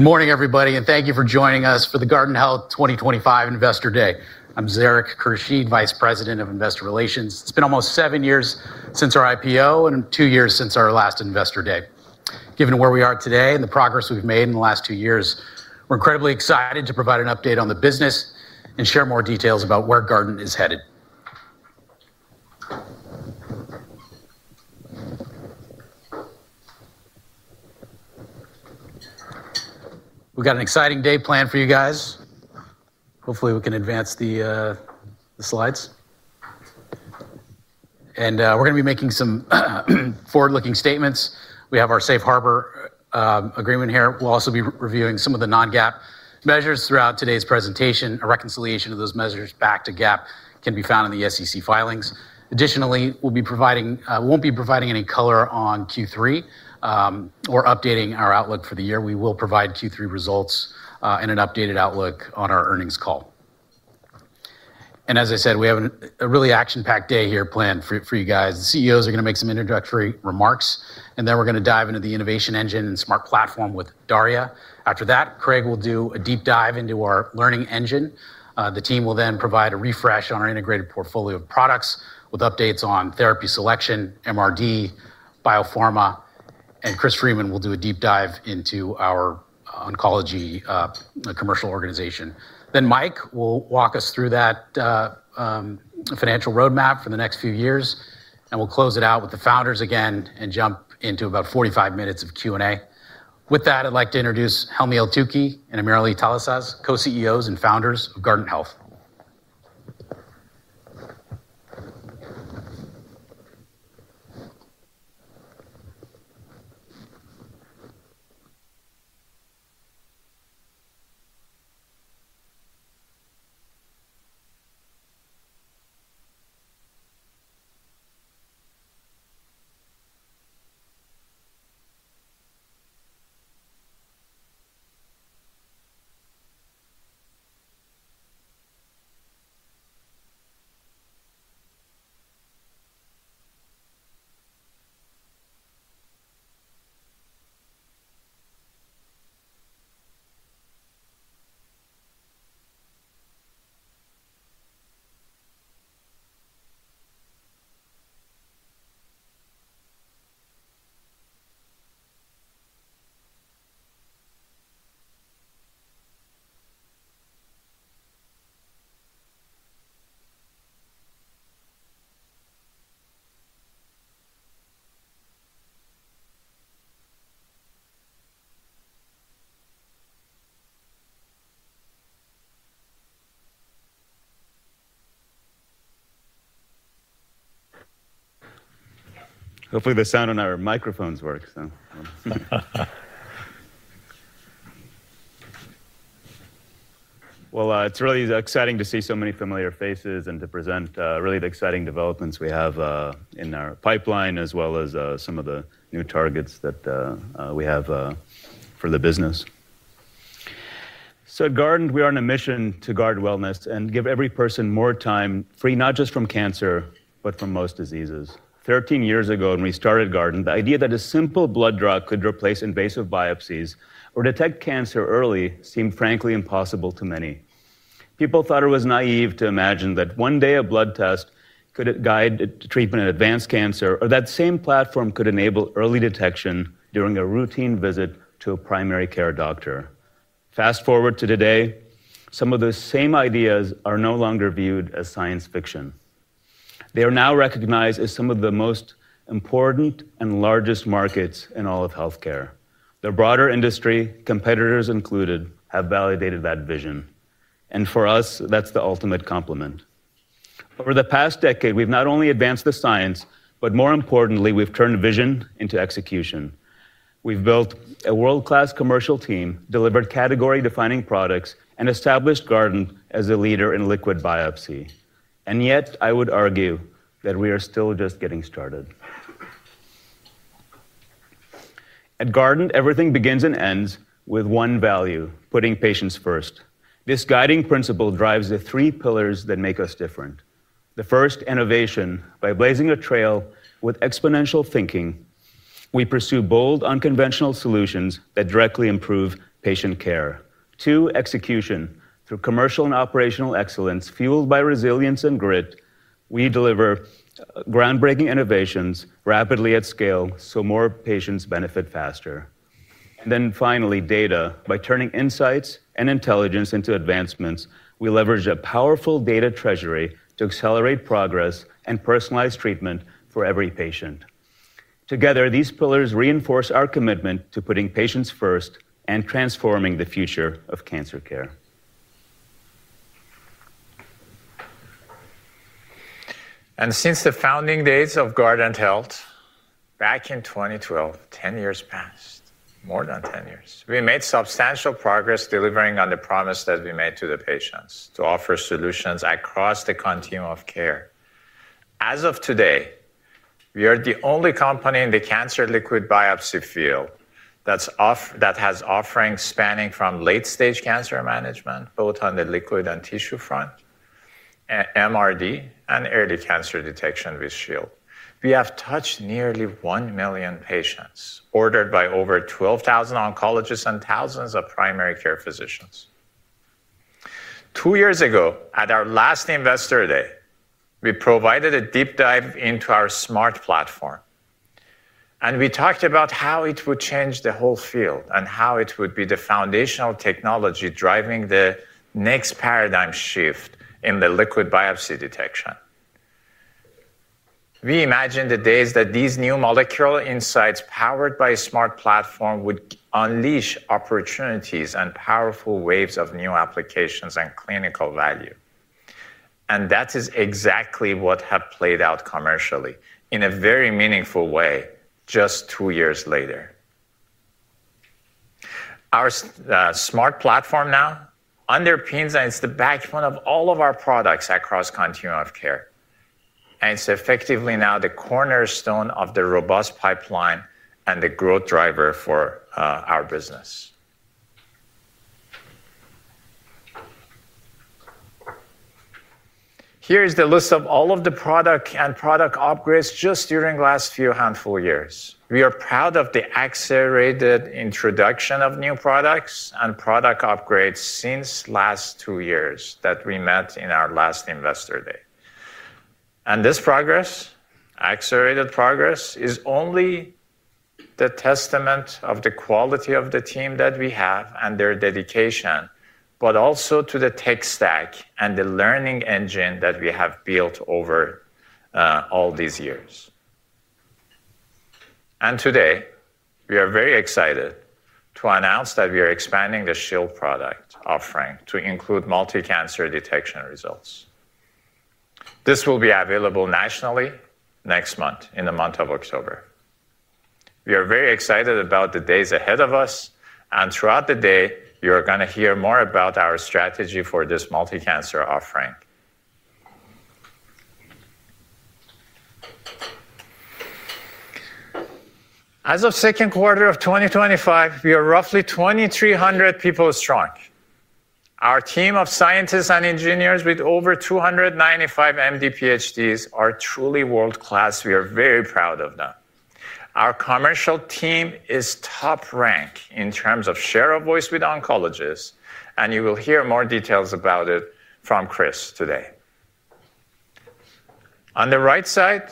Good morning, everybody, and thank you for joining us for the Guardant Health 2025 Investor Day. I'm Zarak Khurshid, Vice President of Investor Relations. It's been almost seven years since our IPO and two years since our last Investor Day. Given where we are today and the progress we've made in the last two years, we're incredibly excited to provide an update on the business and share more details about where Guardant is headed. We've got an exciting day planned for you. Hopefully, we can advance the slides. We're going to be making some forward-looking statements. We have our Safe Harbor agreement here. We'll also be reviewing some of the non-GAAP measures throughout today's presentation. A reconciliation of those measures back to GAAP can be found in the SEC filings. Additionally, we won't be providing any color on Q3 or updating our outlook for the year. We will provide Q3 results and an updated outlook on our earnings call. As I said, we have a really action-packed day here planned for you. The CEOs are going to make some introductory remarks, and then we're going to dive into the innovation engine and Smart Platform with Darya. After that, Craig will do a deep dive into our learning engine. The team will then provide a refresh on our integrated portfolio of products with updates on therapy selection, MRD, biopharma, and Chris Freeman will do a deep dive into our oncology commercial organization. Mike will walk us through that financial roadmap for the next few years, and we'll close it out with the founders again and jump into about 45 minutes of Q&A. With that, I'd like to introduce Helmy Eltoukhy and AmirAli Talasaz, co-CEOs and founders of Guardant Health. Hopefully, the sound on our microphones works. It's really exciting to see so many familiar faces and to present really the exciting developments we have in our pipeline, as well as some of the new targets that we have for the business. At Guardant, we are on a mission to guard wellness and give every person more time free, not just from cancer, but from most diseases. Thirteen years ago, when we started Guardant, the idea that a simple blood draw could replace invasive biopsies or detect cancer early seemed, frankly, impossible to many. People thought it was naive to imagine that one day a blood test could guide treatment in advanced cancer, or that the same platform could enable early detection during a routine visit to a primary care doctor. Fast forward to today, some of those same ideas are no longer viewed as science fiction. They are now recognized as some of the most important and largest markets in all of healthcare. The broader industry, competitors included, have validated that vision. For us, that's the ultimate compliment. Over the past decade, we've not only advanced the science, but more importantly, we've turned vision into execution. We've built a world-class commercial team, delivered category-defining products, and established Guardant as a leader in liquid biopsy. Yet, I would argue that we are still just getting started. At Guardant, everything begins and ends with one value: putting patients first. This guiding principle drives the three pillars that make us different. The first, innovation. By blazing a trail with exponential thinking, we pursue bold, unconventional solutions that directly improve patient care. Two, execution. Through commercial and operational excellence, fueled by resilience and grit, we deliver groundbreaking innovations rapidly at scale so more patients benefit faster. Finally, data. By turning insights and intelligence into advancements, we leverage a powerful data treasury to accelerate progress and personalize treatment for every patient. Together, these pillars reinforce our commitment to putting patients first and transforming the future of cancer care. Since the founding days of Guardant Health back in 2012, 10 years passed, more than 10 years, we made substantial progress delivering on the promise that we made to the patients to offer solutions across the continuum of care. As of today, we are the only company in the cancer liquid biopsy field that has offerings spanning from late-stage cancer management, both on the liquid and tissue front, MRD, and early cancer detection with Shield. We have touched nearly 1 million patients, ordered by over 12,000 oncologists and thousands of primary care physicians. Two years ago, at our last Investor Day, we provided a deep dive into our Smart Platform. We talked about how it would change the whole field and how it would be the foundational technology driving the next paradigm shift in the liquid biopsy detection. We imagined the days that these new molecular insights powered by a Smart Platform would unleash opportunities and powerful waves of new applications and clinical value. That is exactly what has played out commercially in a very meaningful way just two years later. Our Smart Platform now underpins and is the backbone of all of our products across the continuum of care. It's effectively now the cornerstone of the robust pipeline and the growth driver for our business. Here is the list of all of the products and product upgrades just during the last few handful of years. We are proud of the accelerated introduction of new products and product upgrades since the last two years that we met in our last Investor Day. This progress, accelerated progress, is only a testament to the quality of the team that we have and their dedication, but also to the tech stack and the learning engine that we have built over all these years. Today, we are very excited to announce that we are expanding the Shield product offering to include multi-cancer detection results. This will be available nationally next month, in the month of October. We are very excited about the days ahead of us. Throughout the day, you're going to hear more about our strategy for this multi-cancer offering. As of the second quarter of 2025, we are roughly 2,300 people strong. Our team of scientists and engineers with over 295 MD PhDs is truly world-class. We are very proud of them. Our commercial team is top-ranked in terms of share of voice with oncologists. You will hear more details about it from Chris today. On the right side,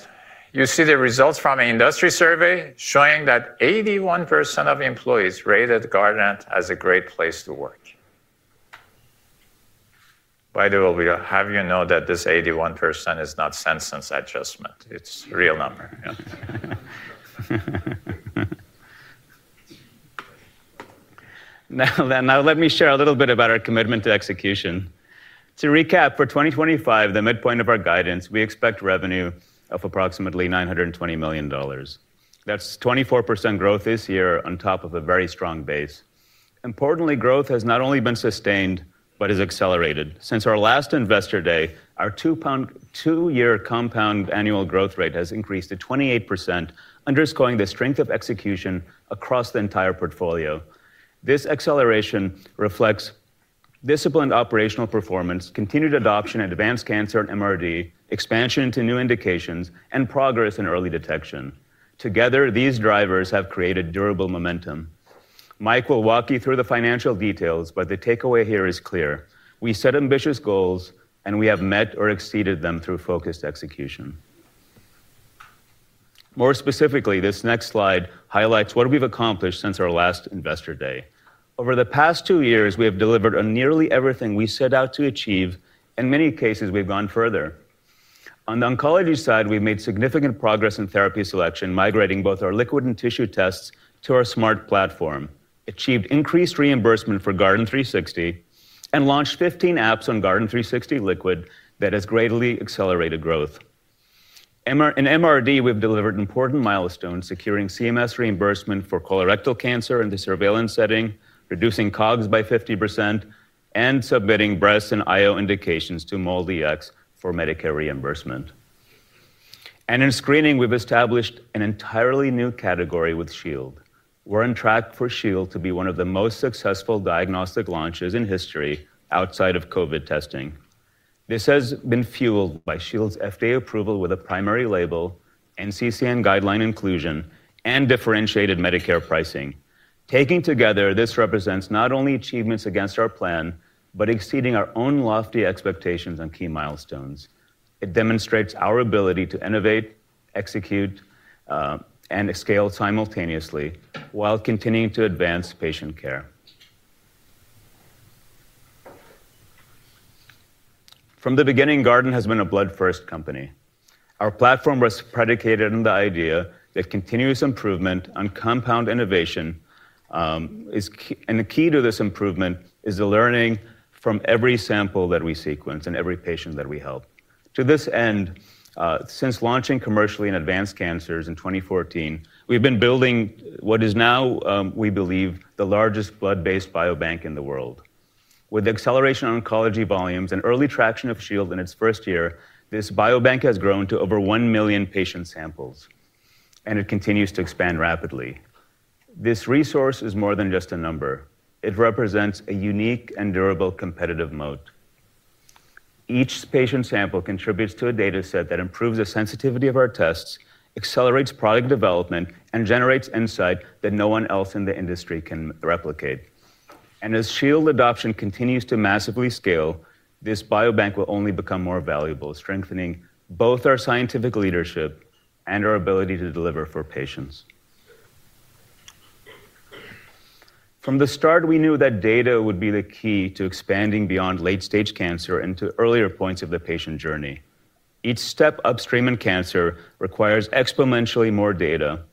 you see the results from an industry survey showing that 81% of employees rated Guardant as a great place to work. By the way, we have you know that this 81% is not a censor adjustment. It's a real number. Now, let me share a little bit about our commitment to execution. To recap, for 2025, the midpoint of our guidance, we expect revenue of approximately $920 million. That's 24% growth this year on top of a very strong base. Importantly, growth has not only been sustained but has accelerated. Since our last Investor Day, our 2-year compound annual growth rate has increased to 28%, underscoring the strength of execution across the entire portfolio. This acceleration reflects disciplined operational performance, continued adoption in advanced cancer and MRD, expansion into new indications, and progress in early detection. Together, these drivers have created durable momentum. Mike will walk you through the financial details, but the takeaway here is clear. We set ambitious goals, and we have met or exceeded them through focused execution. More specifically, this next slide highlights what we've accomplished since our last Investor Day. Over the past two years, we have delivered on nearly everything we set out to achieve. In many cases, we've gone further. On the oncology side, we've made significant progress in therapy selection, migrating both our liquid and tissue tests to our Smart Platform, achieved increased reimbursement for Guardant360, and launched 15 apps on Guardant360 Liquid that have greatly accelerated growth. In MRD, we've delivered important milestones, securing CMS reimbursement for colorectal cancer in the surveillance setting, reducing COGS by 50%, and submitting breast and IO indications to MALDX for Medicare reimbursement. In screening, we've established an entirely new category with Shield. We're on track for Shield to be one of the most successful diagnostic launches in history outside of COVID testing. This has been fueled by Shield's FDA approval with a primary label, NCCN guideline inclusion, and differentiated Medicare pricing. Taken together, this represents not only achievements against our plan but exceeding our own lofty expectations and key milestones. It demonstrates our ability to innovate, execute, and scale simultaneously while continuing to advance patient care. From the beginning, Guardant has been a blood-first company. Our platform was predicated on the idea that continuous improvement and compound innovation is key. The key to this improvement is the learning from every sample that we sequence and every patient that we help. To this end, since launching commercially in advanced cancers in 2014, we've been building what is now, we believe, the largest blood-based biobank in the world. With acceleration oncology volumes and early traction of Shield in its first year, this biobank has grown to over 1 million patient samples, and it continues to expand rapidly. This resource is more than just a number. It represents a unique and durable competitive moat. Each patient sample contributes to a data set that improves the sensitivity of our tests, accelerates product development, and generates insight that no one else in the industry can replicate. As Shield adoption continues to massively scale, this biobank will only become more valuable, strengthening both our scientific leadership and our ability to deliver for patients. From the start, we knew that data would be the key to expanding beyond late-stage cancer into earlier points of the patient journey. Each step upstream in cancer requires exponentially more data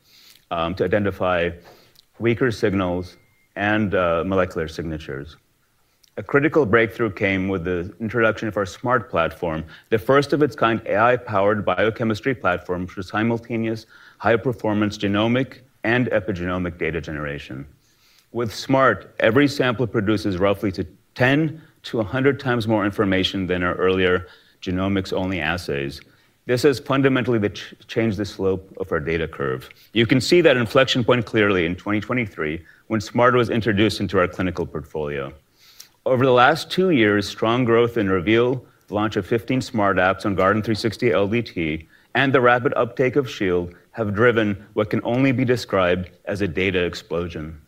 to identify weaker signals and molecular signatures. A critical breakthrough came with the introduction of our Smart Platform, the first of its kind AI-powered biochemistry platform for simultaneous high-performance genomic and epigenomic data generation. With Smart, every sample produces roughly 10x-100x more information than our earlier genomics-only assays. This has fundamentally changed the slope of our data curve. You can see that inflection point clearly in 2023 when Smart was introduced into our clinical portfolio. Over the last two years, strong growth in Guardant Reveal, the launch of 15 Smart apps on Guardant360 LDT, and the rapid uptake of Shield have driven what can only be described as a data explosion.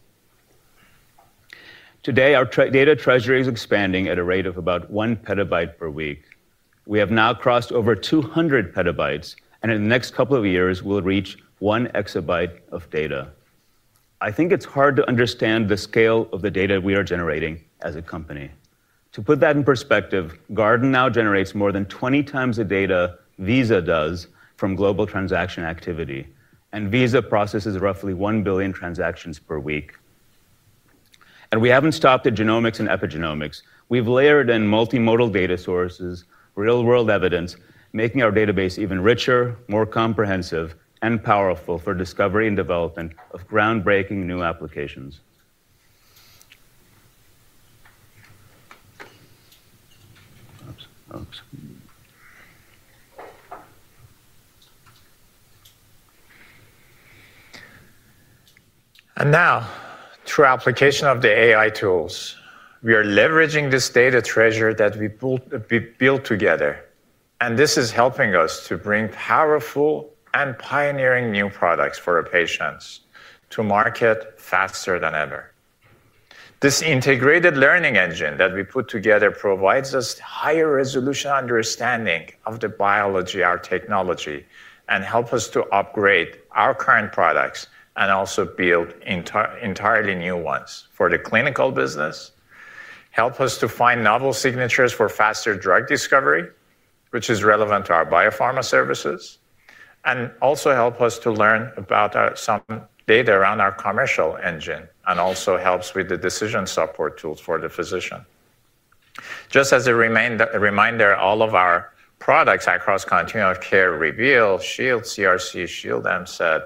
Today, our data treasury is expanding at a rate of about 1 PB per week. We have now crossed over 200 PB, and in the next couple of years, we'll reach 1 EB of data. I think it's hard to understand the scale of the data we are generating as a company. To put that in perspective, Guardant Health now generates more than 20x the data Visa does from global transaction activity. Visa processes roughly 1 billion transactions per week. We haven't stopped at genomics and epigenomics. We've layered in multimodal data sources and real-world evidence, making our database even richer, more comprehensive, and powerful for discovery and development of groundbreaking new applications. Through the application of the AI tools, we are leveraging this data treasure that we built together. This is helping us to bring powerful and pioneering new products for our patients to market faster than ever. This integrated learning engine that we put together provides us higher resolution understanding of the biology of our technology and helps us to upgrade our current products and also build entirely new ones for the clinical business, helps us to find novel signatures for faster drug discovery, which is relevant to our biopharma services, and also helps us to learn about some data around our commercial engine and also helps with the decision support tools for the physician. Just as a reminder, all of our products across continuum of care: Guardant Reveal, Shield CRC, Shield M-Set,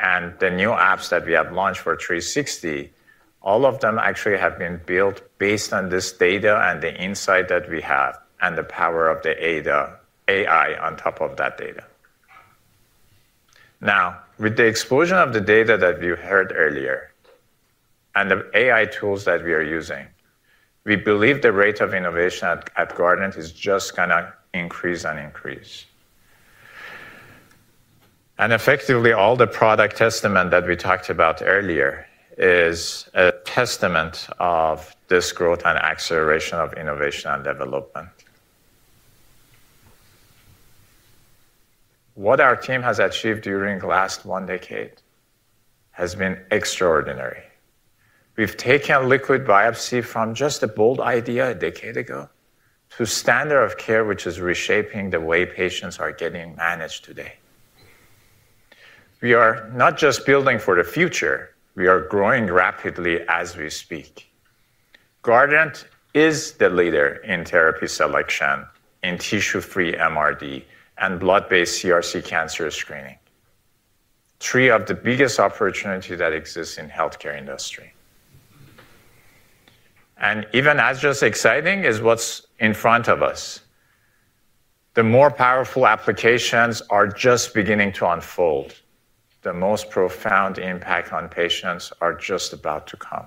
and the new apps that we have launched for Guardant360, all of them actually have been built based on this data and the insight that we have and the power of the AI on top of that data. Now, with the explosion of the data that you heard earlier and the AI tools that we are using, we believe the rate of innovation at Guardant is just going to increase and increase. Effectively, all the product testament that we talked about earlier is a testament of this growth and acceleration of innovation and development. What our team has achieved during the last one decade has been extraordinary. We've taken liquid biopsy from just a bold idea a decade ago to a standard of care which is reshaping the way patients are getting managed today. We are not just building for the future. We are growing rapidly as we speak. Guardant is the leader in therapy selection, in tissue-free MRD, and blood-based CRC cancer screening, three of the biggest opportunities that exist in the healthcare industry. Even as just exciting as what's in front of us, the more powerful applications are just beginning to unfold. The most profound impacts on patients are just about to come.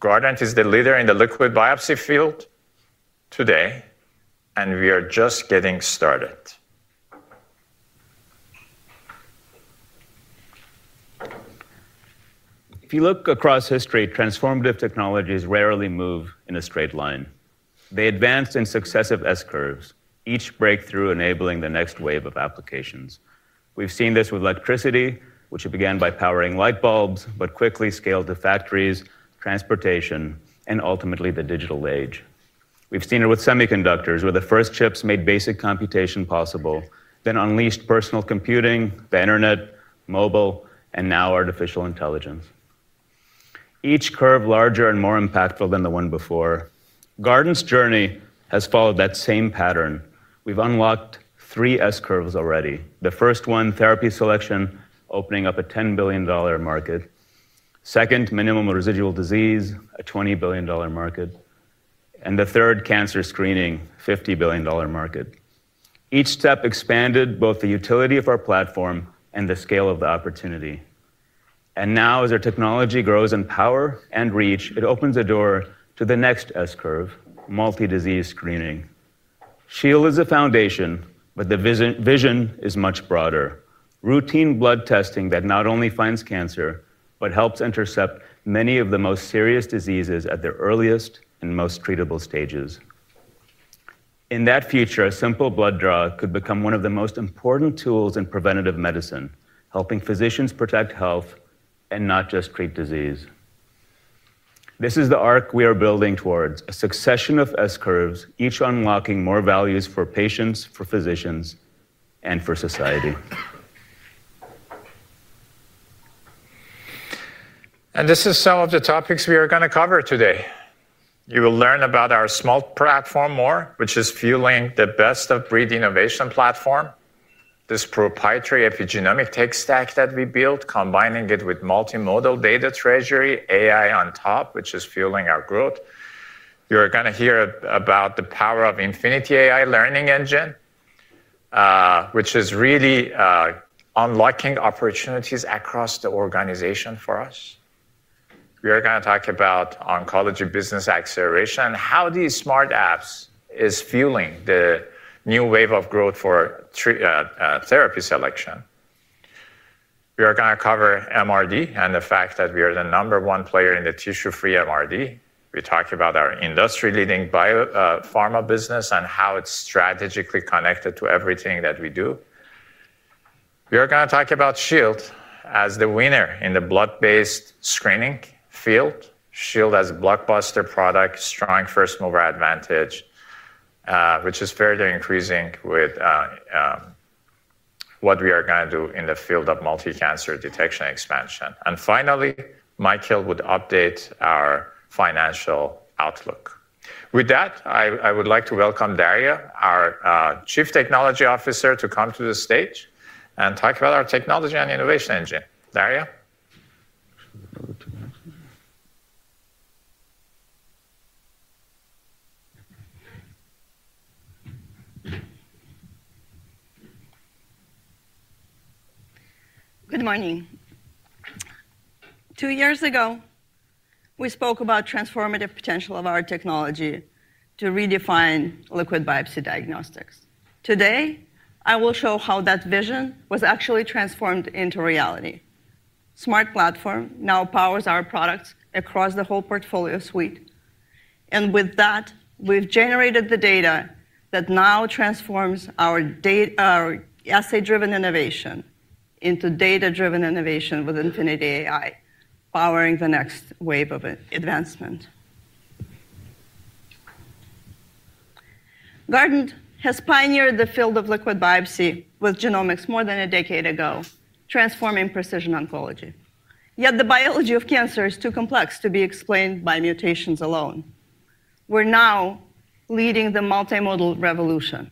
Guardant is the leader in the liquid biopsy field today, and we are just getting started. If you look across history, transformative technologies rarely move in a straight line. They advance in successive S-curves, each breakthrough enabling the next wave of applications. We've seen this with electricity, which began by powering light bulbs, but quickly scaled to factories, transportation, and ultimately the digital age. We've seen it with semiconductors, where the first chips made basic computation possible, then unleashed personal computing, the internet, mobile, and now artificial intelligence. Each curve larger and more impactful than the one before. Guardant's journey has followed that same pattern. We've unlocked three S-curves already. The first one, therapy selection, opening up a $10 billion market. Second, minimal residual disease, a $20 billion market. The third, cancer screening, a $50 billion market. Each step expanded both the utility of our platform and the scale of the opportunity. Now, as our technology grows in power and reach, it opens a door to the next S-curve, multi-disease screening. Shield is a foundation, but the vision is much broader. Routine blood testing that not only finds cancer but helps intercept many of the most serious diseases at their earliest and most treatable stages. In that future, a simple blood draw could become one of the most important tools in preventative medicine, helping physicians protect health and not just treat disease. This is the arc we are building towards, a succession of S-curves, each unlocking more value for patients, for physicians, and for society. These are some of the topics we are going to cover today. You will learn about our Smart Platform more, which is fueling the best-of-breed innovation platform, this proprietary epigenomic tech stack that we built, combining it with multimodal data treasury, AI on top, which is fueling our growth. You're going to hear about the power of Infinity AI Learning Engine, which is really unlocking opportunities across the organization for us. We are going to talk about oncology business acceleration and how these smart apps are fueling the new wave of growth for therapy selection. We are going to cover MRD and the fact that we are the number one player in the tissue-free MRD. We talk about our industry-leading biopharma business and how it's strategically connected to everything that we do. We are going to talk about Shield as the winner in the blood-based screening field. Shield has a blockbuster product, strong first-mover advantage, which is further increasing with what we are going to do in the field of multi-cancer detection expansion. Finally, Michael will update our financial outlook. With that, I would like to welcome Darya, our Chief Technology Officer, to come to the stage and talk about our technology and innovation engine. Darya. Good morning. Two years ago, we spoke about the transformative potential of our technology to redefine liquid biopsy diagnostics. Today, I will show how that vision was actually transformed into reality. The Smart Platform now powers our products across the whole portfolio suite. With that, we've generated the data that now transforms our assay-driven innovation into data-driven innovation with Infinity AI, powering the next wave of advancement. Guardant has pioneered the field of liquid biopsy with genomics more than a decade ago, transforming precision oncology. Yet the biology of cancer is too complex to be explained by mutations alone. We're now leading the multimodal revolution.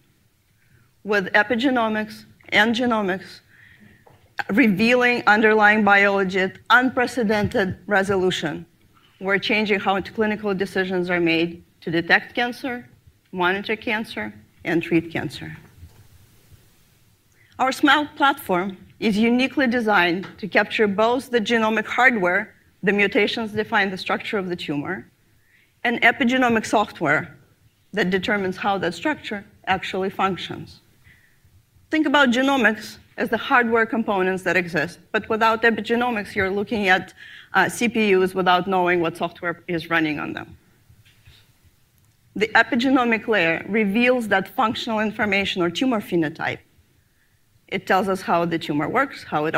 With epigenomics and genomics revealing underlying biology at unprecedented resolution, we're changing how clinical decisions are made to detect cancer, monitor cancer, and treat cancer. Our Smart Platform is uniquely designed to capture both the genomic hardware, the mutations that define the structure of the tumor, and epigenomic software that determines how that structure actually functions. Think about genomics as the hardware components that exist, but without epigenomics, you're looking at CPUs without knowing what software is running on them. The epigenomic layer reveals that functional information or tumor phenotype. It tells us how the tumor works, how it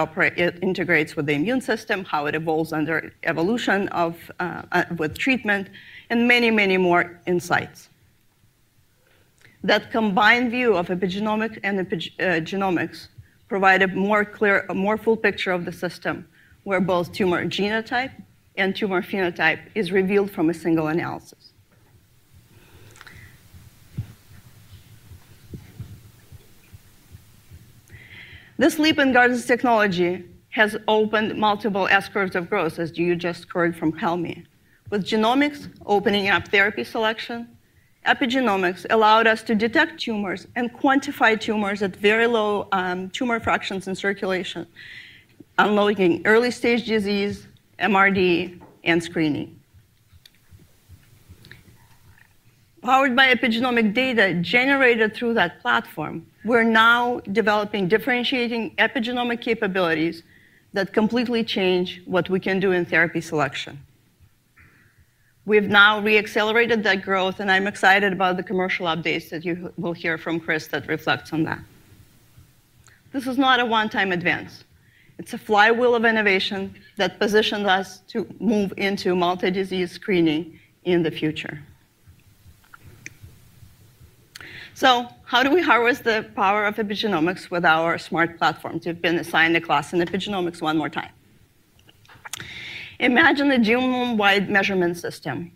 integrates with the immune system, how it evolves under evolution with treatment, and many, many more insights. That combined view of epigenomics and genomics provides a more clear, more full picture of the system, where both tumor genotype and tumor phenotype are revealed from a single analysis. This leap in Guardant's technology has opened multiple S-curves of growth, as you just heard from Helmy. With genomics opening up therapy selection, epigenomics allowed us to detect tumors and quantify tumors at very low tumor fractions in circulation, unlocking early-stage disease, MRD, and screening. Powered by epigenomic data generated through that platform, we're now developing differentiating epigenomic capabilities that completely change what we can do in therapy selection. We've now reaccelerated that growth, and I'm excited about the commercial updates that you will hear from Chris that reflect on that. This is not a one-time advance. It's a flywheel of innovation that positions us to move into multi-disease screening in the future. How do we harvest the power of epigenomics with our Smart Platform? To have been assigned a class in epigenomics one more time. Imagine a genome-wide measurement system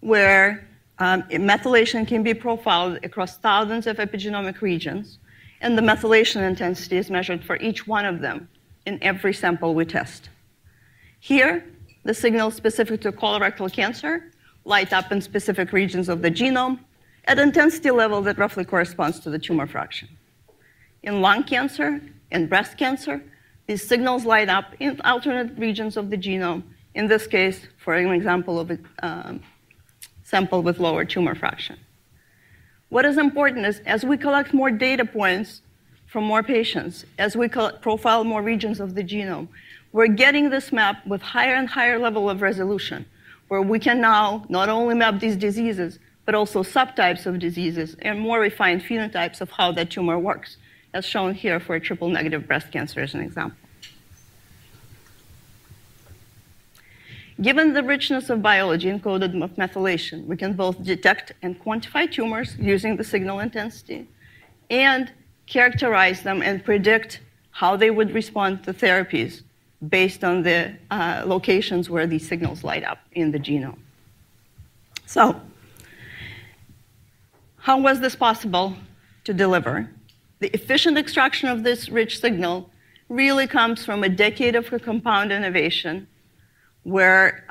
where methylation can be profiled across thousands of epigenomic regions, and the methylation intensity is measured for each one of them in every sample we test. Here, the signals specific to colorectal cancer light up in specific regions of the genome at an intensity level that roughly corresponds to the tumor fraction. In lung cancer and breast cancer, these signals light up in alternate regions of the genome, in this case, for an example of a sample with lower tumor fraction. What is important is, as we collect more data points from more patients, as we profile more regions of the genome, we're getting this map with a higher and higher level of resolution, where we can now not only map these diseases, but also subtypes of diseases and more refined phenotypes of how that tumor works, as shown here for a triple-negative breast cancer as an example. Given the richness of biology encoded with methylation, we can both detect and quantify tumors using the signal intensity and characterize them and predict how they would respond to therapies based on the locations where these signals light up in the genome. How was this possible to deliver? The efficient extraction of this rich signal really comes from a decade of compound innovation, where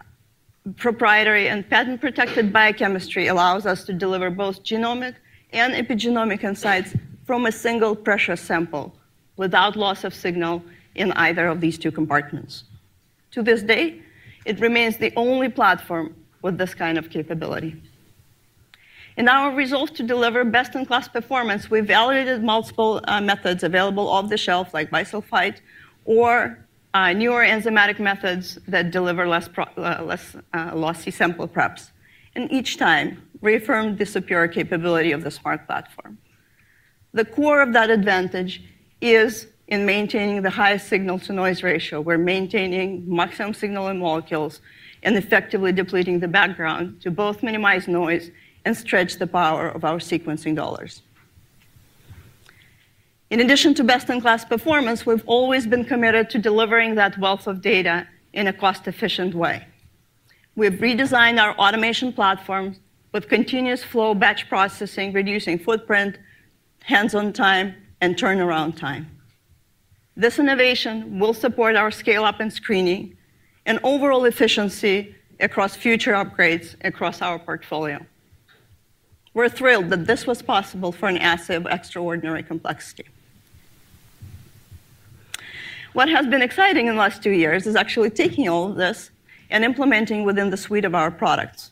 proprietary and patent-protected biochemistry allows us to deliver both genomic and epigenomic insights from a single pressure sample without loss of signal in either of these two compartments. To this day, it remains the only platform with this kind of capability. In our results to deliver best-in-class performance, we evaluated multiple methods available off the shelf, like bisulfite or newer enzymatic methods that deliver less lossy sample preps. Each time, we affirmed the superior capability of the Smart Platform. The core of that advantage is in maintaining the highest signal-to-noise ratio. We're maintaining maximum signal in molecules and effectively depleting the background to both minimize noise and stretch the power of our sequencing dollars. In addition to best-in-class performance, we've always been committed to delivering that wealth of data in a cost-efficient way. We've redesigned our automation platform with continuous flow batch processing, reducing footprint, hands-on time, and turnaround time. This innovation will support our scale-up in screening and overall efficiency across future upgrades across our portfolio. We're thrilled that this was possible for an assay of extraordinary complexity. What has been exciting in the last two years is actually taking all of this and implementing within the suite of our products.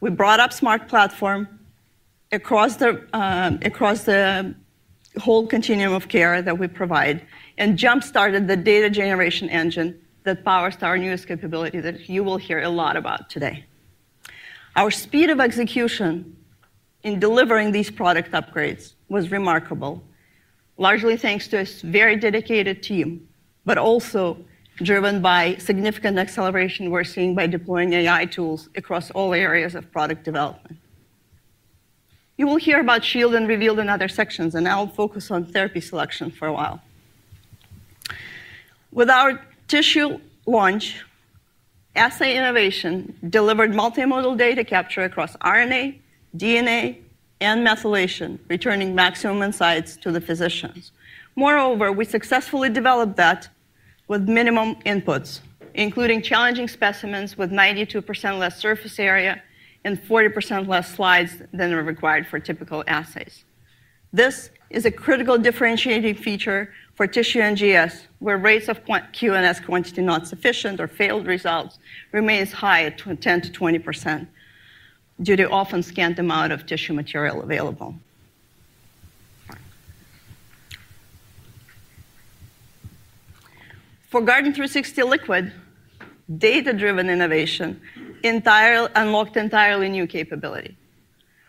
We brought up the Smart Platform across the whole continuum of care that we provide and jump-started the data generation engine that powers our newest capability that you will hear a lot about today. Our speed of execution in delivering these product upgrades was remarkable, largely thanks to a very dedicated team, but also driven by the significant acceleration we're seeing by deploying AI tools across all areas of product development. You will hear about Shield and Guardant Reveal in other sections, and I'll focus on therapy selection for a while. With our tissue launch, assay innovation delivered multimodal data capture across RNA, DNA, and methylation, returning maximum insights to the physicians. Moreover, we successfully developed that with minimum inputs, including challenging specimens with 92% less surface area and 40% less slides than are required for typical assays. This is a critical differentiating feature for tissue NGS, where rates of QNS, quantity not sufficient, or failed results remain high at 10%-20% due to the often scant amount of tissue material available. For Guardant360 Liquid, data-driven innovation unlocked entirely new capability.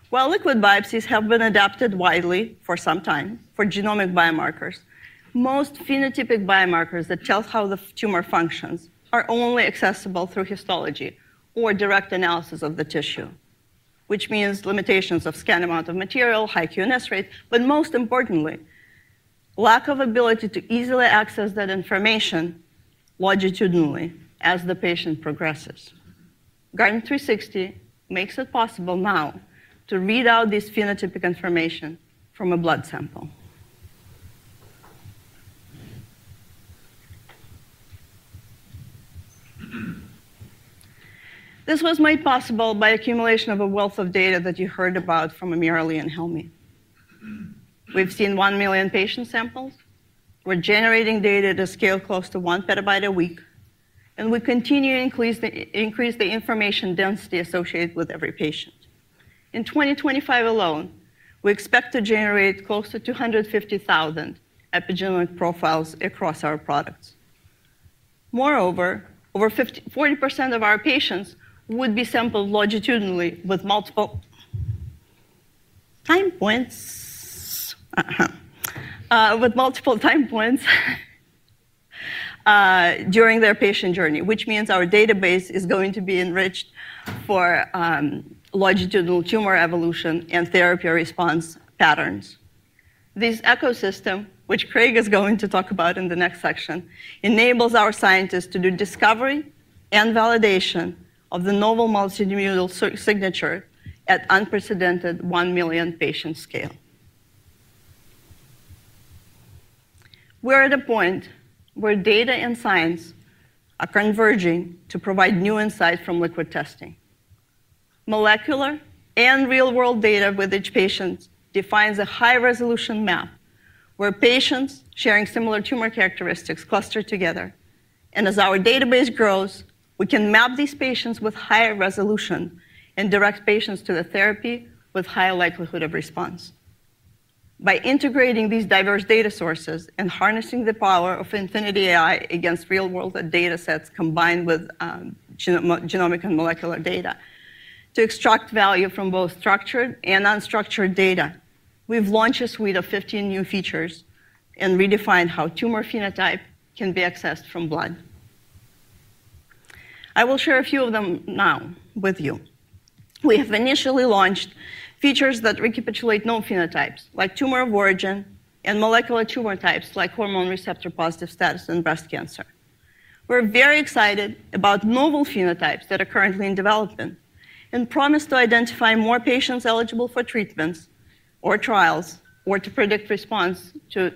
While liquid biopsies have been adopted widely for some time for genomic biomarkers, most phenotypic biomarkers that tell us how the tumor functions are only accessible through histology or direct analysis of the tissue, which means limitations of scant amount of material, high QNS rate, but most importantly, lack of ability to easily access that information longitudinally as the patient progresses. Guardant360 makes it possible now to read out this phenotypic information from a blood sample. This was made possible by the accumulation of a wealth of data that you heard about from AmirAli and Helmy. We've seen 1 million patient samples. We're generating data at a scale close to 1 PB a week, and we continue to increase the information density associated with every patient. In 2025 alone, we expect to generate close to 250,000 epigenomic profiles across our products. Moreover, over 40% of our patients would be sampled longitudinally with multiple time points during their patient journey, which means our database is going to be enriched for longitudinal tumor evolution and therapy response patterns. This ecosystem, which Craig Eagle is going to talk about in the next section, enables our scientists to do discovery and validation of the novel multinodal signature at an unprecedented 1 million patient scale. We're at a point where data and science are converging to provide new insights from liquid testing. Molecular and real-world data with each patient defines a high-resolution map where patients sharing similar tumor characteristics cluster together. As our database grows, we can map these patients with higher resolution and direct patients to the therapy with a higher likelihood of response. By integrating these diverse data sources and harnessing the power of Infinity AI against real-world datasets combined with genomic and molecular data to extract value from both structured and unstructured data, we've launched a suite of 15 new features and redefined how tumor phenotype can be accessed from blood. I will share a few of them now with you. We have initially launched features that recapitulate known phenotypes like tumor of origin and molecular tumor types like hormone receptor positive status in breast cancer. We're very excited about novel phenotypes that are currently in development and promise to identify more patients eligible for treatments or trials or to predict response to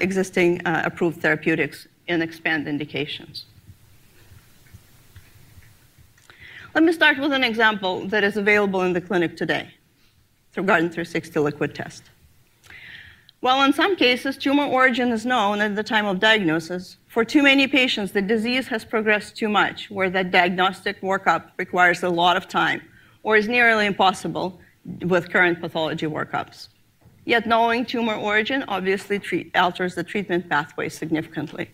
existing approved therapeutics and expand indications. Let me start with an example that is available in the clinic today through Guardant360 Liquid test. While in some cases, tumor origin is known at the time of diagnosis, for too many patients, the disease has progressed too much, where that diagnostic workup requires a lot of time or is nearly impossible with current pathology workups. Yet knowing tumor origin obviously alters the treatment pathway significantly.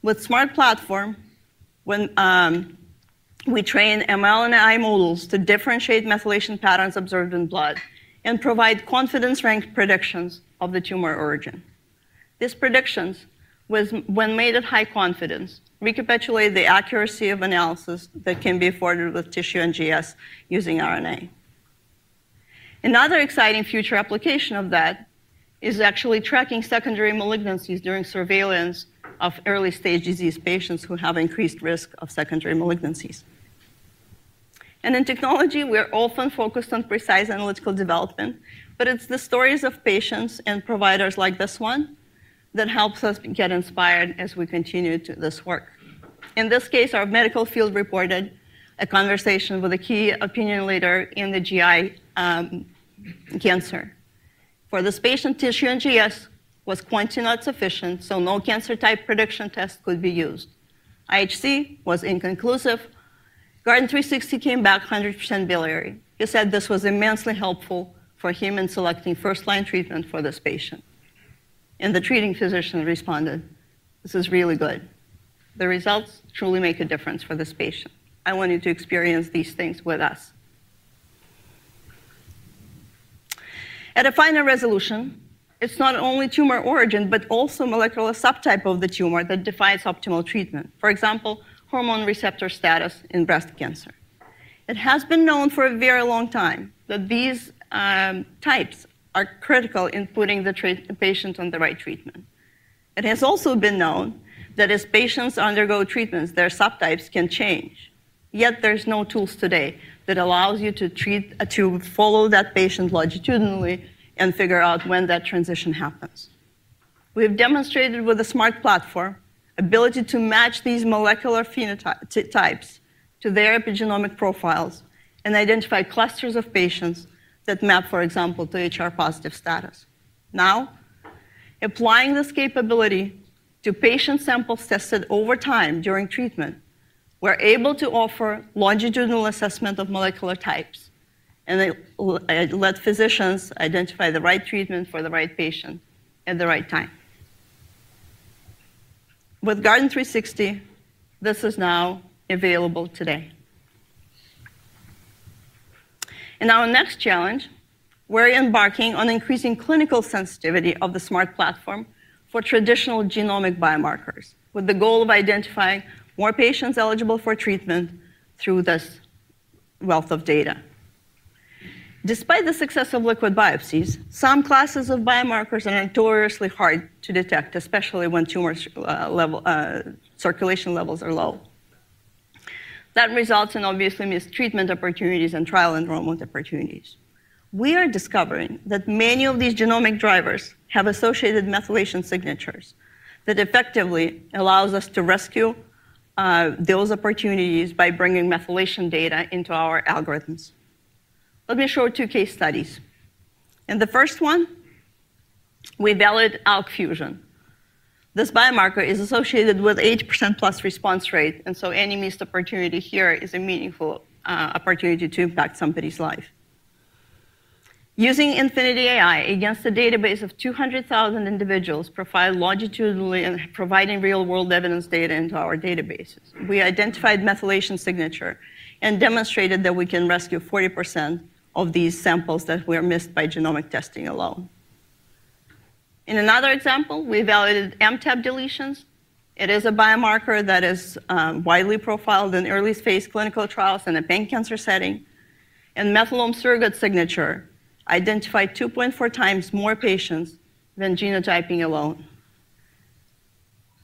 With the Smart Platform, we train ML and AI models to differentiate methylation patterns observed in blood and provide confidence-ranked predictions of the tumor origin. These predictions, when made at high confidence, recapitulate the accuracy of analysis that can be afforded with tissue NGS using RNA. Another exciting future application of that is actually tracking secondary malignancies during surveillance of early-stage disease patients who have increased risk of secondary malignancies. In technology, we're often focused on precise analytical development, but it's the stories of patients and providers like this one that help us get inspired as we continue this work. In this case, our medical field reported a conversation with a key opinion leader in GI cancer. For this patient, tissue NGS was quantity not sufficient, so no cancer-type prediction test could be used. IHC was inconclusive. Guardant360 came back 100% biliary. He said this was immensely helpful for him in selecting first-line treatment for this patient. The treating physician responded, "This is really good. The results truly make a difference for this patient. I want you to experience these things with us." At a finer resolution, it's not only tumor origin, but also a molecular subtype of the tumor that defines optimal treatment. For example, hormone receptor status in breast cancer. It has been known for a very long time that these types are critical in putting the patient on the right treatment. It has also been known that as patients undergo treatments, their subtypes can change. Yet there are no tools today that allow you to follow that patient longitudinally and figure out when that transition happens. We've demonstrated with the Smart Platform the ability to match these molecular phenotypes to their epigenomic profiles and identify clusters of patients that map, for example, to HR positive status. Now, applying this capability to patient samples tested over time during treatment, we're able to offer longitudinal assessment of molecular types and let physicians identify the right treatment for the right patient at the right time. With Guardant360, this is now available today. In our next challenge, we're embarking on increasing clinical sensitivity of the Smart Platform for traditional genomic biomarkers with the goal of identifying more patients eligible for treatment through this wealth of data. Despite the success of liquid biopsies, some classes of biomarkers are notoriously hard to detect, especially when tumor circulation levels are low. That results in obviously mistreatment opportunities and trial enrollment opportunities. We are discovering that many of these genomic drivers have associated methylation signatures that effectively allow us to rescue those opportunities by bringing methylation data into our algorithms. Let me show two case studies. In the first one, we validated ALK fusion. This biomarker is associated with an 80%+ response rate, and any missed opportunity here is a meaningful opportunity to impact somebody's life. Using Infinity AI against a database of 200,000 individuals, profiled longitudinally and providing real-world evidence data into our databases, we identified methylation signatures and demonstrated that we can rescue 40% of these samples that were missed by genomic testing alone. In another example, we validated MET exon deletions. It is a biomarker that is widely profiled in early-stage clinical trials in a pancreatic cancer setting. Methylome surrogate signatures identified 2.4x more patients than genotyping alone.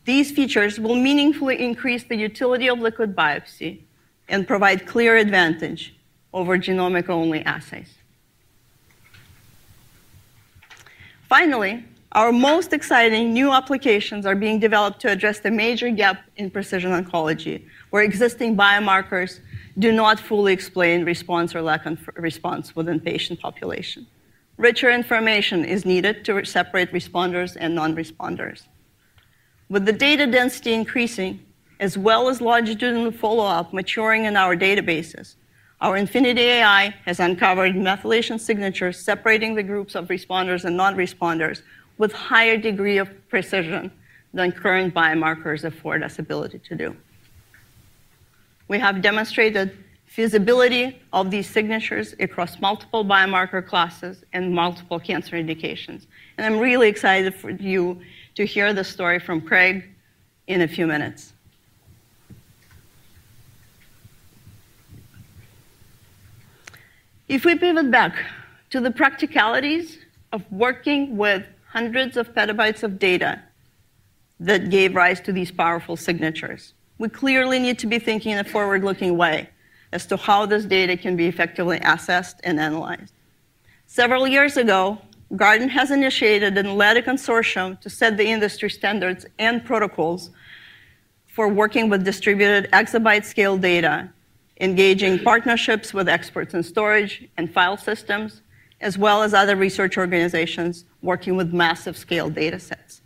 These features will meaningfully increase the utility of liquid biopsy and provide a clear advantage over genomic-only assays. Finally, our most exciting new applications are being developed to address the major gap in precision oncology, where existing biomarkers do not fully explain response or lack of response within the patient population. Richer information is needed to separate responders and non-responders. With the data density increasing, as well as longitudinal follow-up maturing in our databases, our Infinity AI has uncovered methylation signatures separating the groups of responders and non-responders with a higher degree of precision than current biomarkers afford us the ability to do. We have demonstrated feasibility of these signatures across multiple biomarker classes and multiple cancer indications. I'm really excited for you to hear the story from Craig in a few minutes. If we pivot back to the practicalities of working with hundreds of petabytes of data that gave rise to these powerful signatures, we clearly need to be thinking in a forward-looking way as to how this data can be effectively assessed and analyzed. Several years ago, Guardant Health has initiated and led a consortium to set the industry standards and protocols for working with distributed exabyte-scale data, engaging partnerships with experts in storage and file systems, as well as other research organizations working with massive-scale datasets.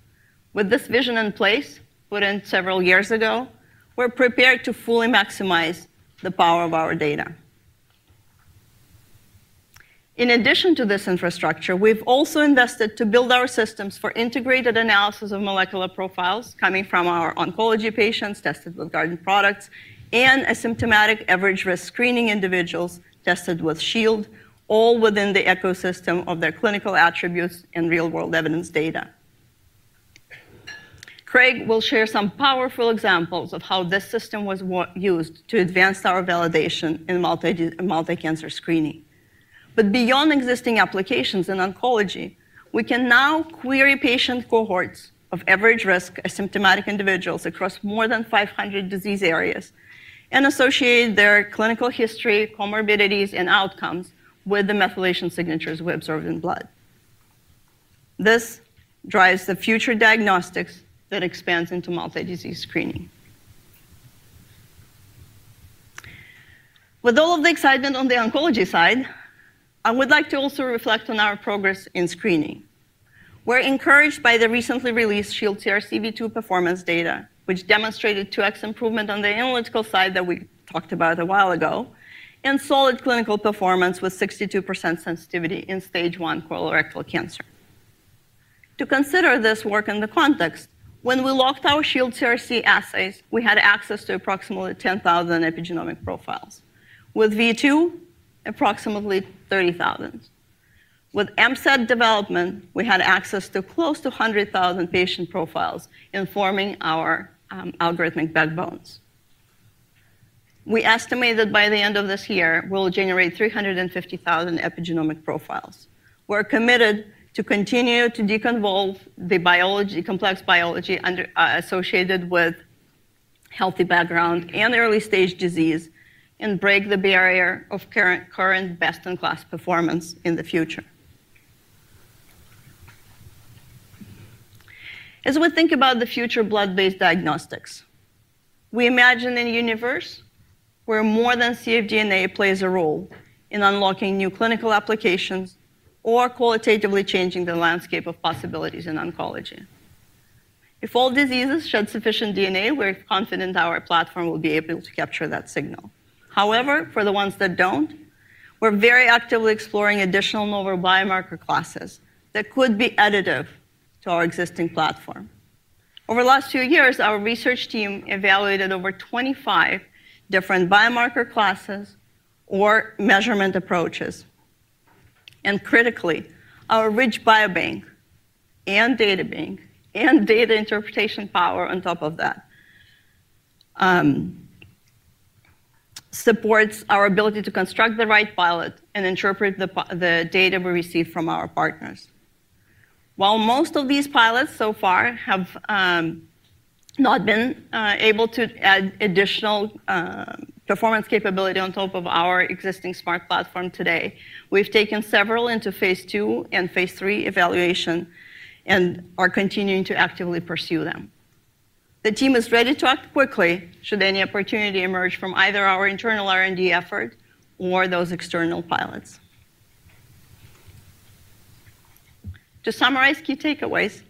With this vision in place, put in several years ago, we're prepared to fully maximize the power of our data. In addition to this infrastructure, we've also invested to build our systems for integrated analysis of molecular profiles coming from our oncology patients tested with Guardant products and asymptomatic average risk screening individuals tested with Shield, all within the ecosystem of their clinical attributes and real-world evidence data. Craig will share some powerful examples of how this system was used to advance our validation in multi-cancer screening. Beyond existing applications in oncology, we can now query patient cohorts of average risk asymptomatic individuals across more than 500 disease areas and associate their clinical history, comorbidities, and outcomes with the methylation signatures we observed in blood. This drives the future diagnostics that expand into multi-disease screening. With all of the excitement on the oncology side, I would like to also reflect on our progress in screening. We're encouraged by the recently released Shield TRCV2 performance data, which demonstrated 2x improvement on the analytical side that we talked about a while ago, and solid clinical performance with 62% sensitivity in stage one colorectal cancer. To consider this work in the context, when we locked our Shield TRC assays, we had access to approximately 10,000 epigenomic profiles, with V2 approximately 30,000. With M-Set development, we had access to close to 100,000 patient profiles informing our algorithmic backbones. We estimate that by the end of this year, we'll generate 350,000 epigenomic profiles. We're committed to continue to deconvolve the complex biology associated with healthy background and early-stage disease and break the barrier of current best-in-class performance in the future. As we think about the future of blood-based diagnostics, we imagine a universe where more than safe DNA plays a role in unlocking new clinical applications or qualitatively changing the landscape of possibilities in oncology. If all diseases shed sufficient DNA, we're confident our platform will be able to capture that signal. However, for the ones that don't, we're very actively exploring additional novel biomarker classes that could be additive to our existing platform. Over the last few years, our research team evaluated over 25 different biomarker classes or measurement approaches. Critically, our rich biobank and data bank and data interpretation power on top of that supports our ability to construct the right pilot and interpret the data we receive from our partners. While most of these pilots so far have not been able to add additional performance capability on top of our existing Smart Platform today, we've taken several into phase II and phase III evaluation and are continuing to actively pursue them. The team is ready to act quickly should any opportunity emerge from either our internal R&D effort or those external pilots. To summarize key takeaways,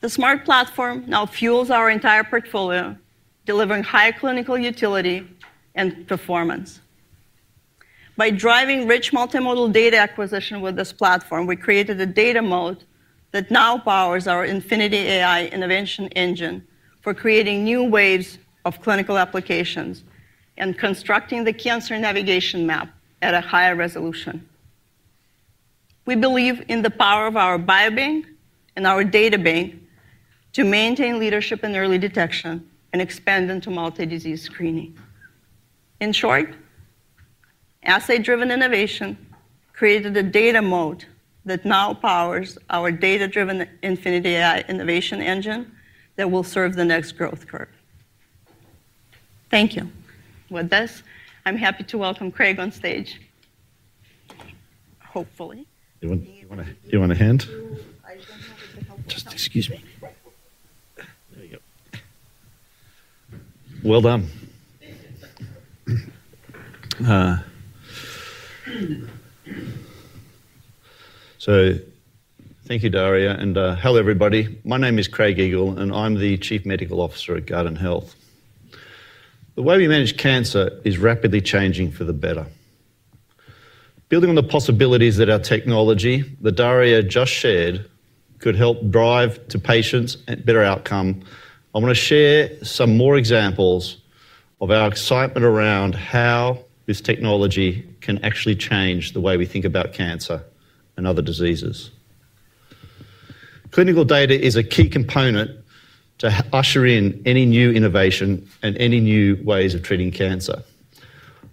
the Smart Platform now fuels our entire portfolio, delivering high clinical utility and performance. By driving rich multimodal data acquisition with this platform, we created a data moat that now powers our Infinity AI Learning Engine for creating new waves of clinical applications and constructing the cancer navigation map at a higher resolution. We believe in the power of our biobank and our data bank to maintain leadership in early detection and expand into multi-disease screening. In short, assay-driven innovation created a data moat that now powers our data-driven Infinity AI Learning Engine that will serve the next growth curve. Thank you. With this, I'm happy to welcome Craig on stage. Hopefully. Do you want a hand? Excuse me. There you go. Well done. Thank you, Darya, and hello, everybody. My name is Craig Eagle, and I'm the Chief Medical Officer at Guardant Health. The way we manage cancer is rapidly changing for the better. Building on the possibilities that our technology that Darya just shared could help drive to patients and better outcomes, I want to share some more examples of our excitement around how this technology can actually change the way we think about cancer and other diseases. Clinical data is a key component to usher in any new innovation and any new ways of treating cancer.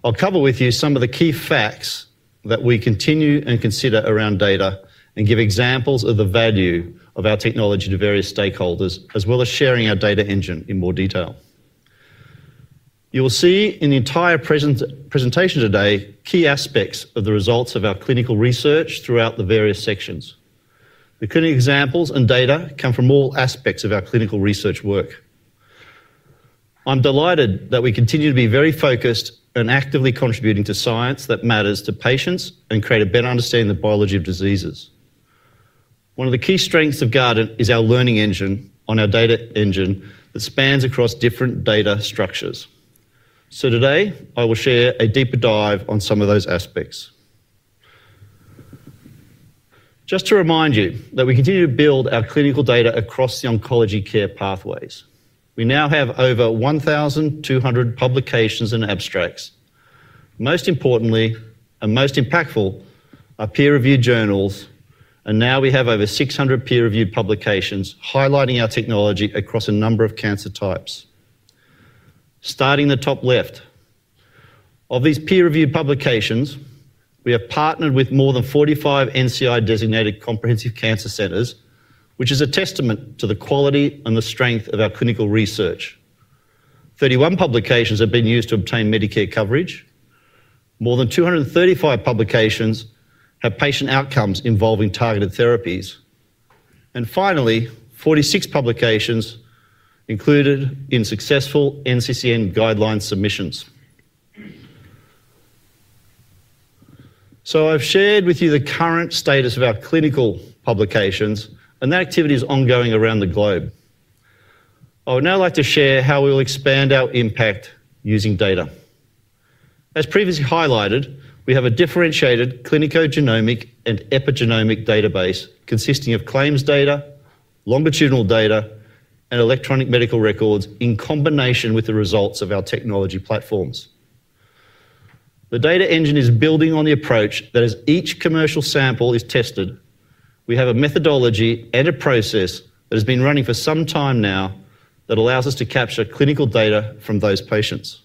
I'll cover with you some of the key facts that we continue and consider around data and give examples of the value of our technology to various stakeholders, as well as sharing our data engine in more detail. You will see in the entire presentation today key aspects of the results of our clinical research throughout the various sections. The clinical examples and data come from all aspects of our clinical research work. I'm delighted that we continue to be very focused and actively contributing to science that matters to patients and create a better understanding of the biology of diseases. One of the key strengths of Guardant is our learning engine on our data engine that spans across different data structures. Today, I will share a deeper dive on some of those aspects. Just to remind you that we continue to build our clinical data across the oncology care pathways. We now have over 1,200 publications and abstracts. Most importantly and most impactful are peer-reviewed journals, and now we have over 600 peer-reviewed publications highlighting our technology across a number of cancer types. Starting in the top left of these peer-reviewed publications, we have partnered with more than 45 NCI-designated comprehensive cancer centers, which is a testament to the quality and the strength of our clinical research. 31 publications have been used to obtain Medicare coverage. More than 235 publications have patient outcomes involving targeted therapies. Finally, 46 publications are included in successful NCCN guideline submissions. I've shared with you the current status of our clinical publications, and that activity is ongoing around the globe. I would now like to share how we will expand our impact using data. As previously highlighted, we have a differentiated clinicogenomic and epigenomic database consisting of claims data, longitudinal data, and electronic medical records in combination with the results of our technology platforms. The data engine is building on the approach that as each commercial sample is tested, we have a methodology and a process that has been running for some time now that allows us to capture clinical data from those patients.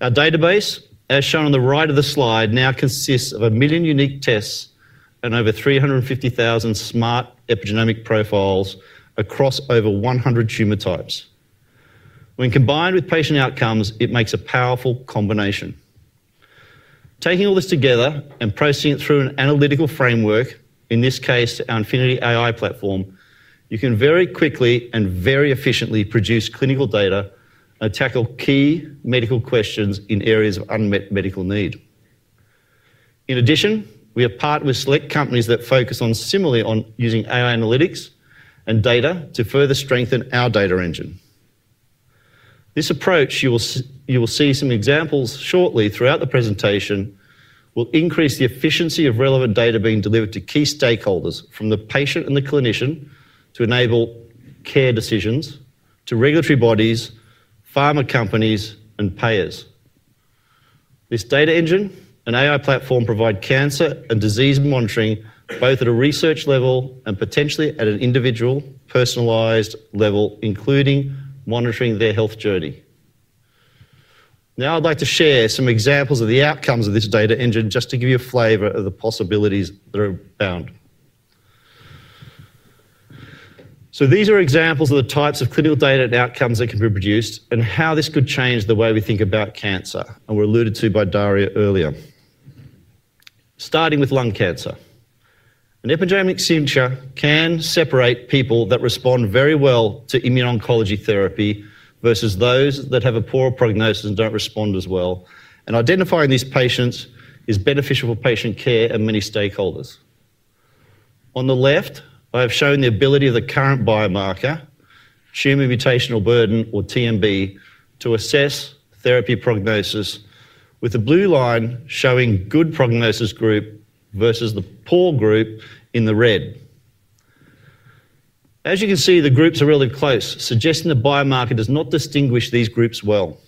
Our database, as shown on the right of the slide, now consists of a million unique tests and over 350,000 smart epigenomic profiles across over 100 tumor types. When combined with patient outcomes, it makes a powerful combination. Taking all this together and processing it through an analytical framework, in this case, our Infinity AI platform, you can very quickly and very efficiently produce clinical data and tackle key medical questions in areas of unmet medical need. In addition, we are partnering with select companies that focus similarly on using AI analytics and data to further strengthen our data engine. This approach, you will see some examples shortly throughout the presentation, will increase the efficiency of relevant data being delivered to key stakeholders from the patient and the clinician to enable care decisions to regulatory bodies, pharma companies, and payers. This data engine and AI platform provide cancer and disease monitoring both at a research level and potentially at an individual personalized level, including monitoring their health journey. Now I'd like to share some examples of the outcomes of this data engine just to give you a flavor of the possibilities that are found. These are examples of the types of clinical data and outcomes that can be produced and how this could change the way we think about cancer, and were alluded to by Darya earlier. Starting with lung cancer, an epigenomic signature can separate people that respond very well to immune oncology therapy versus those that have a poor prognosis and don't respond as well. Identifying these patients is beneficial for patient care and many stakeholders. On the left, I have shown the ability of the current biomarker, tumor mutational burden, or TMB, to assess therapy prognosis, with the blue line showing good prognosis group versus the poor group in the red. As you can see, the groups are relatively close, suggesting the biomarker does not distinguish these groups well.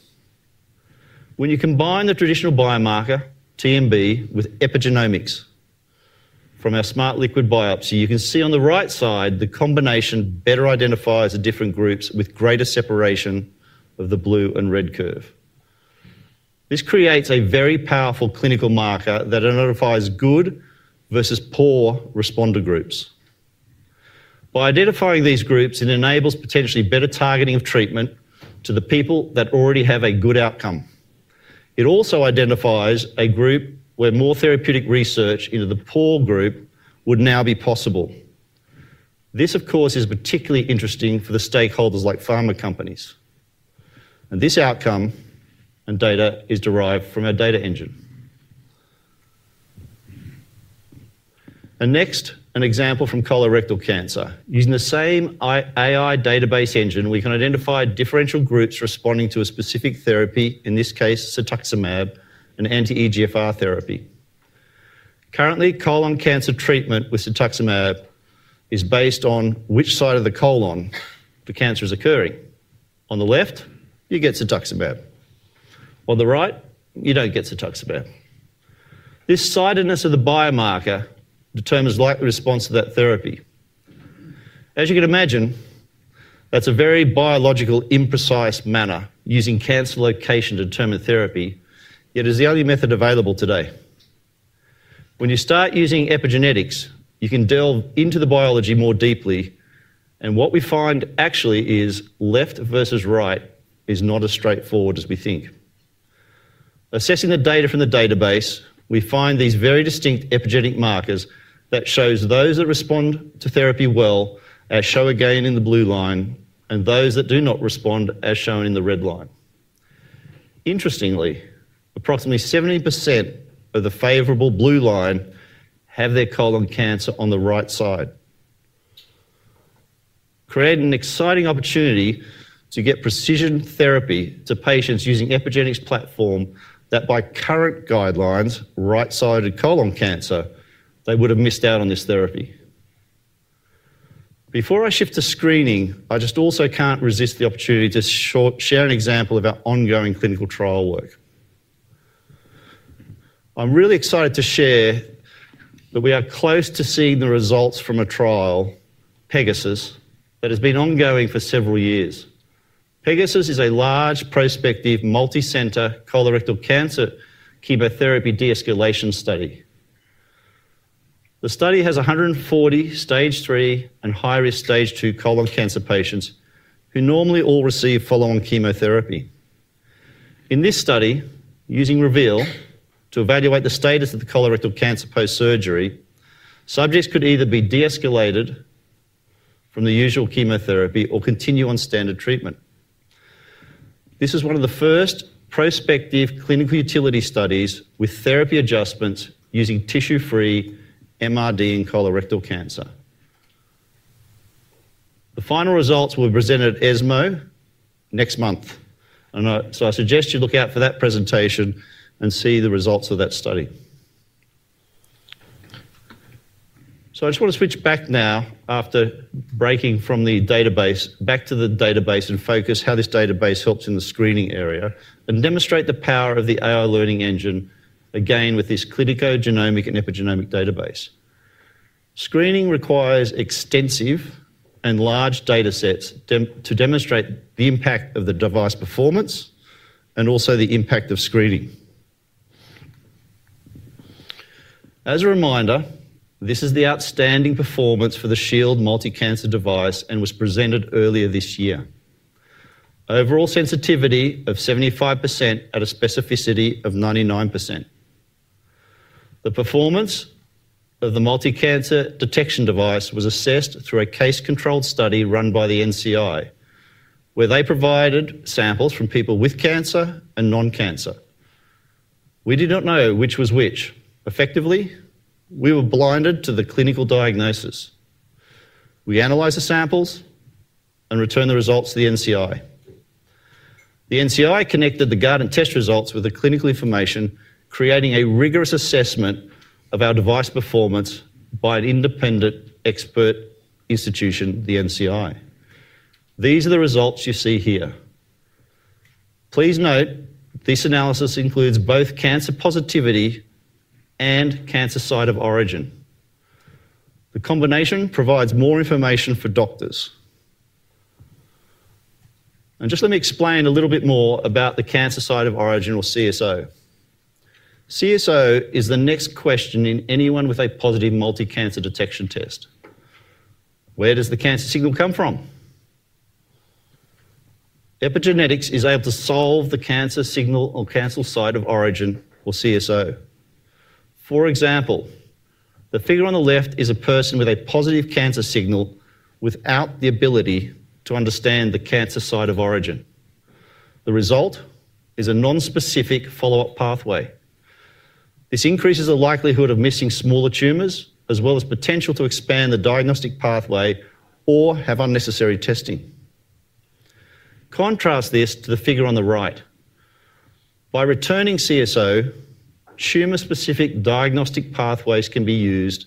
When you combine the traditional biomarker, TMB, with epigenomics from our Smart Platform liquid biopsy, you can see on the right side the combination better identifies the different groups with greater separation of the blue and red curve. This creates a very powerful clinical marker that identifies good versus poor responder groups. By identifying these groups, it enables potentially better targeting of treatment to the people that already have a good outcome. It also identifies a group where more therapeutic research into the poor group would now be possible. This, of course, is particularly interesting for the stakeholders like pharma companies. This outcome and data is derived from our data engine. Next, an example from colorectal cancer. Using the same AI database engine, we can identify differential groups responding to a specific therapy, in this case, cetuximab, an anti-EGFR therapy. Currently, colon cancer treatment with cetuximab is based on which side of the colon the cancer is occurring. On the left, you get cetuximab. On the right, you don't get cetuximab. This sidedness of the biomarker determines the likely response to that therapy. As you can imagine, that's a very biological, imprecise manner using cancer location to determine therapy, yet it is the only method available today. When you start using epigenetics, you can delve into the biology more deeply, and what we find actually is left versus right is not as straightforward as we think. Assessing the data from the database, we find these very distinct epigenetic markers that show those that respond to therapy well, as shown again in the blue line, and those that do not respond, as shown in the red line. Interestingly, approximately 70% of the favorable blue line have their colon cancer on the right side, creating an exciting opportunity to get precision therapy to patients using the epigenetics platform that by current guidelines, right-sided colon cancer, they would have missed out on this therapy. Before I shift to screening, I just also can't resist the opportunity to share an example of our ongoing clinical trial work. I'm really excited to share that we are close to seeing the results from a trial, PEGASUS, that has been ongoing for several years. PEGASUS is a large prospective multicenter colorectal cancer chemotherapy de-escalation study. The study has 140 stage three and high-risk stage two colon cancer patients who normally all receive follow-on chemotherapy. In this study, using Guardant Reveal to evaluate the status of the colorectal cancer post-surgery, subjects could either be de-escalated from the usual chemotherapy or continue on standard treatment. This is one of the first prospective clinical utility studies with therapy adjustments using tissue-free MRD in colorectal cancer. The final results will be presented at ESMO next month, and I suggest you look out for that presentation and see the results of that study. I want to switch back now, after breaking from the database, back to the database and focus on how this database helps in the screening area and demonstrate the power of the Infinity AI Learning Engine again with this clinicogenomic and epigenomic database. Screening requires extensive and large datasets to demonstrate the impact of the device performance and also the impact of screening. As a reminder, this is the outstanding performance for the Shield multi-cancer device and was presented earlier this year. Overall sensitivity of 75% at a specificity of 99%. The performance of the multi-cancer detection device was assessed through a case-controlled study run by the NCI, where they provided samples from people with cancer and non-cancer. We did not know which was which. Effectively, we were blinded to the clinical diagnosis. We analyzed the samples and returned the results to the NCI. The NCI connected the Guardant test results with the clinical information, creating a rigorous assessment of our device performance by an independent expert institution, the NCI. These are the results you see here. Please note, this analysis includes both cancer positivity and cancer site of origin. The combination provides more information for doctors. Let me explain a little bit more about the cancer site of origin, or CSO. CSO is the next question in anyone with a positive multi-cancer detection test. Where does the cancer signal come from? Epigenetics is able to solve the cancer signal or cancer site of origin, or CSO. For example, the figure on the left is a person with a positive cancer signal without the ability to understand the cancer site of origin. The result is a nonspecific follow-up pathway. This increases the likelihood of missing smaller tumors, as well as the potential to expand the diagnostic pathway or have unnecessary testing. Contrast this to the figure on the right. By returning CSO, tumor-specific diagnostic pathways can be used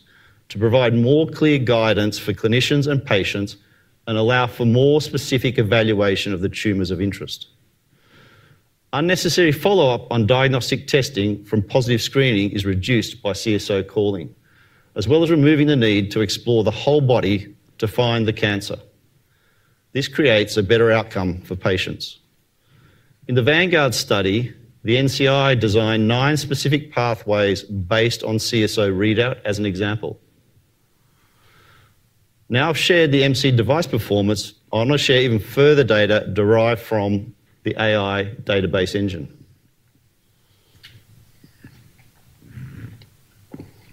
to provide more clear guidance for clinicians and patients and allow for more specific evaluation of the tumors of interest. Unnecessary follow-up on diagnostic testing from positive screening is reduced by CSO calling, as well as removing the need to explore the whole body to find the cancer. This creates a better outcome for patients. In the Vanguard study, the NCI designed nine specific pathways based on CSO readout as an example. Now I've shared the MC device performance, I want to share even further data derived from the AI database engine.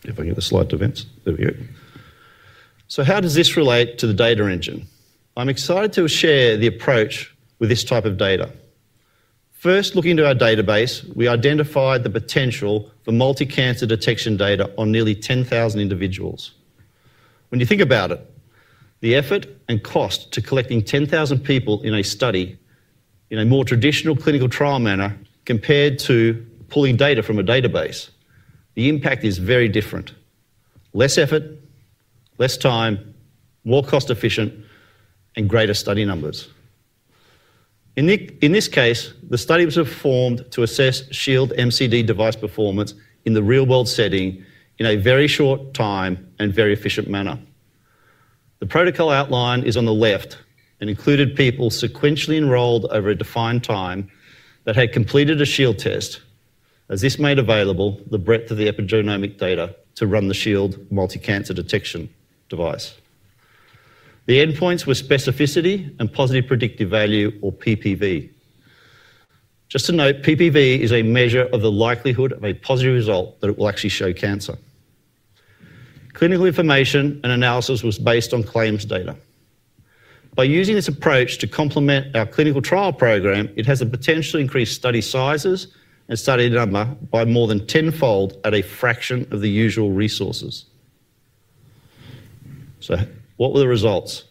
If I can get the slide to vent, there we go. How does this relate to the data engine? I'm excited to share the approach with this type of data. First, looking into our database, we identified the potential for multicancer detection data on nearly 10,000 individuals. When you think about it, the effort and cost to collecting 10,000 people in a study in a more traditional clinical trial manner compared to pulling data from a database, the impact is very different. Less effort, less time, more cost-efficient, and greater study numbers. In this case, the study was performed to assess Shield MCD device performance in the real-world setting in a very short time and very efficient manner. The protocol outline is on the left and included people sequentially enrolled over a defined time that had completed a Shield test, as this made available the breadth of the epigenomic data to run the Shield multicancer detection device. The endpoints were specificity and positive predictive value, or PPV. Just to note, PPV is a measure of the likelihood of a positive result that it will actually show cancer. Clinical information and analysis was based on claims data. By using this approach to complement our clinical trial program, it has a potential to increase study sizes and study number by more than tenfold at a fraction of the usual resources. What were the results?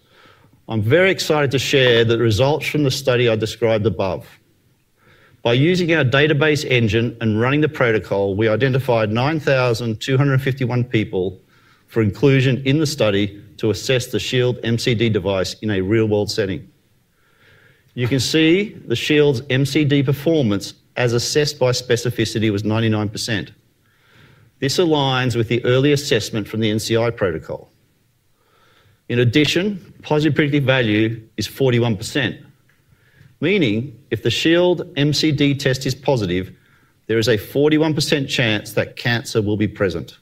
I'm very excited to share the results from the study I described above. By using our database engine and running the protocol, we identified 9,251 people for inclusion in the study to assess the Shield MCD device in a real-world setting. You can see the Shield MCD performance as assessed by specificity was 99%. This aligns with the early assessment from the NCI protocol. In addition, positive predictive value is 41%, meaning if the Shield MCD test is positive, there is a 41% chance that cancer will be present.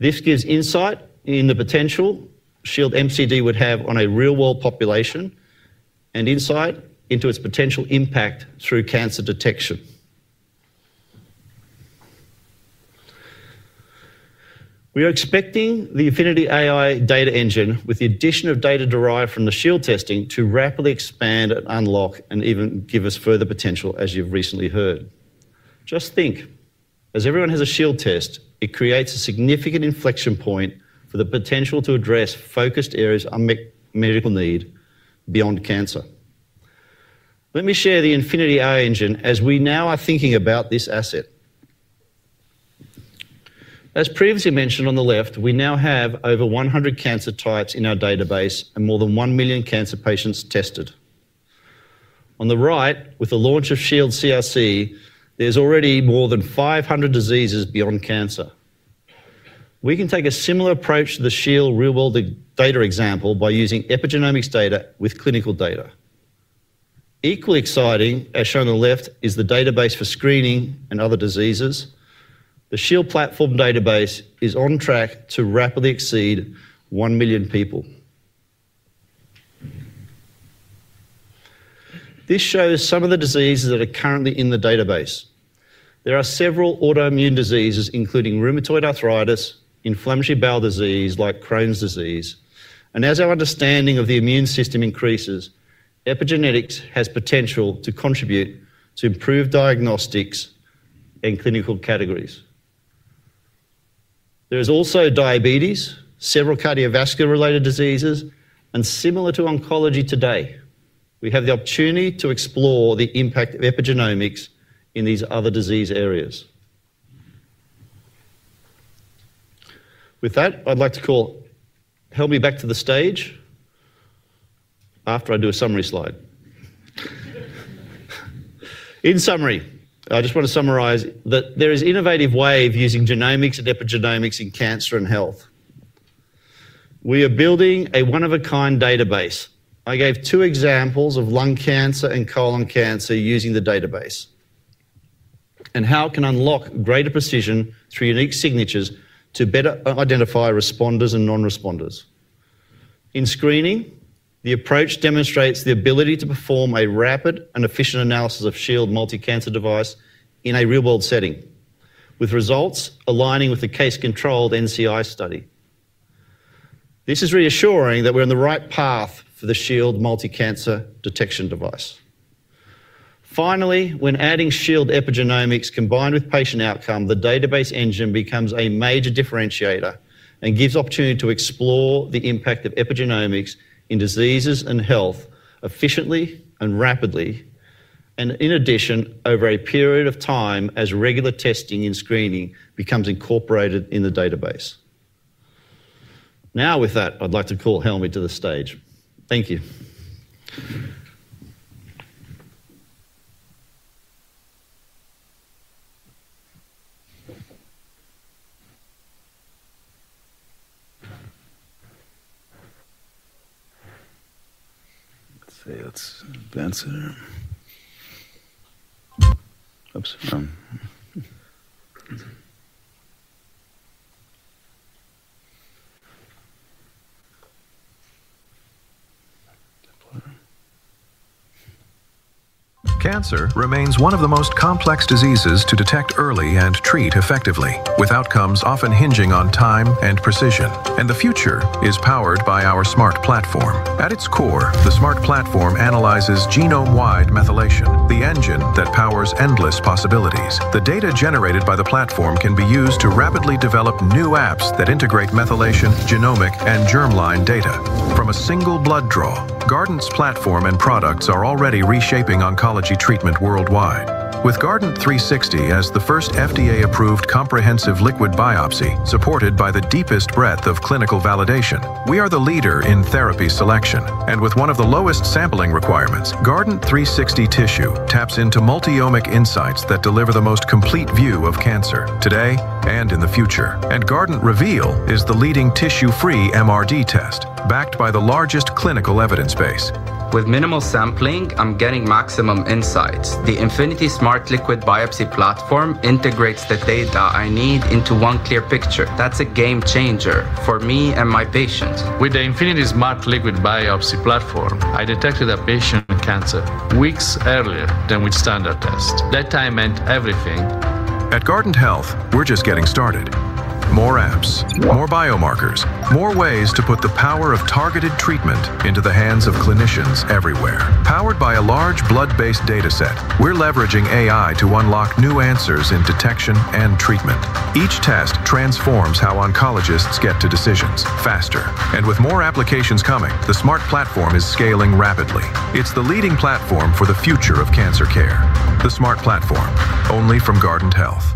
This gives insight into the potential Shield MCD would have on a real-world population and insight into its potential impact through cancer detection. We are expecting the Infinity AI Learning Engine, with the addition of data derived from the Shield testing, to rapidly expand and unlock and even give us further potential, as you've recently heard. Just think, as everyone has a Shield test, it creates a significant inflection point for the potential to address focused areas of medical need beyond cancer. Let me share the Infinity AI Engine as we now are thinking about this asset. As previously mentioned on the left, we now have over 100 cancer types in our database and more than 1 million cancer patients tested. On the right, with the launch of Shield TRC, there's already more than 500 diseases beyond cancer. We can take a similar approach to the Shield real-world data example by using epigenomic insights with clinical data. Equally exciting, as shown on the left, is the database for screening and other diseases. The Shield platform database is on track to rapidly exceed 1 million people. This shows some of the diseases that are currently in the database. There are several autoimmune diseases, including rheumatoid arthritis, inflammatory bowel disease like Crohn's disease, and as our understanding of the immune system increases, epigenetics has potential to contribute to improved diagnostics and clinical categories. There is also diabetes, several cardiovascular-related diseases, and similar to oncology today, we have the opportunity to explore the impact of epigenomic insights in these other disease areas. With that, I'd like to call Helmy back to the stage after I do a summary slide. In summary, I just want to summarize that there is an innovative way of using genomics and epigenomics in cancer and health. We are building a one-of-a-kind database. I gave two examples of lung cancer and colon cancer using the database and how it can unlock greater precision through unique signatures to better identify responders and non-responders. In screening, the approach demonstrates the ability to perform a rapid and efficient analysis of Shield multicancer device in a real-world setting, with results aligning with the case-controlled NCI study. This is reassuring that we're on the right path for the Shield multicancer detection device. Finally, when adding Shield epigenomics combined with patient outcome, the database engine becomes a major differentiator and gives the opportunity to explore the impact of epigenomics in diseases and health efficiently and rapidly, and in addition, over a period of time as regular testing and screening becomes incorporated in the database. Now, with that, I'd like to call Helmy to the stage. Thank you. Cancer remains one of the most complex diseases to detect early and treat effectively, with outcomes often hinging on time and precision. The future is powered by our Smart Platform. At its core, the Smart Platform analyzes genome-wide methylation, the engine that powers endless possibilities. The data generated by the platform can be used to rapidly develop new apps that integrate methylation, genomic, and germline data from a single blood draw. Guardant's platform and products are already reshaping oncology treatment worldwide. With Guardant360 CDx as the first FDA-approved comprehensive liquid biopsy, supported by the deepest breadth of clinical validation, we are the leader in therapy selection. With one of the lowest sampling requirements, Guardant360 Tissue taps into multi-omic insights that deliver the most complete view of cancer today and in the future. Guardant Reveal is the leading tissue-free MRD test, backed by the largest clinical evidence base. With minimal sampling, I'm getting maximum insights. The Infinity Smart Liquid Biopsy platform integrates the data I need into one clear picture. That's a game changer for me and my patients. AI Learning Engine and Smart Platform powering our liquid biopsy platform, I detected a patient's cancer weeks earlier than with standard tests. That time meant everything.At Guardant Health, we're just getting started. More apps, more biomarkers, more ways to put the power of targeted treatment into the hands of clinicians everywhere. Powered by a large blood-based dataset, we're leveraging AI to unlock new answers in detection and treatment. Each test transforms how oncologists get to decisions faster. With more applications coming, the Smart Platform is scaling rapidly. It's the leading platform for the future of cancer care. The Smart Platform, only from Guardant Health.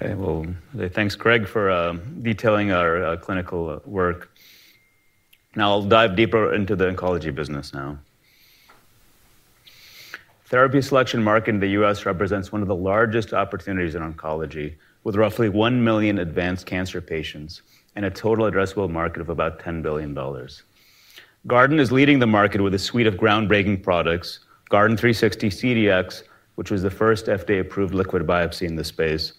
Okay, thanks, Craig, for detailing our clinical work. Now I'll dive deeper into the oncology business. Therapy selection market in the U.S. represents one of the largest opportunities in oncology, with roughly 1 million advanced cancer patients and a total addressable market of about $10 billion. Guardant is leading the market with a suite of groundbreaking products, Guardant360 CDx, which was the first FDA-approved liquid biopsy in the space,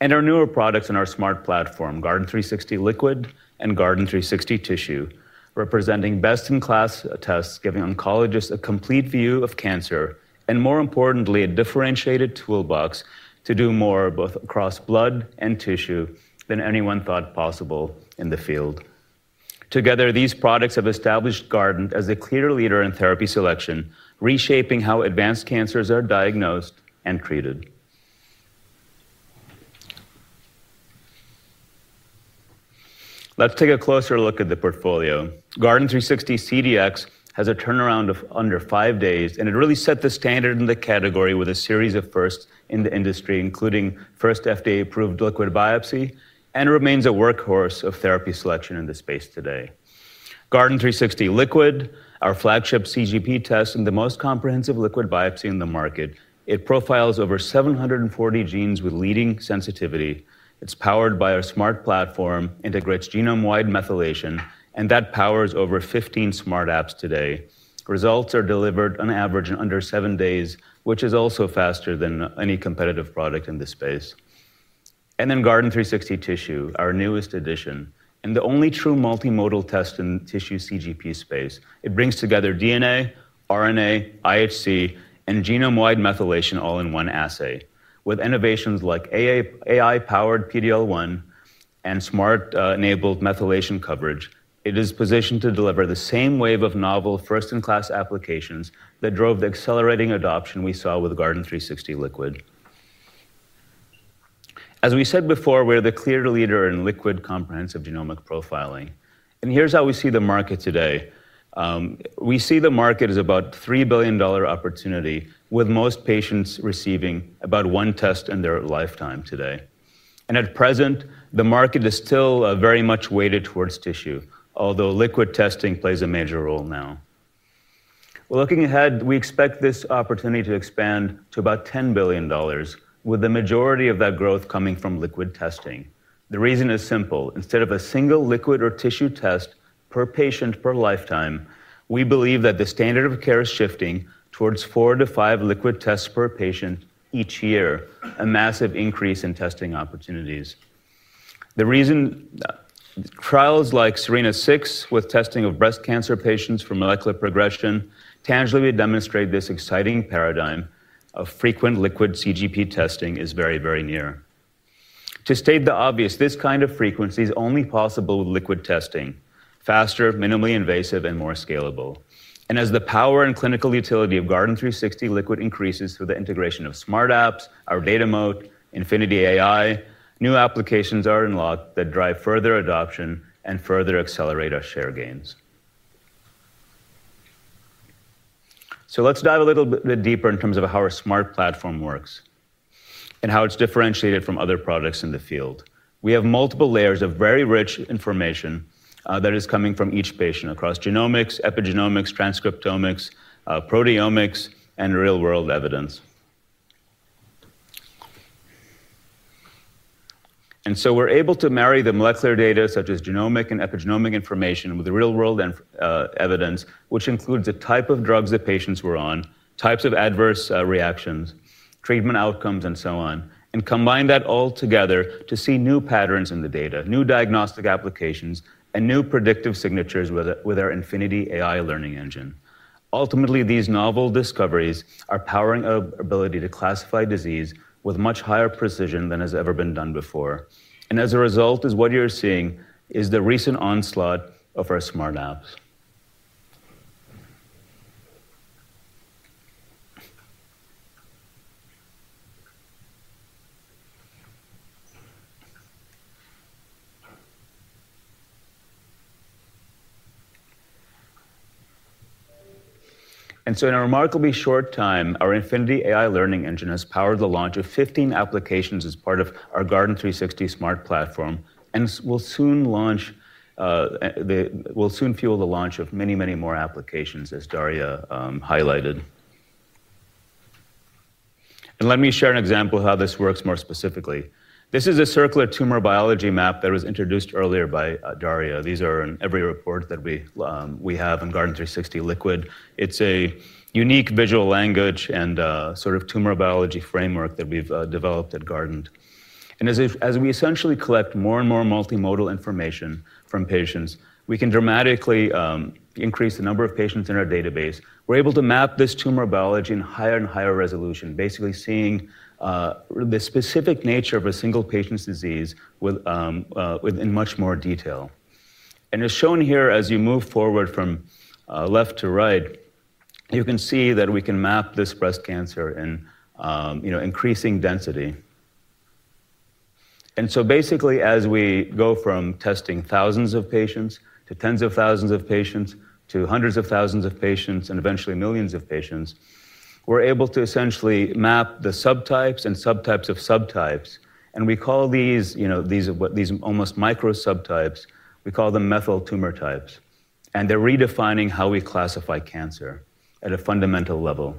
and our newer products in our Smart Platform, Guardant360 Liquid and Guardant360 Tissue, representing best-in-class tests giving oncologists a complete view of cancer and, more importantly, a differentiated toolbox to do more both across blood and tissue than anyone thought possible in the field. Together, these products have established Guardant Health as a clear leader in therapy selection, reshaping how advanced cancers are diagnosed and treated. Let's take a closer look at the portfolio. Guardant360 CDx has a turnaround of under five days, and it really set the standard in the category with a series of firsts in the industry, including first FDA-approved liquid biopsy, and remains a workhorse of therapy selection in the space today. Guardant360 Liquid, our flagship CGP test and the most comprehensive liquid biopsy in the market, profiles over 740 genes with leading sensitivity. It's powered by our Smart Platform, integrates genome-wide methylation, and that powers over 15 smart apps today. Results are delivered on average in under seven days, which is also faster than any competitive product in the space. Guardant360 Tissue, our newest addition and the only true multimodal test in the tissue CGP space, brings together DNA, RNA, IHC, and genome-wide methylation all in one assay. With innovations like AI-powered PD-L1 and smart-enabled methylation coverage, it is positioned to deliver the same wave of novel, first-in-class applications that drove the accelerating adoption we saw with Guardant360 Liquid. As we said before, we're the clear leader in liquid comprehensive genomic profiling. Here's how we see the market today. We see the market as about a $3 billion opportunity, with most patients receiving about one test in their lifetime today. At present, the market is still very much weighted towards tissue, although liquid testing plays a major role now. Looking ahead, we expect this opportunity to expand to about $10 billion, with the majority of that growth coming from liquid testing. The reason is simple. Instead of a single liquid or tissue test per patient per lifetime, we believe that the standard of care is shifting towards four to five liquid tests per patient each year, a massive increase in testing opportunities. Trials like SERENA-6 with testing of breast cancer patients for molecular progression tangibly demonstrate this exciting paradigm of frequent liquid CGP testing is very, very near. To state the obvious, this kind of frequency is only possible with liquid testing, faster, minimally invasive, and more scalable. As the power and clinical utility of Guardant360 Liquid increases through the integration of smart apps, our data mode, Infinity AI, new applications are unlocked that drive further adoption and further accelerate our share gains. Let's dive a little bit deeper in terms of how our Smart Platform works and how it's differentiated from other products in the field. We have multiple layers of very rich information that is coming from each patient across genomics, epigenomics, transcriptomics, proteomics, and real-world evidence. We're able to marry the molecular data, such as genomic and epigenomic information, with real-world evidence, which includes the type of drugs the patients were on, types of adverse reactions, treatment outcomes, and so on, and combine that all together to see new patterns in the data, new diagnostic applications, and new predictive signatures with our Infinity AI Learning Engine. Ultimately, these novel discoveries are powering our ability to classify disease with much higher precision than has ever been done before. As a result, what you're seeing is the recent onslaught of our smart apps. In a remarkably short time, our Infinity AI Learning Engine has powered the launch of 15 applications as part of our Guardant360 Smart Platform and will soon fuel the launch of many, many more applications, as Darya highlighted. Let me share an example of how this works more specifically. This is a circular tumor biology map that was introduced earlier by Darya. These are in every report that we have in Guardant360 Liquid. It's a unique visual language and sort of tumor biology framework that we've developed at Guardant. As we essentially collect more and more multimodal information from patients, we can dramatically increase the number of patients in our database. We're able to map this tumor biology in higher and higher resolution, basically seeing the specific nature of a single patient's disease in much more detail. As shown here, as you move forward from left to right, you can see that we can map this breast cancer in increasing density. Basically, as we go from testing thousands of patients to tens of thousands of patients to hundreds of thousands of patients and eventually millions of patients, we're able to essentially map the subtypes and subtypes of subtypes. We call these, you know, these almost micro subtypes, we call them methyl tumor types. They're redefining how we classify cancer at a fundamental level.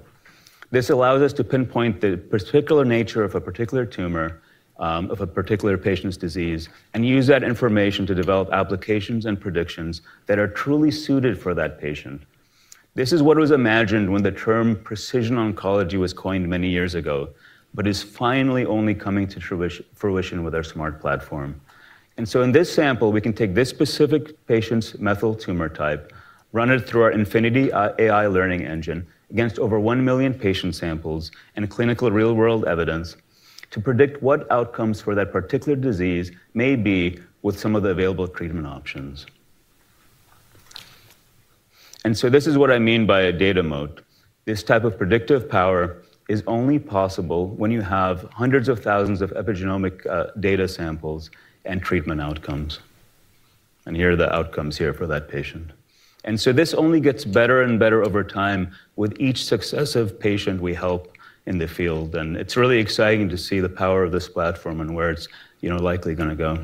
This allows us to pinpoint the particular nature of a particular tumor of a particular patient's disease and use that information to develop applications and predictions that are truly suited for that patient. This is what was imagined when the term precision oncology was coined many years ago, but is finally only coming to fruition with our Smart Platform. In this sample, we can take this specific patient's methyl tumor type, run it through our Infinity AI Learning Engine against over 1 million patient samples and clinical real-world evidence to predict what outcomes for that particular disease may be with some of the available treatment options. This is what I mean by a data mode. This type of predictive power is only possible when you have hundreds of thousands of epigenomic data samples and treatment outcomes. Here are the outcomes here for that patient. This only gets better and better over time with each successive patient we help in the field. It's really exciting to see the power of this platform and where it's likely going to go.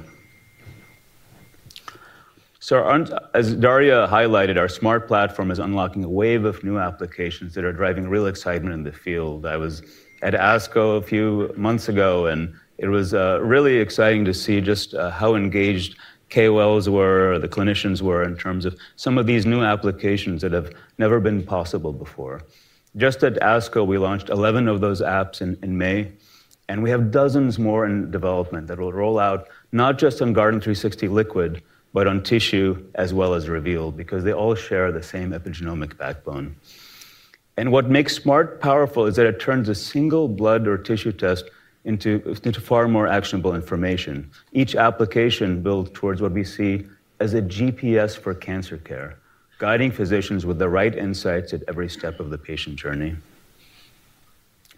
As Darya highlighted, our Smart Platform is unlocking a wave of new applications that are driving real excitement in the field. I was at ASCO a few months ago, and it was really exciting to see just how engaged KOLs were, the clinicians were, in terms of some of these new applications that have never been possible before. Just at ASCO, we launched 11 of those apps in May, and we have dozens more in development that will roll out not just on Guardant360 Liquid, but on tissue as well as Reveal because they all share the same epigenomic backbone. What makes Smart powerful is that it turns a single blood or tissue test into far more actionable information. Each application builds towards what we see as a GPS for cancer care, guiding physicians with the right insights at every step of the patient journey.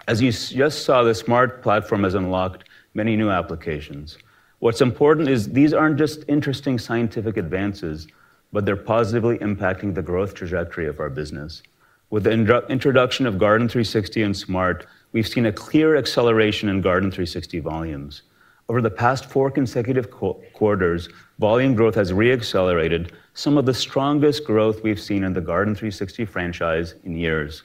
As you just saw, the Smart Platform has unlocked many new applications. What's important is these aren't just interesting scientific advances, but they're positively impacting the growth trajectory of our business. With the introduction of Guardant360 and Smart, we've seen a clear acceleration in Guardant360 volumes. Over the past four consecutive quarters, volume growth has reaccelerated, some of the strongest growth we've seen in the Guardant360 franchise in years.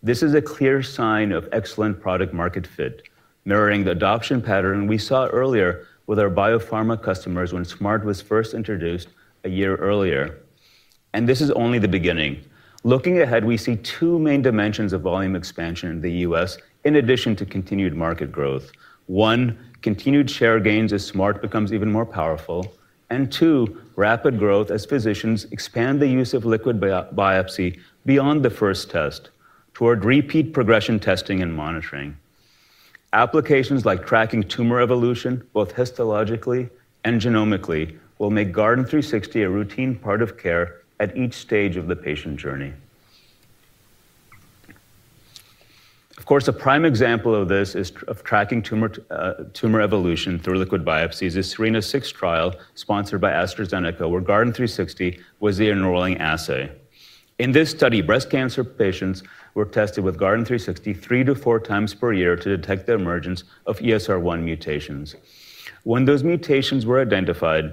This is a clear sign of excellent product-market fit, mirroring the adoption pattern we saw earlier with our biopharma customers when Smart was first introduced a year earlier. This is only the beginning. Looking ahead, we see two main dimensions of volume expansion in the U.S., in addition to continued market growth. One, continued share gains as Smart becomes even more powerful. Two, rapid growth as physicians expand the use of liquid biopsy beyond the first test toward repeat progression testing and monitoring. Applications like tracking tumor evolution, both histologically and genomically, will make Guardant360 a routine part of care at each stage of the patient journey. Of course, a prime example of this is tracking tumor evolution through liquid biopsies, the SERENA-6 trial sponsored by AstraZeneca, where Guardant360 was the enrolling assay. In this study, breast cancer patients were tested with Guardant360 three to four times per year to detect the emergence of ESR1 mutations. When those mutations were identified,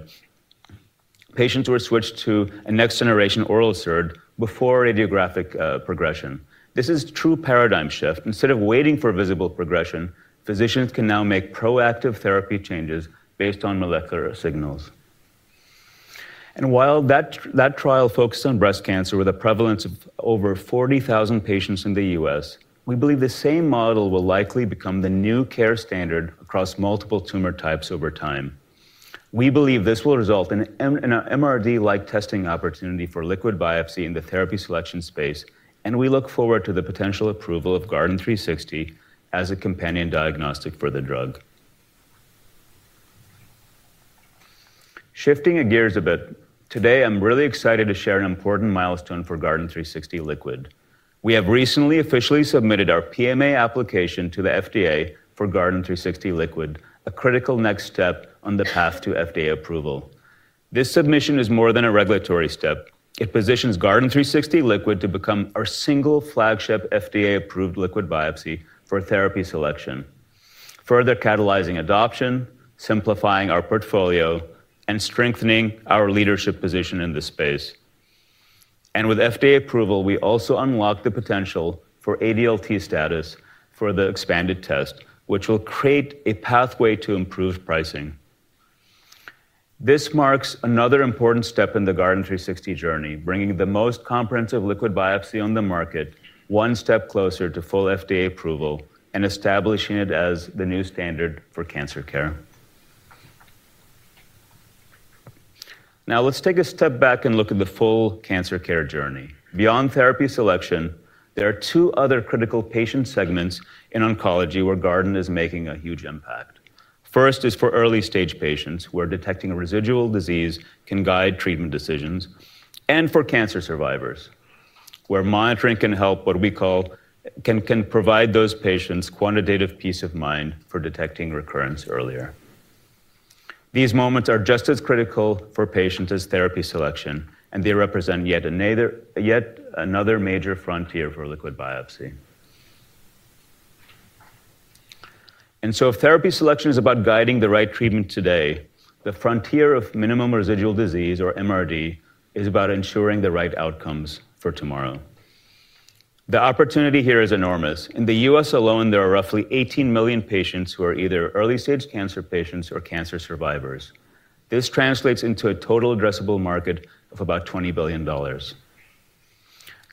patients were switched to a next-generation oral therapy before radiographic progression. This is a true paradigm shift. Instead of waiting for visible progression, physicians can now make proactive therapy changes based on molecular signals. While that trial focused on breast cancer with a prevalence of over 40,000 patients in the U.S., we believe the same model will likely become the new care standard across multiple tumor types over time. We believe this will result in an MRD-like testing opportunity for liquid biopsy in the therapy selection space, and we look forward to the potential approval of Guardant360 as a companion diagnostic for the drug. Shifting gears a bit, today I'm really excited to share an important milestone for Guardant360 Liquid. We have recently officially submitted our PMA application to the FDA for Guardant360 Liquid, a critical next step on the path to FDA approval. This submission is more than a regulatory step. It positions Guardant360 Liquid to become our single flagship FDA-approved liquid biopsy for therapy selection, further catalyzing adoption, simplifying our portfolio, and strengthening our leadership position in the space. With FDA approval, we also unlock the potential for ADLT status for the expanded test, which will create a pathway to improved pricing. This marks another important step in the Guardant360 journey, bringing the most comprehensive liquid biopsy on the market one step closer to full FDA approval and establishing it as the new standard for cancer care. Now let's take a step back and look at the full cancer care journey. Beyond therapy selection, there are two other critical patient segments in oncology where Guardant is making a huge impact. First is for early-stage patients, where detecting residual disease can guide treatment decisions, and for cancer survivors, where monitoring can help what we call provide those patients quantitative peace of mind for detecting recurrence earlier. These moments are just as critical for patients as therapy selection, and they represent yet another major frontier for liquid biopsy. If therapy selection is about guiding the right treatment today, the frontier of minimal residual disease, or MRD, is about ensuring the right outcomes for tomorrow. The opportunity here is enormous. In the U.S. alone, there are roughly 18 million patients who are either early-stage cancer patients or cancer survivors. This translates into a total addressable market of about $20 billion.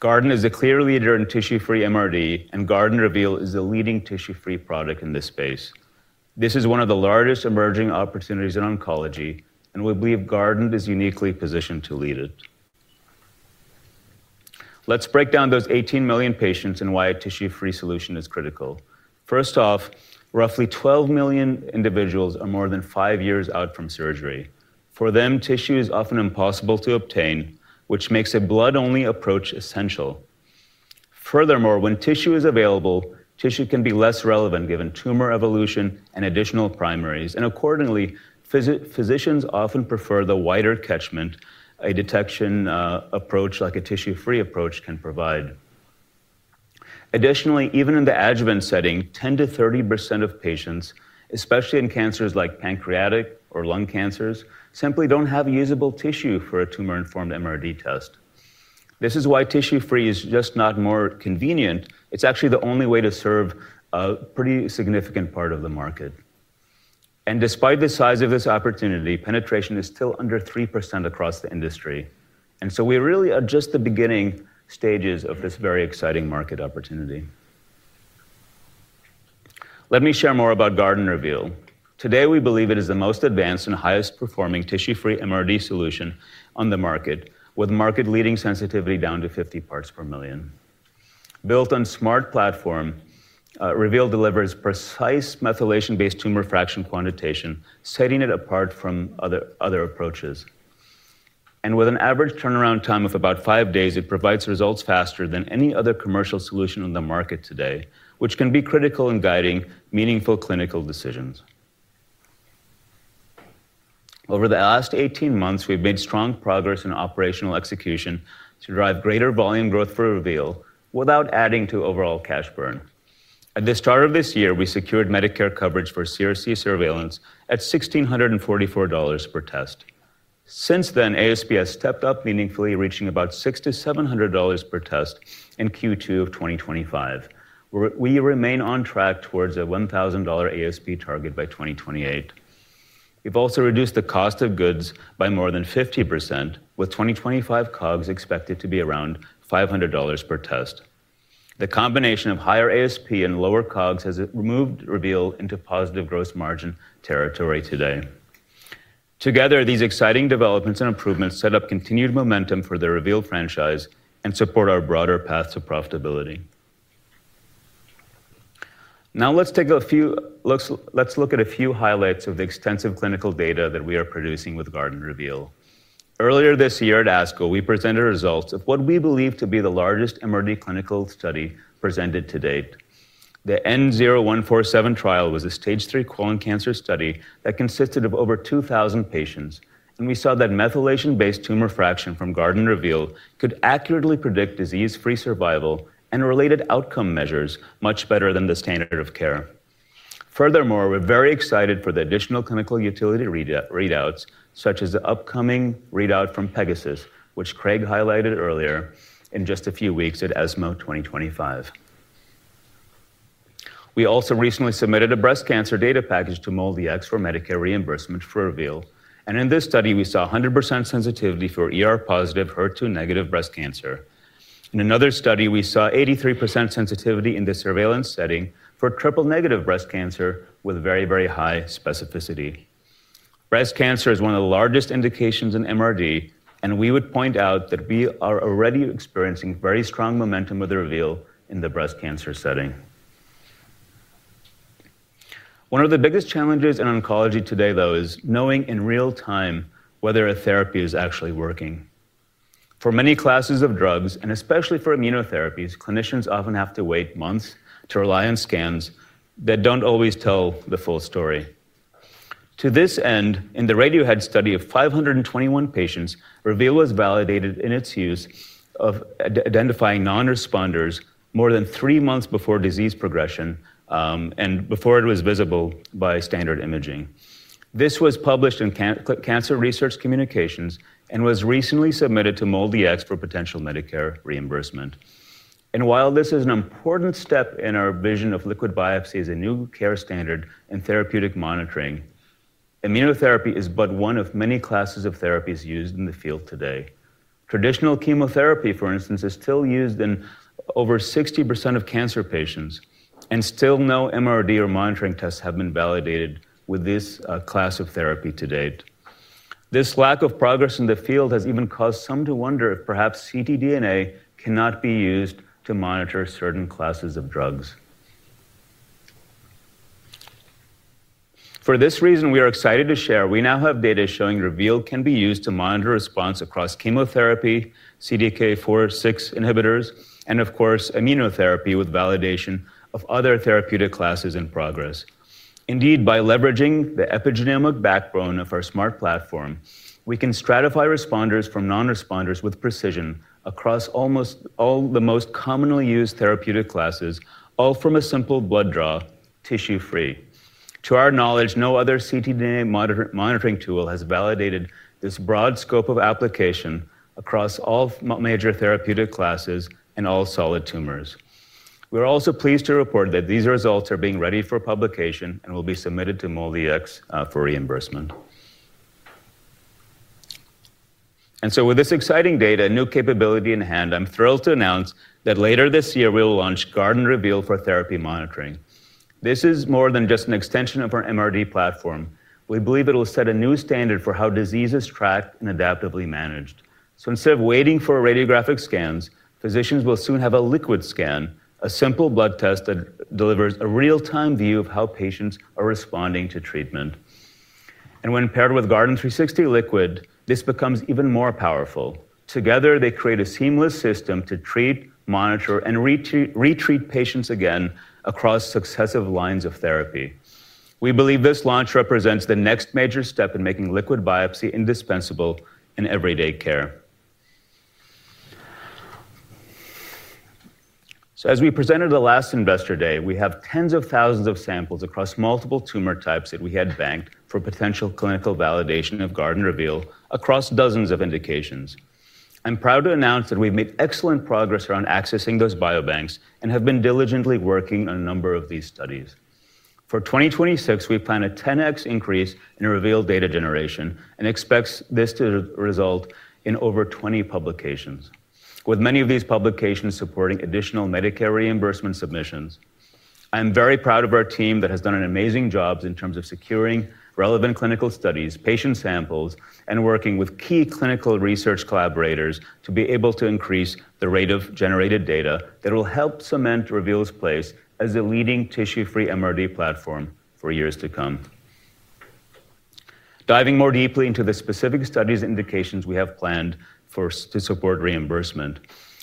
Guardant is a clear leader in tissue-free MRD, and Guardant Reveal is the leading tissue-free product in this space. This is one of the largest emerging opportunities in oncology, and we believe Guardant is uniquely positioned to lead it. Let's break down those 18 million patients and why a tissue-free solution is critical. First off, roughly 12 million individuals are more than five years out from surgery. For them, tissue is often impossible to obtain, which makes a blood-only approach essential. Furthermore, when tissue is available, tissue can be less relevant given tumor evolution and additional primaries. Accordingly, physicians often prefer the wider catchment a detection approach like a tissue-free approach can provide. Additionally, even in the adjuvant setting, 10%-30% of patients, especially in cancers like pancreatic or lung cancers, simply don't have usable tissue for a tumor-informed MRD test. This is why tissue-free is just not more convenient. It's actually the only way to serve a pretty significant part of the market. Despite the size of this opportunity, penetration is still under 3% across the industry. We really are just the beginning stages of this very exciting market opportunity. Let me share more about Guardant Reveal. Today, we believe it is the most advanced and highest-performing tissue-free MRD solution on the market, with market-leading sensitivity down to 50 parts per million. Built on a Smart Platform, Reveal delivers precise methylation-based tumor fraction quantitation, setting it apart from other approaches. With an average turnaround time of about five days, it provides results faster than any other commercial solution on the market today, which can be critical in guiding meaningful clinical decisions. Over the last 18 months, we've made strong progress in operational execution to drive greater volume growth for Reveal without adding to overall cash burn. At the start of this year, we secured Medicare coverage for CRC surveillance at $1,644 per test. Since then, ASP has stepped up meaningfully, reaching about $600-$700 per test in Q2 of 2025. We remain on track towards a $1,000 ASP target by 2028. We've also reduced the cost of goods by more than 50%, with 2025 COGS expected to be around $500 per test. The combination of higher ASP and lower COGS has moved Reveal into positive gross margin territory today. Together, these exciting developments and improvements set up continued momentum for the Reveal franchise and support our broader path to profitability. Now let's take a look at a few highlights of the extensive clinical data that we are producing with Guardant Reveal. Earlier this year at the American Society for Clinical Oncology, we presented results of what we believe to be the largest MRD clinical study presented to date. The N0147 trial was a stage III colon cancer study that consisted of over 2,000 patients, and we saw that methylation-based tumor fraction from Guardant Reveal could accurately predict disease-free survival and related outcome measures much better than the standard of care. Furthermore, we're very excited for the additional clinical utility readouts, such as the upcoming readout from PEGASUS, which Craig Eagle highlighted earlier, in just a few weeks at ESMO 2025. We also recently submitted a breast cancer data package to MolDX for Medicare reimbursement for Reveal. In this study, we saw 100% sensitivity for ER-positive, HER2-negative breast cancer. In another study, we saw 83% sensitivity in the surveillance setting for triple-negative breast cancer with very, very high specificity. Breast cancer is one of the largest indications in MRD, and we would point out that we are already experiencing very strong momentum with Reveal in the breast cancer setting. One of the biggest challenges in oncology today, though, is knowing in real time whether a therapy is actually working. For many classes of drugs, and especially for immunotherapies, clinicians often have to wait months to rely on scans that do not always tell the full story. To this end, in the RADIOHEAD study of 521 patients, Reveal was validated in its use of identifying non-responders more than three months before disease progression and before it was visible by standard imaging. This was published in Cancer Research Communications and was recently submitted to MolDX for potential Medicare reimbursement. While this is an important step in our vision of liquid biopsy as a new care standard and therapeutic monitoring, immunotherapy is but one of many classes of therapies used in the field today. Traditional chemotherapy, for instance, is still used in over 60% of cancer patients, and still no MRD or monitoring tests have been validated with this class of therapy to date. This lack of progress in the field has even caused some to wonder if perhaps ctDNA cannot be used to monitor certain classes of drugs. For this reason, we are excited to share we now have data showing Reveal can be used to monitor response across chemotherapy, CDK4/6 inhibitors, and of course, immunotherapy with validation of other therapeutic classes in progress. Indeed, by leveraging the epigenomic backbone of our Smart Platform, we can stratify responders from non-responders with precision across almost all the most commonly used therapeutic classes, all from a simple blood draw, tissue-free. To our knowledge, no other ctDNA monitoring tool has validated this broad scope of application across all major therapeutic classes and all solid tumors. We're also pleased to report that these results are being readied for publication and will be submitted to MolDX for reimbursement. With this exciting data and new capability in hand, I'm thrilled to announce that later this year we'll launch Guardant Reveal for therapy monitoring. This is more than just an extension of our MRD platform. We believe it will set a new standard for how diseases are tracked and adaptively managed. Instead of waiting for radiographic scans, physicians will soon have a liquid scan, a simple blood test that delivers a real-time view of how patients are responding to treatment. When paired with Guardant360 Liquid, this becomes even more powerful. Together, they create a seamless system to treat, monitor, and retreat patients again across successive lines of therapy. We believe this launch represents the next major step in making liquid biopsy indispensable in everyday care. As we presented at the last Investor Day, we have tens of thousands of samples across multiple tumor types that we had banked for potential clinical validation of Guardant Reveal across dozens of indications. I'm proud to announce that we've made excellent progress around accessing those biobanks and have been diligently working on a number of these studies. For 2026, we plan a 10x increase in Reveal data generation and expect this to result in over 20 publications, with many of these publications supporting additional Medicare reimbursement submissions. I'm very proud of our team that has done an amazing job in terms of securing relevant clinical studies, patient samples, and working with key clinical research collaborators to be able to increase the rate of generated data that will help cement Reveal's place as the leading tissue-free MRD platform for years to come. Diving more deeply into the specific studies and indications we have planned to support reimbursement,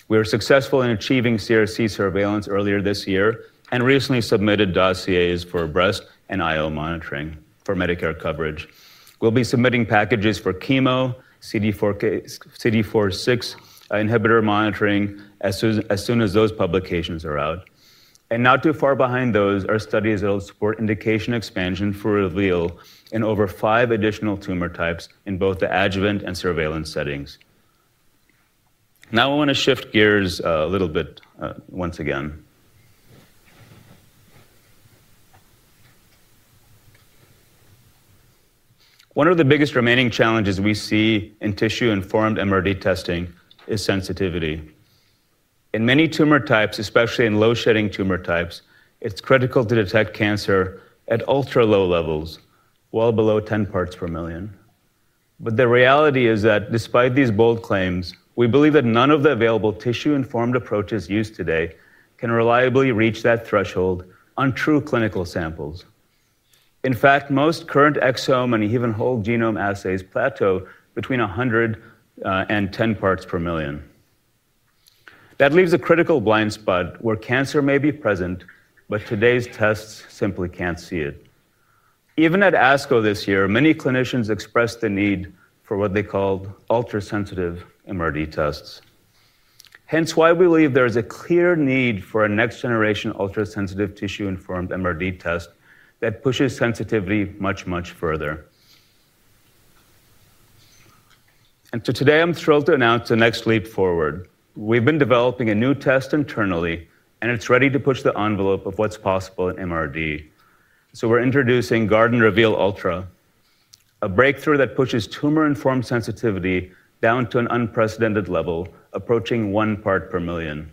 we were successful in achieving CRC surveillance earlier this year and recently submitted dossiers for breast and IL monitoring for Medicare coverage. We'll be submitting packages for chemo, CDK4/6 inhibitor monitoring as soon as those publications are out. Not too far behind those, our studies will support indication expansion for Reveal in over five additional tumor types in both the adjuvant and surveillance settings. Now I want to shift gears a little bit once again. One of the biggest remaining challenges we see in tissue-informed MRD testing is sensitivity. In many tumor types, especially in low shedding tumor types, it's critical to detect cancer at ultra-low levels, well below 10 parts per million. The reality is that despite these bold claims, we believe that none of the available tissue-informed approaches used today can reliably reach that threshold on true clinical samples. In fact, most current exome and even whole genome assays plateau between 100 and 10 parts per million. That leaves a critical blind spot where cancer may be present, but today's tests simply can't see it. Even at ASCO this year, many clinicians expressed the need for what they called ultrasensitive MRD tests. This is why we believe there is a clear need for a next-generation ultrasensitive tissue-informed MRD test that pushes sensitivity much, much further. Today, I'm thrilled to announce the next leap forward. We've been developing a new test internally, and it's ready to push the envelope of what's possible in MRD. We're introducing Guardant Reveal Ultra, a breakthrough that pushes tumor-informed sensitivity down to an unprecedented level, approaching one part per million.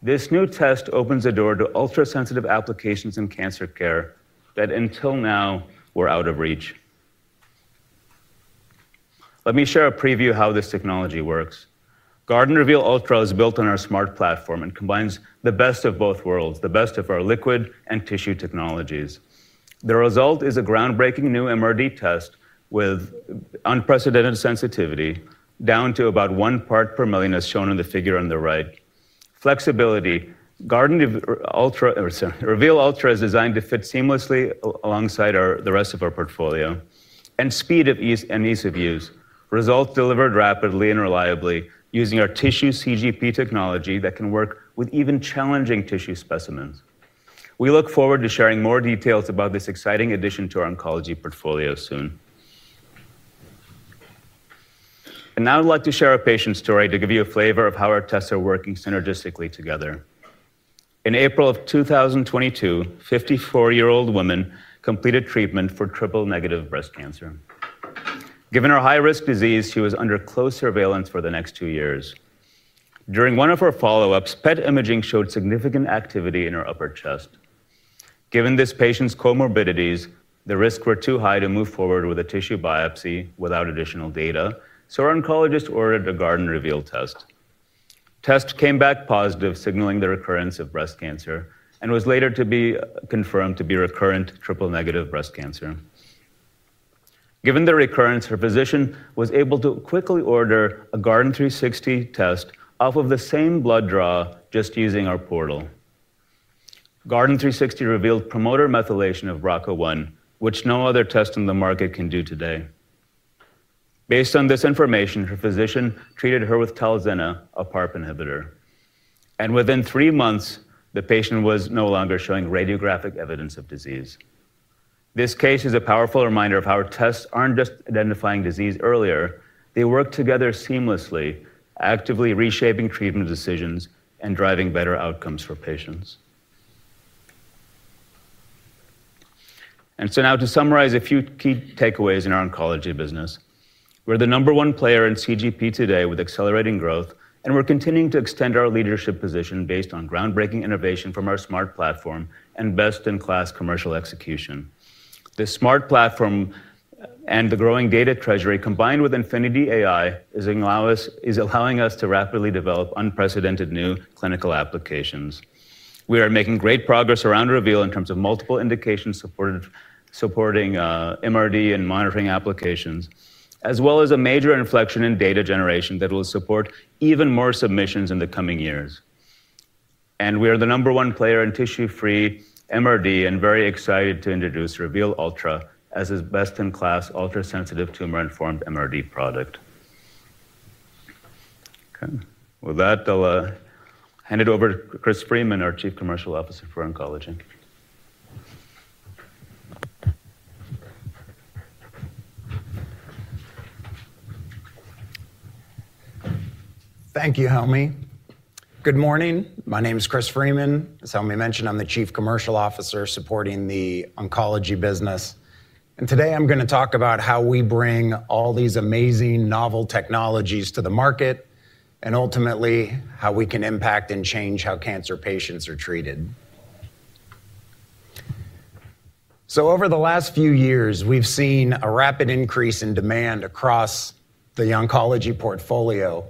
This new test opens the door to ultrasensitive applications in cancer care that until now were out of reach. Let me share a preview of how this technology works. Guardant Reveal Ultra is built on our Smart Platform and combines the best of both worlds, the best of our liquid and tissue technologies. The result is a groundbreaking new MRD test with unprecedented sensitivity down to about one part per million, as shown in the figure on the right. Flexibility, Guardant Reveal Ultra is designed to fit seamlessly alongside the rest of our portfolio. Speed and ease of use, results delivered rapidly and reliably using our tissue CGP technology that can work with even challenging tissue specimens. We look forward to sharing more details about this exciting addition to our oncology portfolio soon. Now I'd like to share a patient story to give you a flavor of how our tests are working synergistically together. In April of 2022, a 54-year-old woman completed treatment for triple-negative breast cancer. Given her high-risk disease, she was under close surveillance for the next two years. During one of her follow-ups, PET imaging showed significant activity in her upper chest. Given this patient's comorbidities, the risks were too high to move forward with a tissue biopsy without additional data, so our oncologist ordered a Guardant Reveal test. The test came back positive, signaling the recurrence of breast cancer, and was later confirmed to be recurrent triple-negative breast cancer. Given the recurrence, her physician was able to quickly order a Guardant360 test off of the same blood draw, just using our portal. Guardant Reveal promoter methylation of BRCA1, which no other test in the market can do today. Based on this information, her physician treated her with Talzena, a PARP inhibitor. Within three months, the patient was no longer showing radiographic evidence of disease. This case is a powerful reminder of how our tests aren't just identifying disease earlier. They work together seamlessly, actively reshaping treatment decisions and driving better outcomes for patients. To summarize a few key takeaways in our oncology business, we're the number one player in CGP today with accelerating growth, and we're continuing to extend our leadership position based on groundbreaking innovation from our Smart Platform and best-in-class commercial execution. This Smart Platform and the growing data treasury, combined with Infinity AI, is allowing us to rapidly develop unprecedented new clinical applications. We are making great progress around Reveal in terms of multiple indications supporting MRD and monitoring applications, as well as a major inflection in data generation that will support even more submissions in the coming years. We are the number one player in tissue-free MRD and very excited to introduce Reveal Ultra as a best-in-class ultrasensitive tumor-informed MRD product. With that, I'll hand it over to Chris Freeman, our Chief Commercial Officer for Oncology. Thank you, Helmy. Good morning. My name is Chris Freeman. As Helmy mentioned, I'm the Chief Commercial Officer supporting the oncology business. Today I'm going to talk about how we bring all these amazing novel technologies to the market and ultimately how we can impact and change how cancer patients are treated. Over the last few years, we've seen a rapid increase in demand across the oncology portfolio,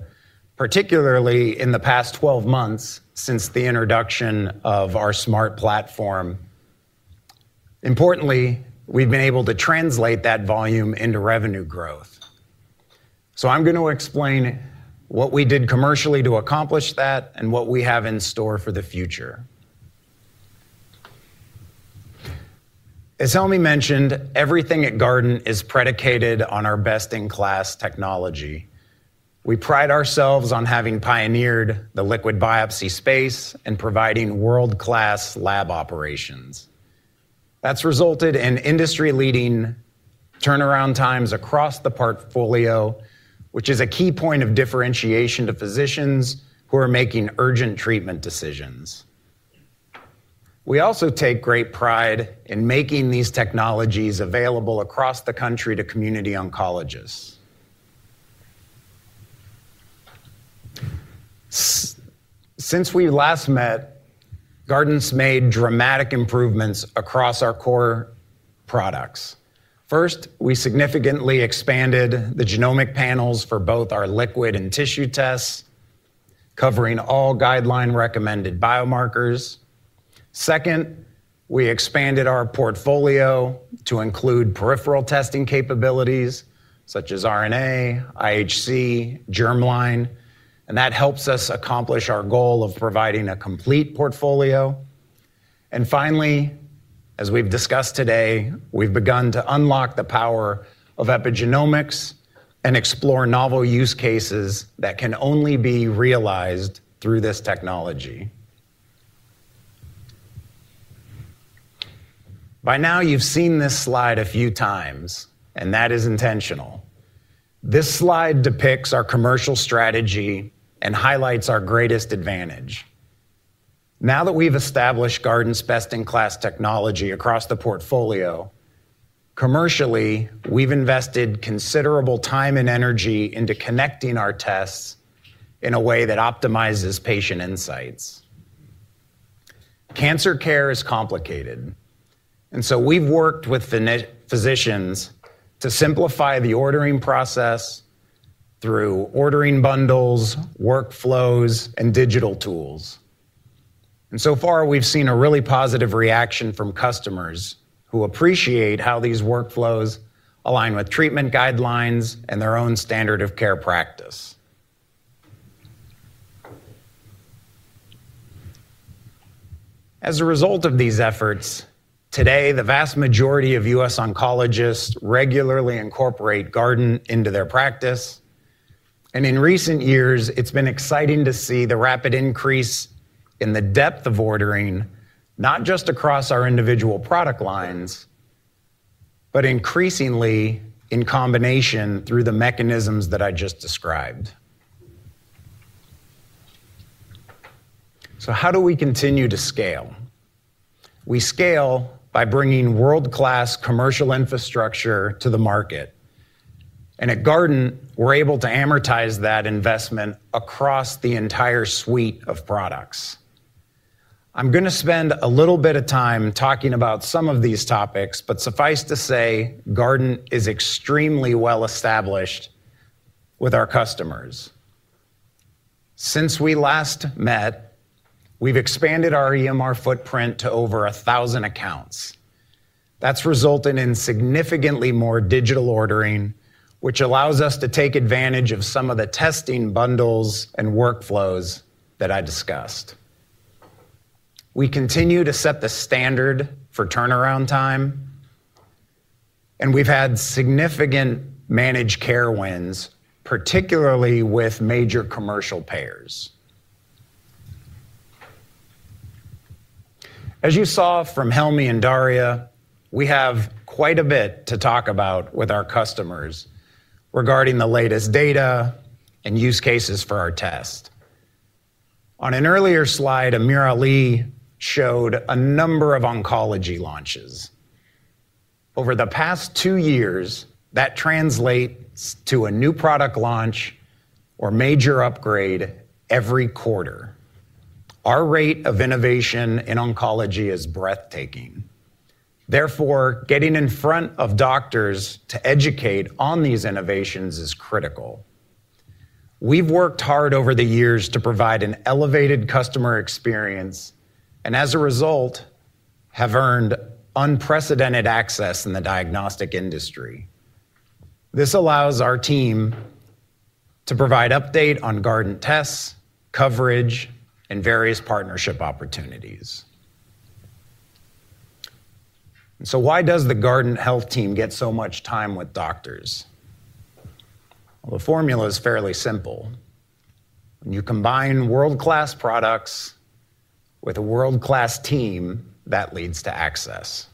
particularly in the past 12 months since the introduction of our Smart Platform. Importantly, we've been able to translate that volume into revenue growth. I'm going to explain what we did commercially to accomplish that and what we have in store for the future. As Helmy mentioned, everything at Guardant is predicated on our best-in-class technology. We pride ourselves on having pioneered the liquid biopsy space and providing world-class lab operations. That's resulted in industry-leading turnaround times across the portfolio, which is a key point of differentiation to physicians who are making urgent treatment decisions. We also take great pride in making these technologies available across the country to community oncologists. Since we last met, Guardant's made dramatic improvements across our core products. First, we significantly expanded the genomic panels for both our liquid and tissue tests, covering all guideline-recommended biomarkers. Second, we expanded our portfolio to include peripheral testing capabilities such as RNA, IHC, germline, and that helps us accomplish our goal of providing a complete portfolio. Finally, as we've discussed today, we've begun to unlock the power of epigenomics and explore novel use cases that can only be realized through this technology. By now, you've seen this slide a few times, and that is intentional. This slide depicts our commercial strategy and highlights our greatest advantage. Now that we've established Guardant's best-in-class technology across the portfolio, commercially, we've invested considerable time and energy into connecting our tests in a way that optimizes patient insights. Cancer care is complicated, and we've worked with physicians to simplify the ordering process through ordering bundles, workflows, and digital tools. So far, we've seen a really positive reaction from customers who appreciate how these workflows align with treatment guidelines and their own standard of care practice. As a result of these efforts, today, the vast majority of U.S. oncologists regularly incorporate Guardant into their practice. In recent years, it's been exciting to see the rapid increase in the depth of ordering, not just across our individual product lines, but increasingly in combination through the mechanisms that I just described. How do we continue to scale? We scale by bringing world-class commercial infrastructure to the market. At Guardant, we're able to amortize that investment across the entire suite of products. I'm going to spend a little bit of time talking about some of these topics, but suffice to say, Guardant is extremely well-established with our customers. Since we last met, we've expanded our EMR footprint to over 1,000 accounts. That's resulted in significantly more digital ordering, which allows us to take advantage of some of the testing bundles and workflows that I discussed. We continue to set the standard for turnaround time, and we've had significant managed care wins, particularly with major commercial payers. As you saw from Helmy and Darya, we have quite a bit to talk about with our customers regarding the latest data and use cases for our test. On an earlier slide, AmirAli showed a number of oncology launches. Over the past two years, that translates to a new product launch or major upgrade every quarter. Our rate of innovation in oncology is breathtaking. Therefore, getting in front of doctors to educate on these innovations is critical. We've worked hard over the years to provide an elevated customer experience and, as a result, have earned unprecedented access in the diagnostic industry. This allows our team to provide updates on Guardant tests, coverage, and various partnership opportunities. Why does the Guardant Health team get so much time with doctors? The formula is fairly simple. When you combine world-class products with a world-class team, that leads to access.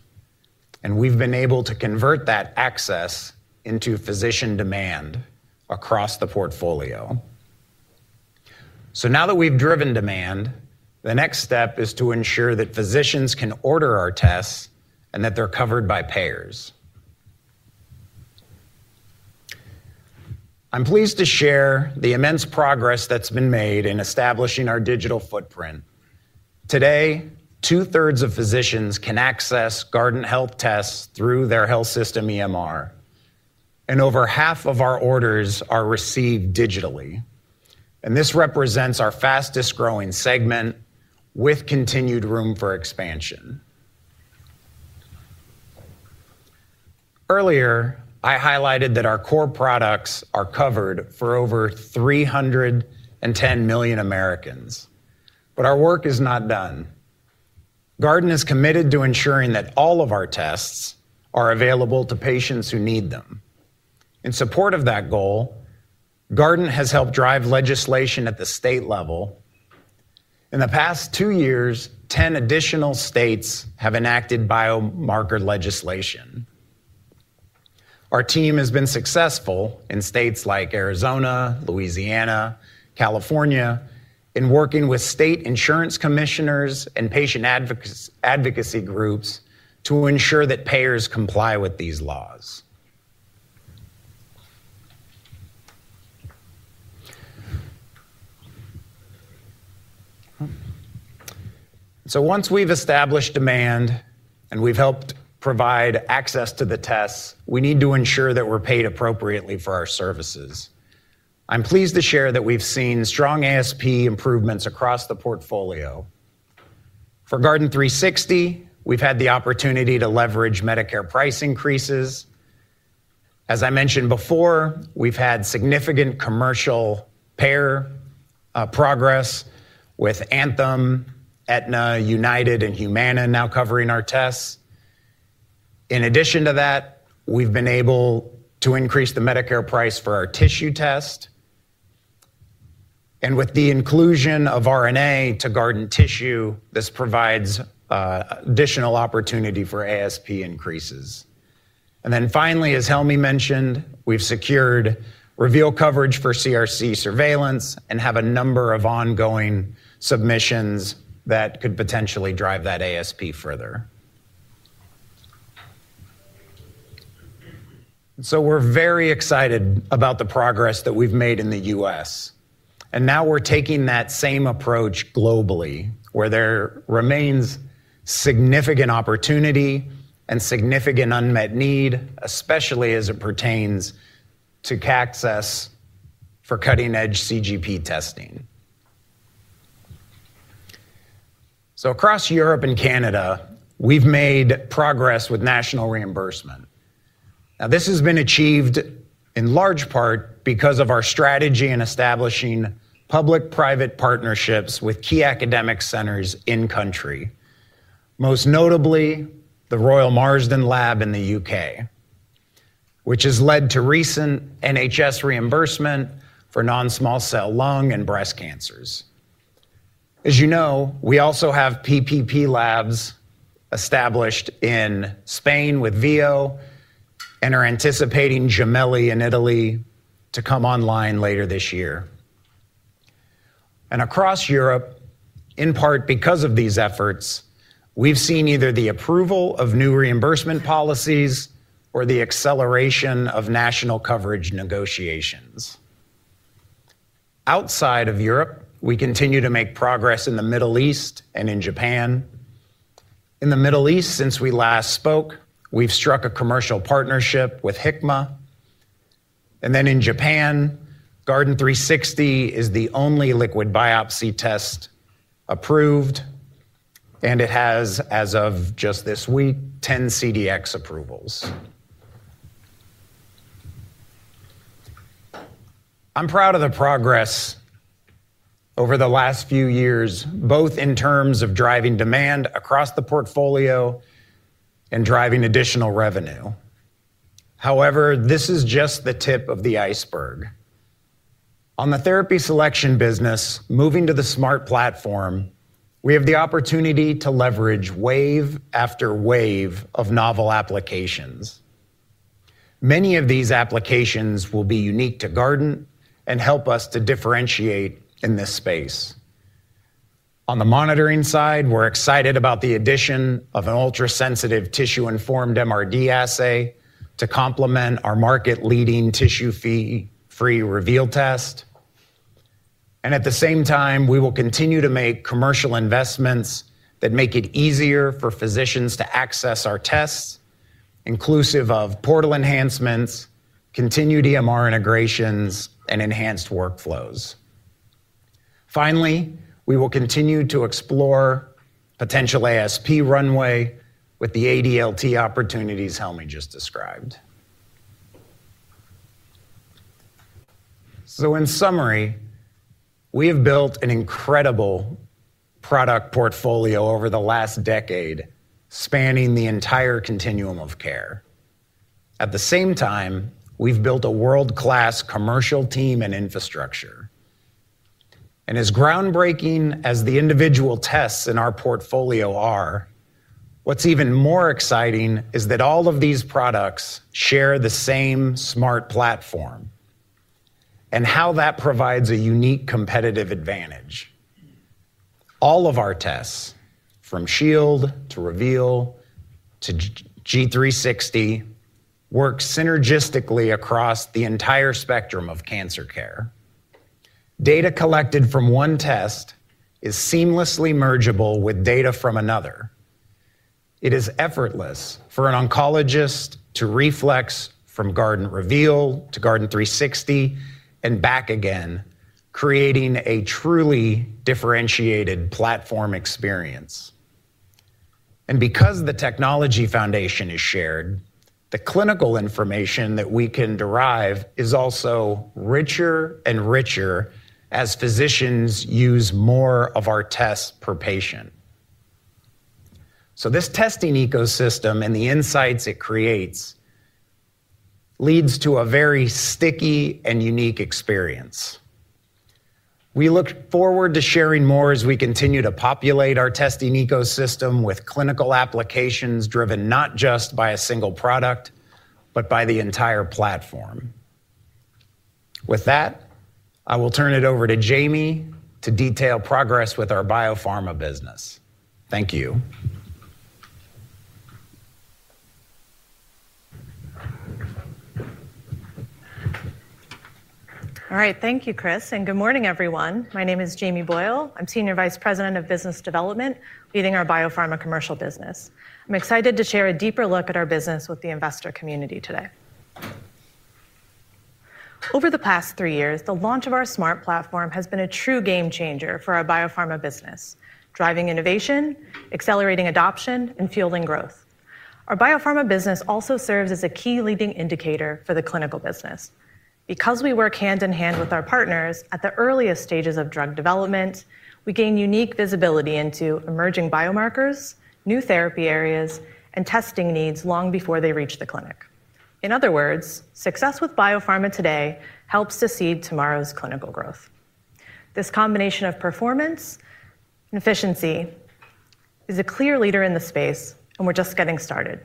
We've been able to convert that access into physician demand across the portfolio. Now that we've driven demand, the next step is to ensure that physicians can order our tests and that they're covered by payers. I'm pleased to share the immense progress that's been made in establishing our digital footprint. Today, 2/3 of physicians can access Guardant Health tests through their health system EMR. Over half of our orders are received digitally. This represents our fastest growing segment with continued room for expansion. Earlier, I highlighted that our core products are covered for over 310 million Americans. Our work is not done. Guardant is committed to ensuring that all of our tests are available to patients who need them. In support of that goal, Guardant Health has helped drive legislation at the state level. In the past two years, 10 additional states have enacted biomarker legislation. Our team has been successful in states like Arizona, Louisiana, and California, in working with state insurance commissioners and patient advocacy groups to ensure that payers comply with these laws. Once we've established demand and we've helped provide access to the tests, we need to ensure that we're paid appropriately for our services. I'm pleased to share that we've seen strong ASP improvements across the portfolio. For Guardant360, we've had the opportunity to leverage Medicare price increases. As I mentioned before, we've had significant commercial payer progress with Anthem, Aetna, United, and Humana now covering our tests. In addition to that, we've been able to increase the Medicare price for our tissue test. With the inclusion of RNA to Guardant360 Tissue, this provides additional opportunity for ASP increases. Finally, as Helmy mentioned, we've secured Guardant Reveal coverage for CRC surveillance and have a number of ongoing submissions that could potentially drive that ASP further. We're very excited about the progress that we've made in the U.S. Now we're taking that same approach globally, where there remains significant opportunity and significant unmet need, especially as it pertains to CACS for cutting-edge CGP testing. Across Europe and Canada, we've made progress with national reimbursement. This has been achieved in large part because of our strategy in establishing public-private partnerships with key academic centers in country, most notably the Royal Marsden Lab in the U.K., which has led to recent NHS reimbursement for non-small cell lung and breast cancers. As you know, we also have PPP labs established in Spain with VIO and are anticipating Gemelli in Italy to come online later this year. Across Europe, in part because of these efforts, we've seen either the approval of new reimbursement policies or the acceleration of national coverage negotiations. Outside of Europe, we continue to make progress in the Middle East and in Japan. In the Middle East, since we last spoke, we've struck a commercial partnership with HCMA. In Japan, Guardant360 is the only liquid biopsy test approved, and it has, as of just this week, 10 CDx approvals. I'm proud of the progress over the last few years, both in terms of driving demand across the portfolio and driving additional revenue. However, this is just the tip of the iceberg. On the therapy selection business, moving to the Smart Platform, we have the opportunity to leverage wave after wave of novel applications. Many of these applications will be unique to Guardant and help us to differentiate in this space. On the monitoring side, we're excited about the addition of an ultrasensitive tissue-informed MRD assay to complement our market-leading tissue-free Reveal test. At the same time, we will continue to make commercial investments that make it easier for physicians to access our tests, inclusive of portal enhancements, continued EMR integrations, and enhanced workflows. We will continue to explore potential ASP runway with the ADLT opportunities Helmy just described. In summary, we have built an incredible product portfolio over the last decade, spanning the entire continuum of care. At the same time, we've built a world-class commercial team and infrastructure. As groundbreaking as the individual tests in our portfolio are, what's even more exciting is that all of these products share the same Smart Platform and how that provides a unique competitive advantage. All of our tests, from Shield to Reveal to Guardant360, work synergistically across the entire spectrum of cancer care. Data collected from one test is seamlessly mergeable with data from another. It is effortless for an oncologist to reflex from Guardant Reveal to Guardant360 and back again, creating a truly differentiated platform experience. Because the technology foundation is shared, the clinical information that we can derive is also richer and richer as physicians use more of our tests per patient. This testing ecosystem and the insights it creates lead to a very sticky and unique experience. We look forward to sharing more as we continue to populate our testing ecosystem with clinical applications driven not just by a single product, but by the entire platform. With that, I will turn it over to Jamie to detail progress with our biopharma business. Thank you. All right. Thank you, Chris, and good morning, everyone. My name is Jamie Boyle. I'm Senior Vice President of Business Development, leading our biopharma commercial business. I'm excited to share a deeper look at our business with the investor community today. Over the past three years, the launch of our Smart Platform has been a true game changer for our biopharma business, driving innovation, accelerating adoption, and fueling growth. Our biopharma business also serves as a key leading indicator for the clinical business. Because we work hand in hand with our partners at the earliest stages of drug development, we gain unique visibility into emerging biomarkers, new therapy areas, and testing needs long before they reach the clinic. In other words, success with biopharma today helps to seed tomorrow's clinical growth. This combination of performance and efficiency is a clear leader in the space, and we're just getting started.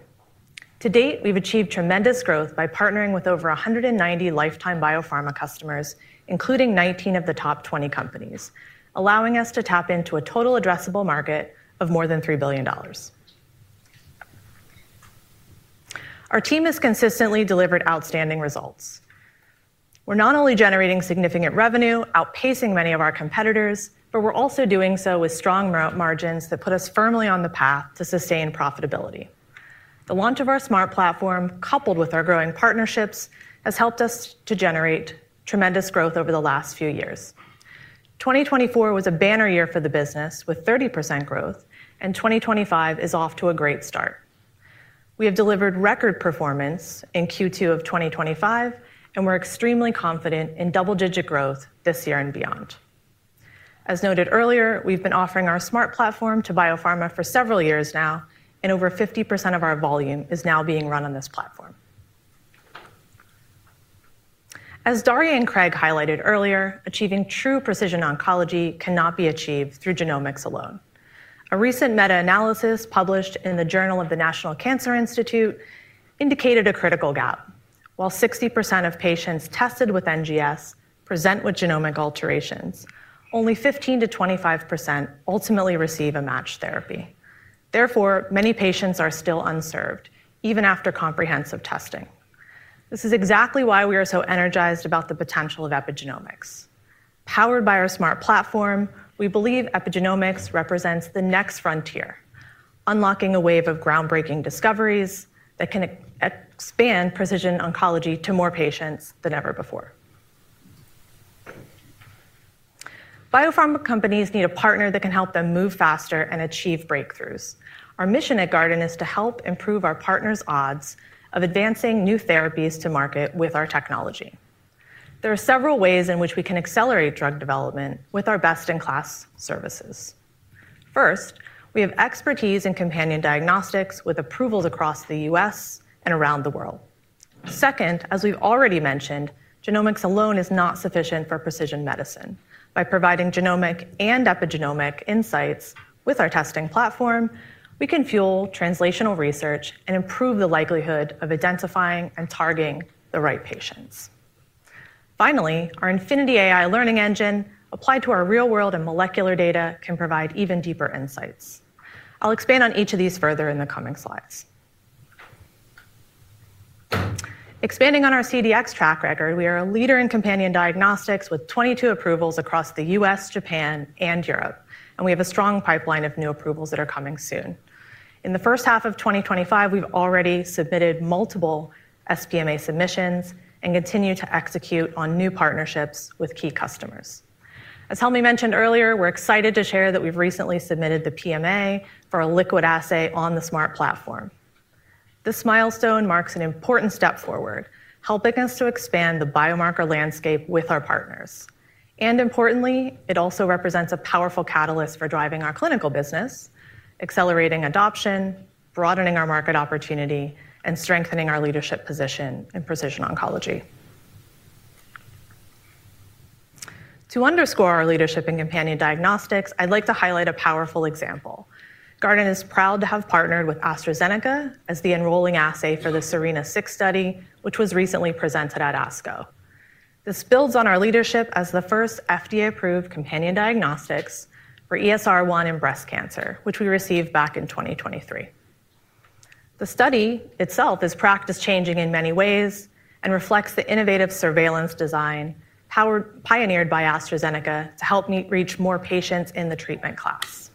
To date, we've achieved tremendous growth by partnering with over 190 lifetime biopharma customers, including 19 of the top 20 companies, allowing us to tap into a total addressable market of more than $3 billion. Our team has consistently delivered outstanding results. We're not only generating significant revenue, outpacing many of our competitors, but we're also doing so with strong margins that put us firmly on the path to sustained profitability. The launch of our Smart Platform, coupled with our growing partnerships, has helped us to generate tremendous growth over the last few years. 2024 was a banner year for the business, with 30% growth, and 2025 is off to a great start. We have delivered record performance in Q2 of 2025, and we're extremely confident in double-digit growth this year and beyond. As noted earlier, we've been offering our Smart Platform to biopharma for several years now, and over 50% of our volume is now being run on this platform. As Darya and Craig highlighted earlier, achieving true precision oncology cannot be achieved through genomics alone. A recent meta-analysis published in the Journal of the National Cancer Institute indicated a critical gap. While 60% of patients tested with NGS present with genomic alterations, only 15%-25% ultimately receive a matched therapy. Therefore, many patients are still unserved, even after comprehensive testing. This is exactly why we are so energized about the potential of epigenomics. Powered by our Smart Platform, we believe epigenomics represents the next frontier, unlocking a wave of groundbreaking discoveries that can expand precision oncology to more patients than ever before. Biopharma companies need a partner that can help them move faster and achieve breakthroughs. Our mission at Guardant is to help improve our partners' odds of advancing new therapies to market with our technology. There are several ways in which we can accelerate drug development with our best-in-class services. First, we have expertise in companion diagnostics with approvals across the U.S. and around the world. Second, as we've already mentioned, genomics alone is not sufficient for precision medicine. By providing genomic and epigenomic insights with our testing platform, we can fuel translational research and improve the likelihood of identifying and targeting the right patients. Finally, our Infinity AI Learning Engine, applied to our real-world and molecular data, can provide even deeper insights. I'll expand on each of these further in the coming slides. Expanding on our CDx track record, we are a leader in companion diagnostics with 22 approvals across the U.S., Japan, and Europe. We have a strong pipeline of new approvals that are coming soon. In the first half of 2025, we've already submitted multiple sPMA submissions and continue to execute on new partnerships with key customers. As Helmy mentioned earlier, we're excited to share that we've recently submitted the PMA for a liquid assay on the Smart Platform. This milestone marks an important step forward, helping us to expand the biomarker landscape with our partners. It also represents a powerful catalyst for driving our clinical business, accelerating adoption, broadening our market opportunity, and strengthening our leadership position in precision oncology. To underscore our leadership in companion diagnostics, I'd like to highlight a powerful example. Guardant Health is proud to have partnered with AstraZeneca as the enrolling assay for the SERENA-6 study, which was recently presented at ASCO. This builds on our leadership as the first FDA-approved companion diagnostics for ESR1 in breast cancer, which we received back in 2023. The study itself is practice-changing in many ways and reflects the innovative surveillance design pioneered by AstraZeneca to help reach more patients in the treatment class.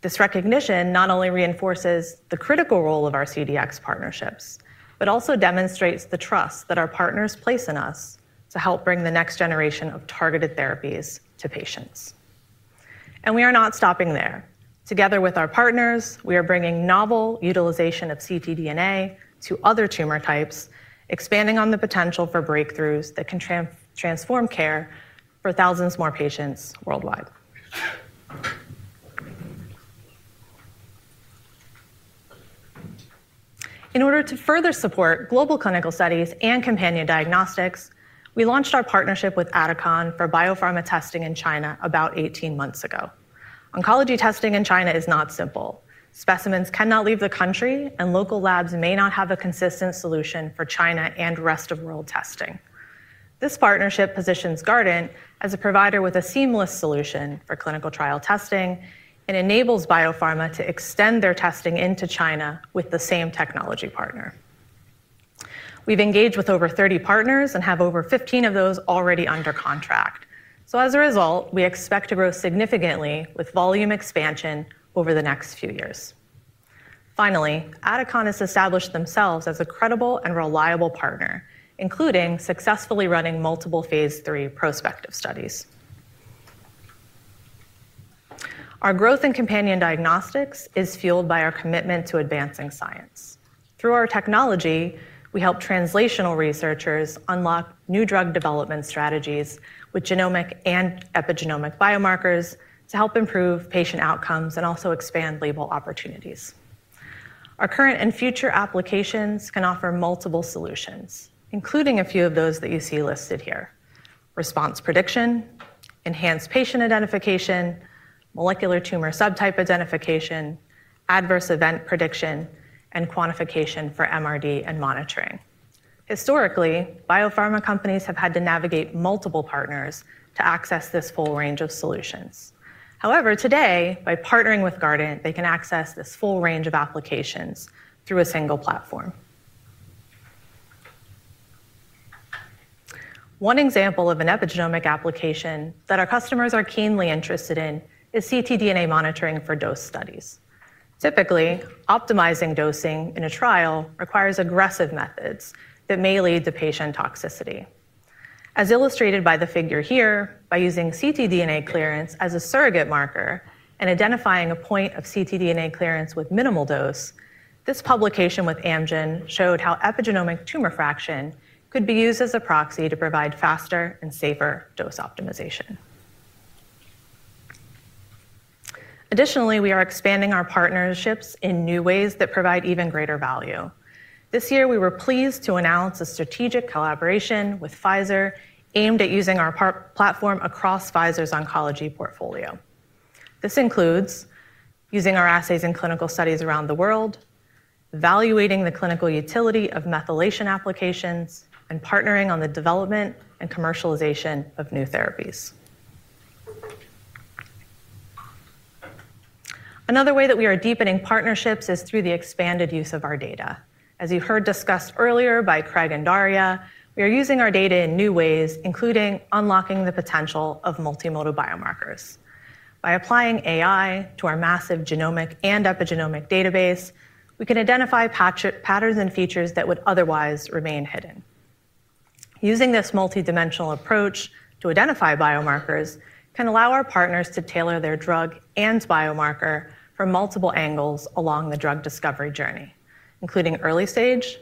This recognition not only reinforces the critical role of our CDx partnerships, but also demonstrates the trust that our partners place in us to help bring the next generation of targeted therapies to patients. We are not stopping there. Together with our partners, we are bringing novel utilization of ctDNA to other tumor types, expanding on the potential for breakthroughs that can transform care for thousands more patients worldwide. In order to further support global clinical studies and companion diagnostics, we launched our partnership with ADACON for biopharma testing in China about 18 months ago. Oncology testing in China is not simple. Specimens cannot leave the country, and local labs may not have a consistent solution for China and rest of world testing. This partnership positions Guardant as a provider with a seamless solution for clinical trial testing and enables biopharma to extend their testing into China with the same technology partner. We've engaged with over 30 partners and have over 15 of those already under contract. As a result, we expect to grow significantly with volume expansion over the next few years. Finally, ADACON has established themselves as a credible and reliable partner, including successfully running multiple phase III prospective studies. Our growth in companion diagnostics is fueled by our commitment to advancing science. Through our technology, we help translational researchers unlock new drug development strategies with genomic and epigenomic biomarkers to help improve patient outcomes and also expand label opportunities. Our current and future applications can offer multiple solutions, including a few of those that you see listed here: response prediction, enhanced patient identification, molecular tumor subtype identification, adverse event prediction, and quantification for MRD and monitoring. Historically, biopharma companies have had to navigate multiple partners to access this full range of solutions. However, today, by partnering with Guardant, they can access this full range of applications through a single platform. One example of an epigenomic application that our customers are keenly interested in is ctDNA monitoring for dose studies. Typically, optimizing dosing in a trial requires aggressive methods that may lead to patient toxicity. As illustrated by the figure here, by using ctDNA clearance as a surrogate marker and identifying a point of ctDNA clearance with minimal dose, this publication with Amgen showed how epigenomic tumor fraction could be used as a proxy to provide faster and safer dose optimization. Additionally, we are expanding our partnerships in new ways that provide even greater value. This year, we were pleased to announce a strategic collaboration with Pfizer aimed at using our platform across Pfizer's oncology portfolio. This includes using our assays in clinical studies around the world, evaluating the clinical utility of methylation applications, and partnering on the development and commercialization of new therapies. Another way that we are deepening partnerships is through the expanded use of our data. As you heard discussed earlier by Craig and Darya, we are using our data in new ways, including unlocking the potential of multimodal biomarkers. By applying AI to our massive genomic and epigenomic database, we can identify patterns and features that would otherwise remain hidden. Using this multi-dimensional approach to identify biomarkers can allow our partners to tailor their drug and biomarker from multiple angles along the drug discovery journey, including early stage,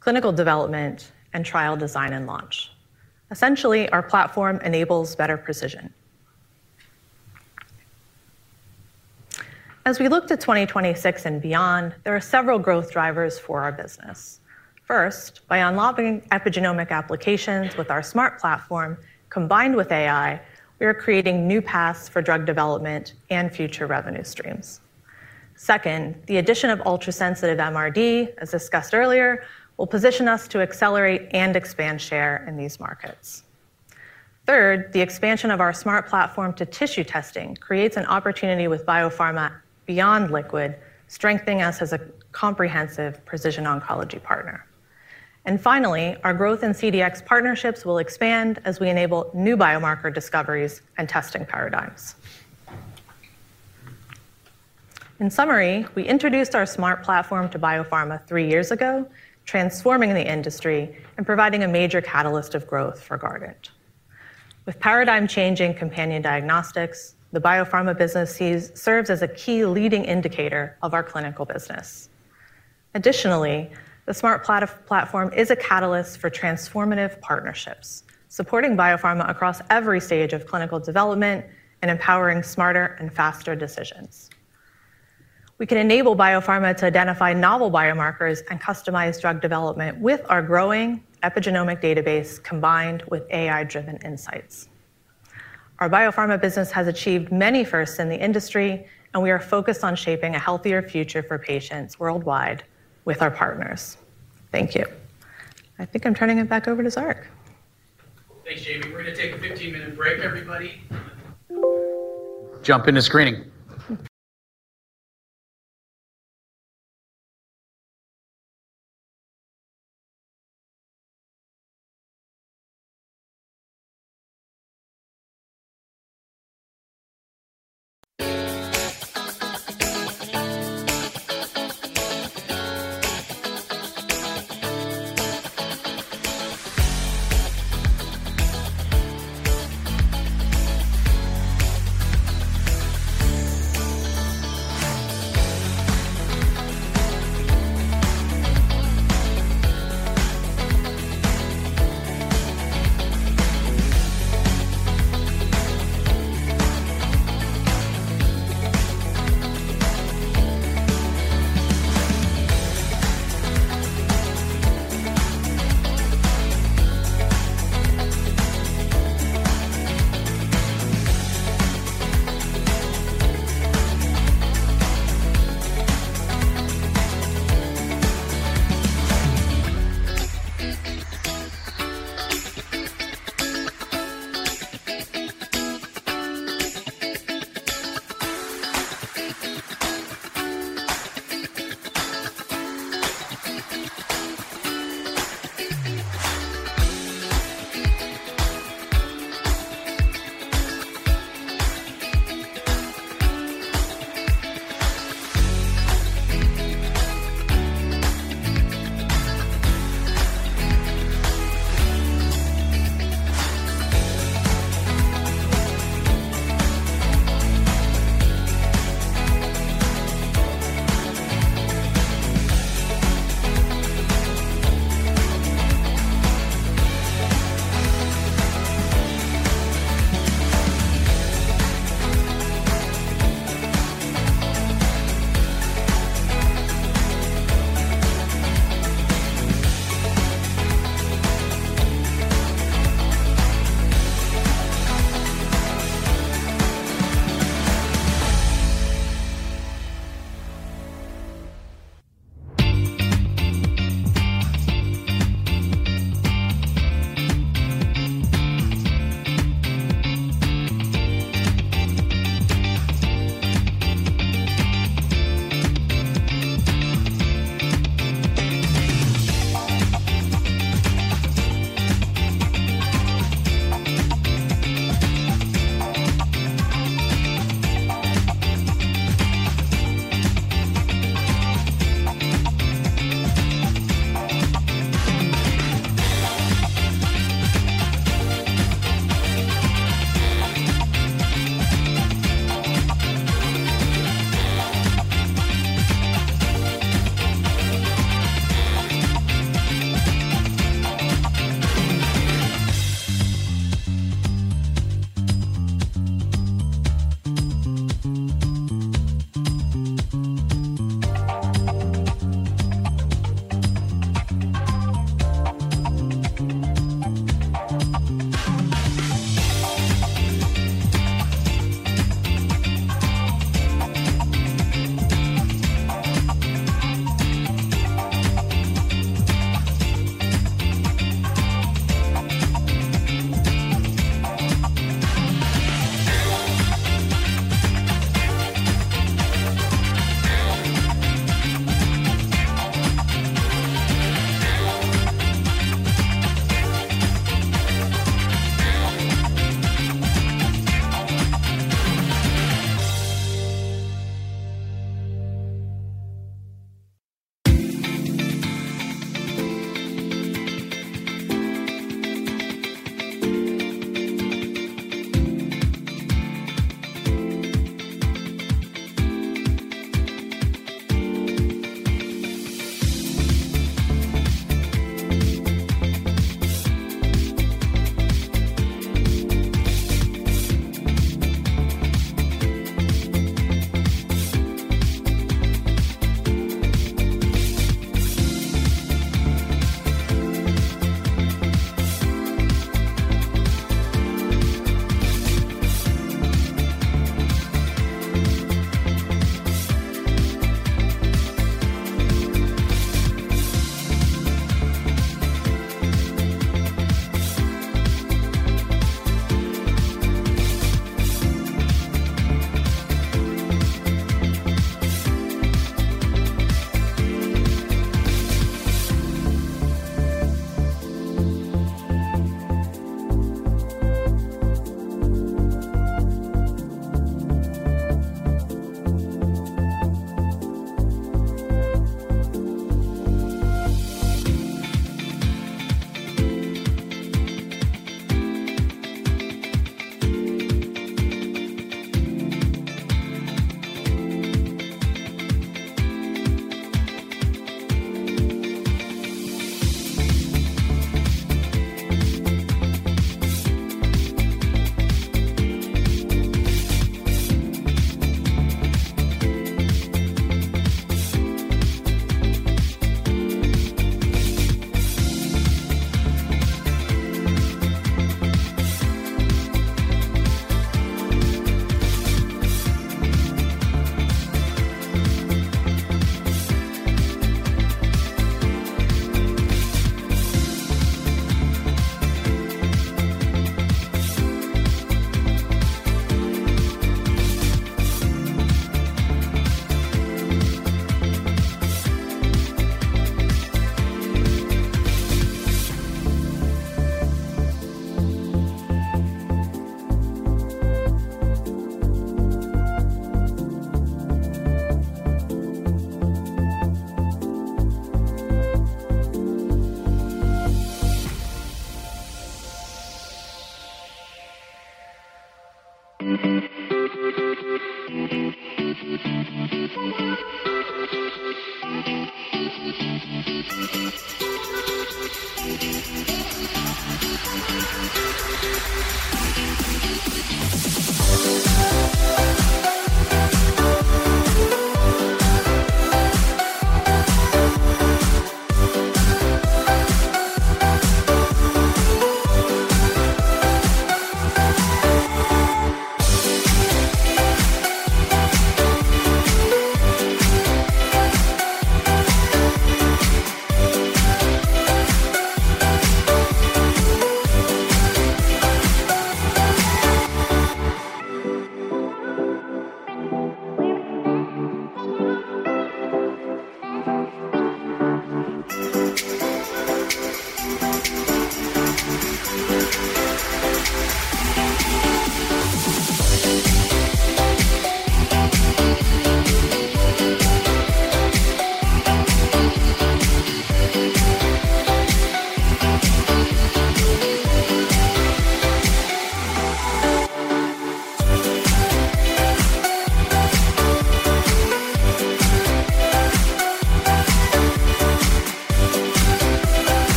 clinical development, and trial design and launch. Essentially, our platform enables better precision. As we look to 2026 and beyond, there are several growth drivers for our business. First, by unlocking epigenomic applications with our Smart Platform combined with AI, we are creating new paths for drug development and future revenue streams. Second, the addition of ultrasensitive MRD, as discussed earlier, will position us to accelerate and expand share in these markets. Third, the expansion of our Smart Platform to tissue testing creates an opportunity with biopharma beyond liquid, strengthening us as a comprehensive precision oncology partner. Finally, our growth in CDx partnerships will expand as we enable new biomarker discoveries and testing paradigms. In summary, we introduced our Smart Platform to biopharma three years ago, transforming the industry and providing a major catalyst of growth for Guardant Health. With paradigm-changing companion diagnostics, the biopharma business serves as a key leading indicator of our clinical business. Additionally, the Smart Platform is a catalyst for transformative partnerships, supporting biopharma across every stage of clinical development and empowering smarter and faster decisions. We can enable biopharma to identify novel biomarkers and customize drug development with our growing epigenomic database combined with AI-driven insights. Our biopharma business has achieved many firsts in the industry, and we are focused on shaping a healthier future for patients worldwide with our partners. Thank you. I think I'm turning it back over to Zarak. Thanks, Jamie. We're going to take a 15-minute break, everybody. Jump into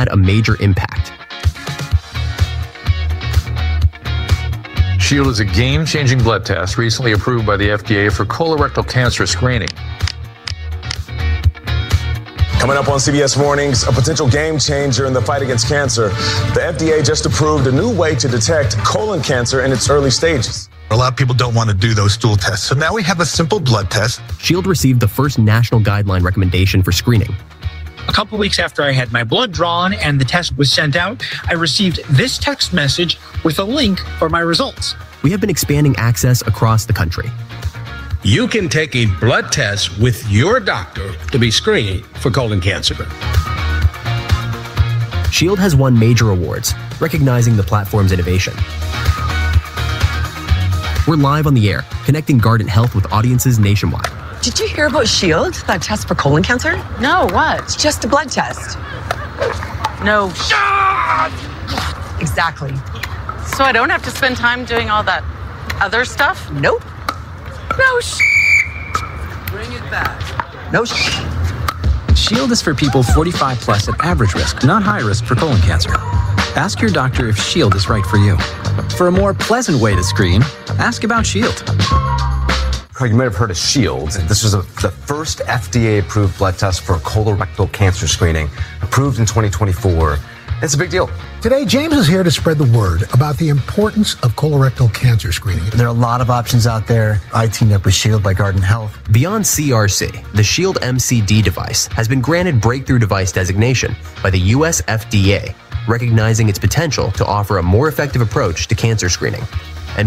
screen. is a game-changing blood test recently approved by the FDA for colorectal cancer screening. Coming up on CBS Mornings, a potential game changer in the fight against cancer. The FDA just approved a new way to detect colon cancer in its early stages. A lot of people don't want to do those stool tests, so now we have a simple blood test. Shield received the first national guideline recommendation for screening. A couple of weeks after I had my blood drawn and the test was sent out, I received this text message with a link for my results. We have been expanding access across the country. You can take a blood test with your doctor to be screened for colorectal cancer. Sheila has won major awards, recognizing the platform's innovation. We're live on the air, connecting Guardant Health with audiences nationwide. Did you hear about Shield, that test for colon cancer? No, what? Just a blood test. No sh. Exactly. I don't have to spend time doing all that other stuff? Nope. No sh. Bring it back. No sh. Shield is for people 45 plus at average risk, not high risk, for colon cancer. Ask your doctor if Shield is right for you. For a more pleasant way to screen, ask about Shield. Craig, you might have heard of Shield. This was the first FDA-approved blood test for colorectal cancer screening, approved in 2024. It's a big deal. Today, James is here to spread the word about the importance of colorectal cancer screening. There are a lot of options out there. I teamed up with Shield by Guardant Health. Beyond CRC, the Shield MCD device has been granted breakthrough device designation by the U.S. FDA, recognizing its potential to offer a more effective approach to cancer screening.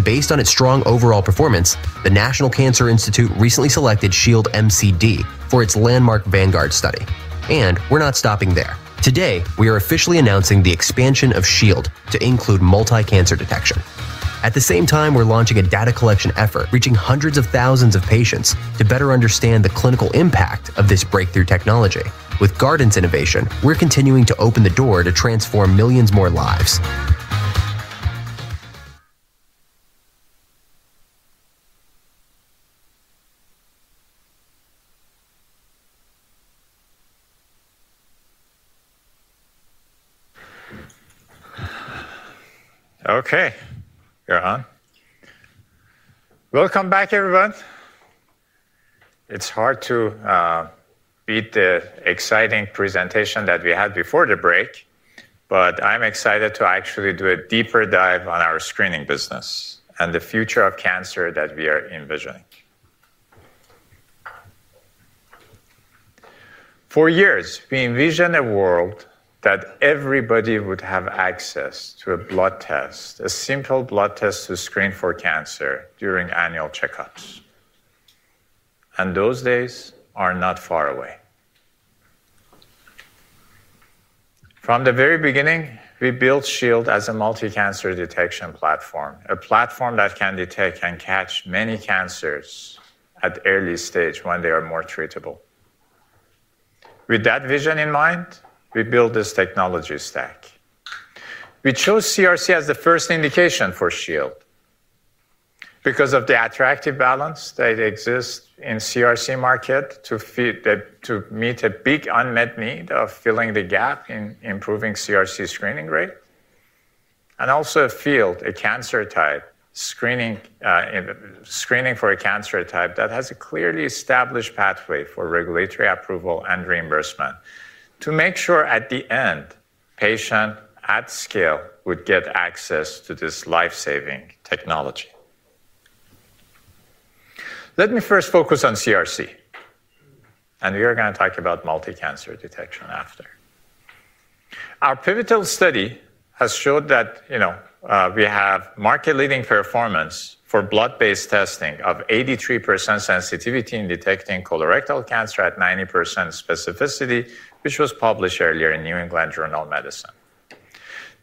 Based on its strong overall performance, the National Cancer Institute recently selected Shield MCD for its landmark Vanguard study. We're not stopping there. Today, we are officially announcing the expansion of Shield to include multi-cancer detection. At the same time, we're launching a data collection effort reaching hundreds of thousands of patients to better understand the clinical impact of this breakthrough technology. With Guardant's innovation, we're continuing to open the door to transform millions more lives. Okay, we're on. Welcome back, everyone. It's hard to beat the exciting presentation that we had before the break, but I'm excited to actually do a deeper dive on our screening business and the future of cancer that we are envisioning. For years, we envisioned a world that everybody would have access to a blood test, a simple blood test to screen for cancer during annual checkups. Those days are not far away. From the very beginning, we built Shield as a multi-cancer detection platform, a platform that can detect and catch many cancers at the early stage when they are more treatable. With that vision in mind, we built this technology stack. We chose CRC as the first indication for Shield because of the attractive balance that exists in the CRC market to meet a big unmet need of filling the gap in improving CRC screening rate. Also, a field, a cancer type, screening for a cancer type that has a clearly established pathway for regulatory approval and reimbursement to make sure at the end, patients at scale would get access to this life-saving technology. Let me first focus on CRC. We are going to talk about multi-cancer detection after. Our pivotal study has shown that we have market-leading performance for blood-based testing of 83% sensitivity in detecting colorectal cancer at 90% specificity, which was published earlier in New England Journal of Medicine.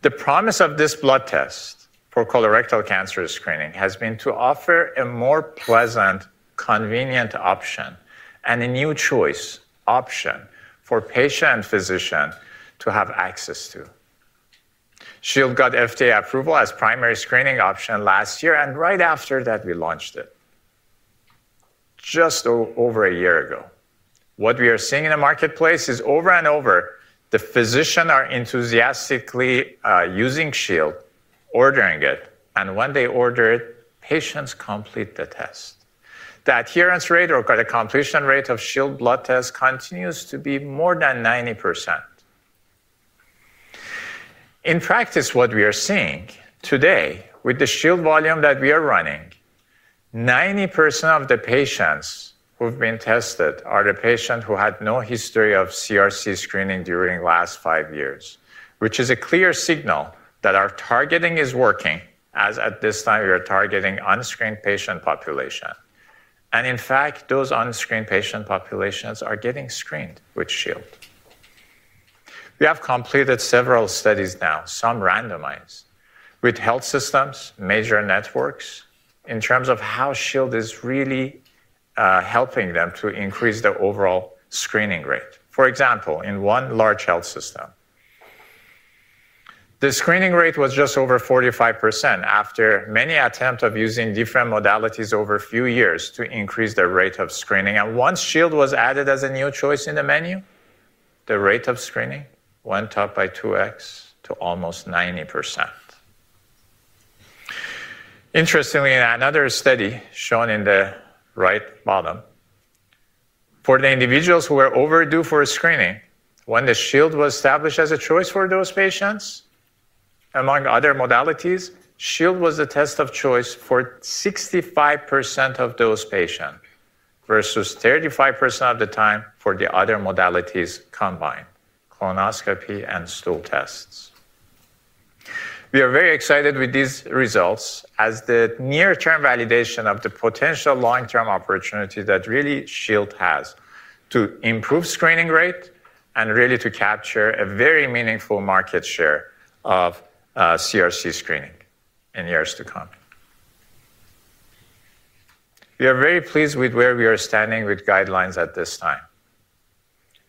The promise of this blood test for colorectal cancer screening has been to offer a more pleasant, convenient option and a new choice option for patients and physicians to have access to. Shield got FDA approval as a primary screening option last year, and right after that, we launched it just over a year ago. What we are seeing in the marketplace is over and over, the physicians are enthusiastically using Shield, ordering it, and when they order it, patients complete the test. The adherence rate or the completion rate of Shield blood tests continues to be more than 90%. In practice, what we are seeing today with the Shield volume that we are running, 90% of the patients who've been tested are the patients who had no history of CRC screening during the last five years, which is a clear signal that our targeting is working, as at this time we are targeting an unscreened patient population. In fact, those unscreened patient populations are getting screened with Shield. We have completed several studies now, some randomized with health systems, major networks, in terms of how Shield is really helping them to increase the overall screening rate. For example, in one large health system, the screening rate was just over 45% after many attempts of using different modalities over a few years to increase the rate of screening. Once Shield was added as a new choice in the menu, the rate of screening went up by 2x to almost 90%. Interestingly, in another study shown in the right bottom, for the individuals who were overdue for screening, when the Shield was established as a choice for those patients, among other modalities, Shield was a test of choice for 65% of those patients versus 35% of the time for the other modalities combined, colonoscopy and stool tests. We are very excited with these results as the near-term validation of the potential long-term opportunity that really Shield has to improve screening rate and really to capture a very meaningful market share of CRC screening in years to come. We are very pleased with where we are standing with guidelines at this time.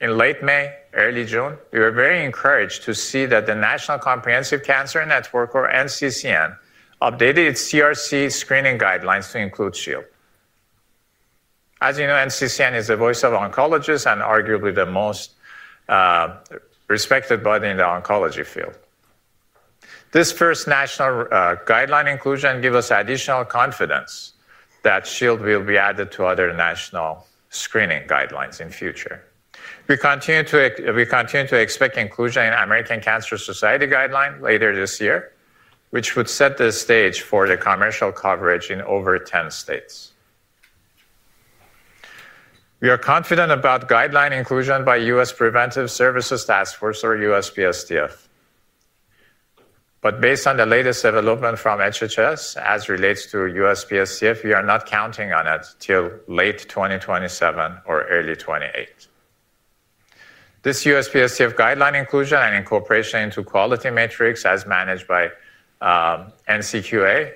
In late May, early June, we were very encouraged to see that the National Comprehensive Cancer Network, or NCCN, updated its CRC screening guidelines to include Shield. As you know, NCCN is the voice of oncologists and arguably the most respected body in the oncology field. This first national guideline inclusion gives us additional confidence that Shield will be added to other national screening guidelines in the future. We continue to expect inclusion in the American Cancer Society guideline later this year, which would set the stage for the commercial coverage in over 10 states. We are confident about guideline inclusion by the U.S. Preventive Services Task Force, or USPSTF. Based on the latest development from HHS as it relates to USPSTF, we are not counting on it till late 2027 or early 2028. This USPSTF guideline inclusion and incorporation into the quality matrix as managed by NCQA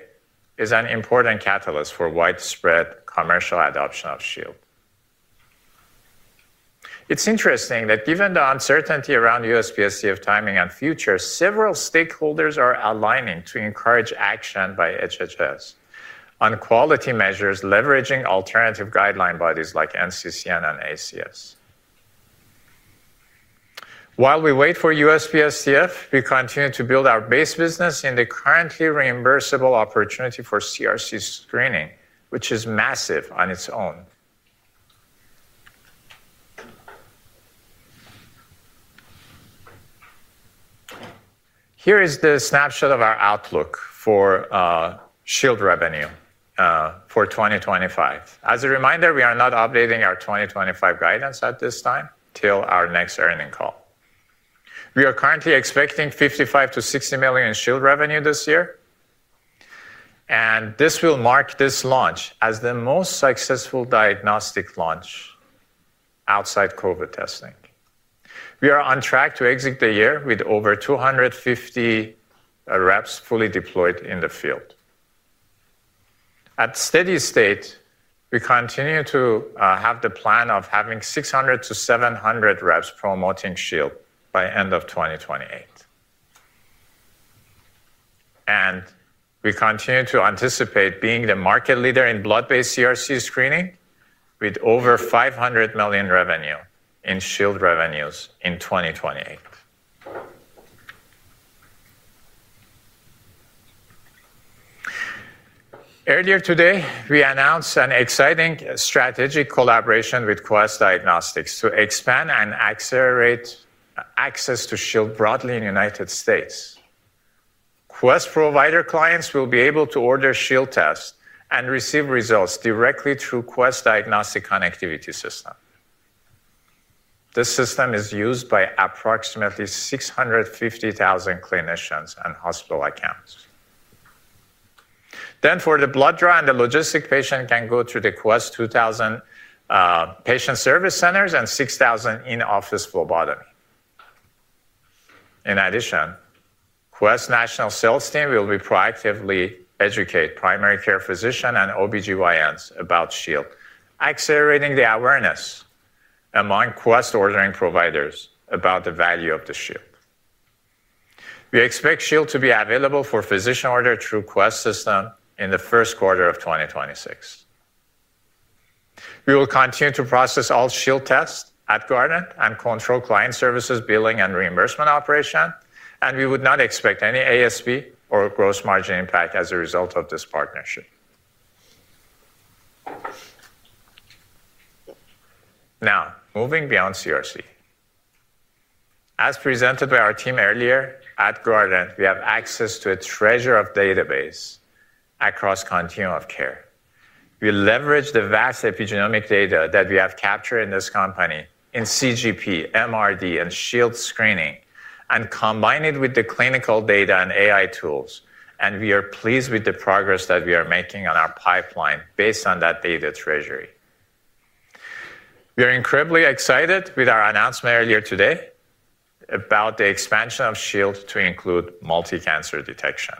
is an important catalyst for widespread commercial adoption of Shield. It is interesting that given the uncertainty around USPSTF timing and future, several stakeholders are aligning to encourage action by HHS on quality measures, leveraging alternative guideline bodies like NCCN and ACS. While we wait for USPSTF, we continue to build our base business in the currently reimbursable opportunity for CRC screening, which is massive on its own. Here is the snapshot of our outlook for Shield revenue for 2025. As a reminder, we are not updating our 2025 guidance at this time till our next earnings call. We are currently expecting $55 million-$60 million in Shield revenue this year. This will mark this launch as the most successful diagnostic launch outside COVID testing. We are on track to exit the year with over 250 reps fully deployed in the field. At a steady state, we continue to have the plan of having 600-700 reps promoting Shield by the end of 2028. We continue to anticipate being the market leader in blood-based CRC screening with over $500 million in Shield revenues in 2028. Earlier today, we announced an exciting strategic collaboration with Quest Diagnostics to expand and accelerate access to Shield broadly in the United States. Quest provider clients will be able to order Shield tests and receive results directly through the Quest Diagnostics Connectivity System. This system is used by approximately 650,000 clinicians and hospital accounts. For the blood draw, the patient can go through the Quest 2,000 patient service centers and 6,000 in-office phlebotomy. In addition, the Quest national sales team will proactively educate primary care physicians and OB-GYNs about Shield, accelerating the awareness among Quest ordering providers about the value of the Shield. We expect Shield to be available for physician orders through the Quest system in the first quarter of 2026. We will continue to process all Shield tests at Guardant and control client services, billing, and reimbursement operations. We would not expect any ASP or gross margin impact as a result of this partnership. Moving beyond CRC, as presented by our team earlier, at Guardant, we have access to a treasure of database across the continuum of care. We leverage the vast epigenomic data that we have captured in this company in CGP, MRD, and Shield screening, and combine it with the clinical data and AI tools. We are pleased with the progress that we are making in our pipeline based on that data treasury. We are incredibly excited with our announcement earlier today about the expansion of Shield to include multi-cancer detection.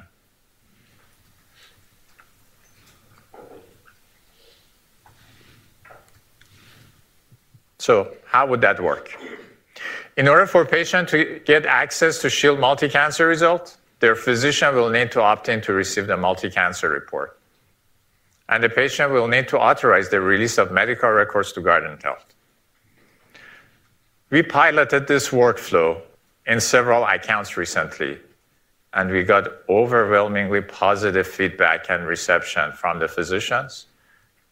How would that work? In order for a patient to get access to Shield multi-cancer results, their physician will need to opt in to receive the multi-cancer report. The patient will need to authorize the release of medical records to Guardant Health. We piloted this workflow in several accounts recently, and we got overwhelmingly positive feedback and reception from the physicians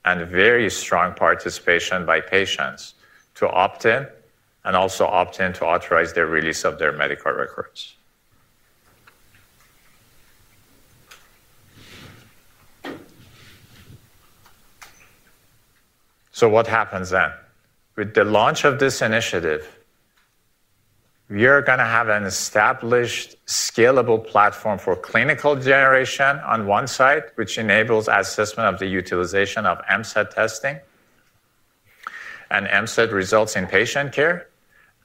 and very strong participation by patients to opt in and also opt in to authorize the release of their medical records. What happens then? With the launch of this initiative, we are going to have an established scalable platform for clinical generation on one side, which enables assessment of the utilization of M-set testing and M-set results in patient care.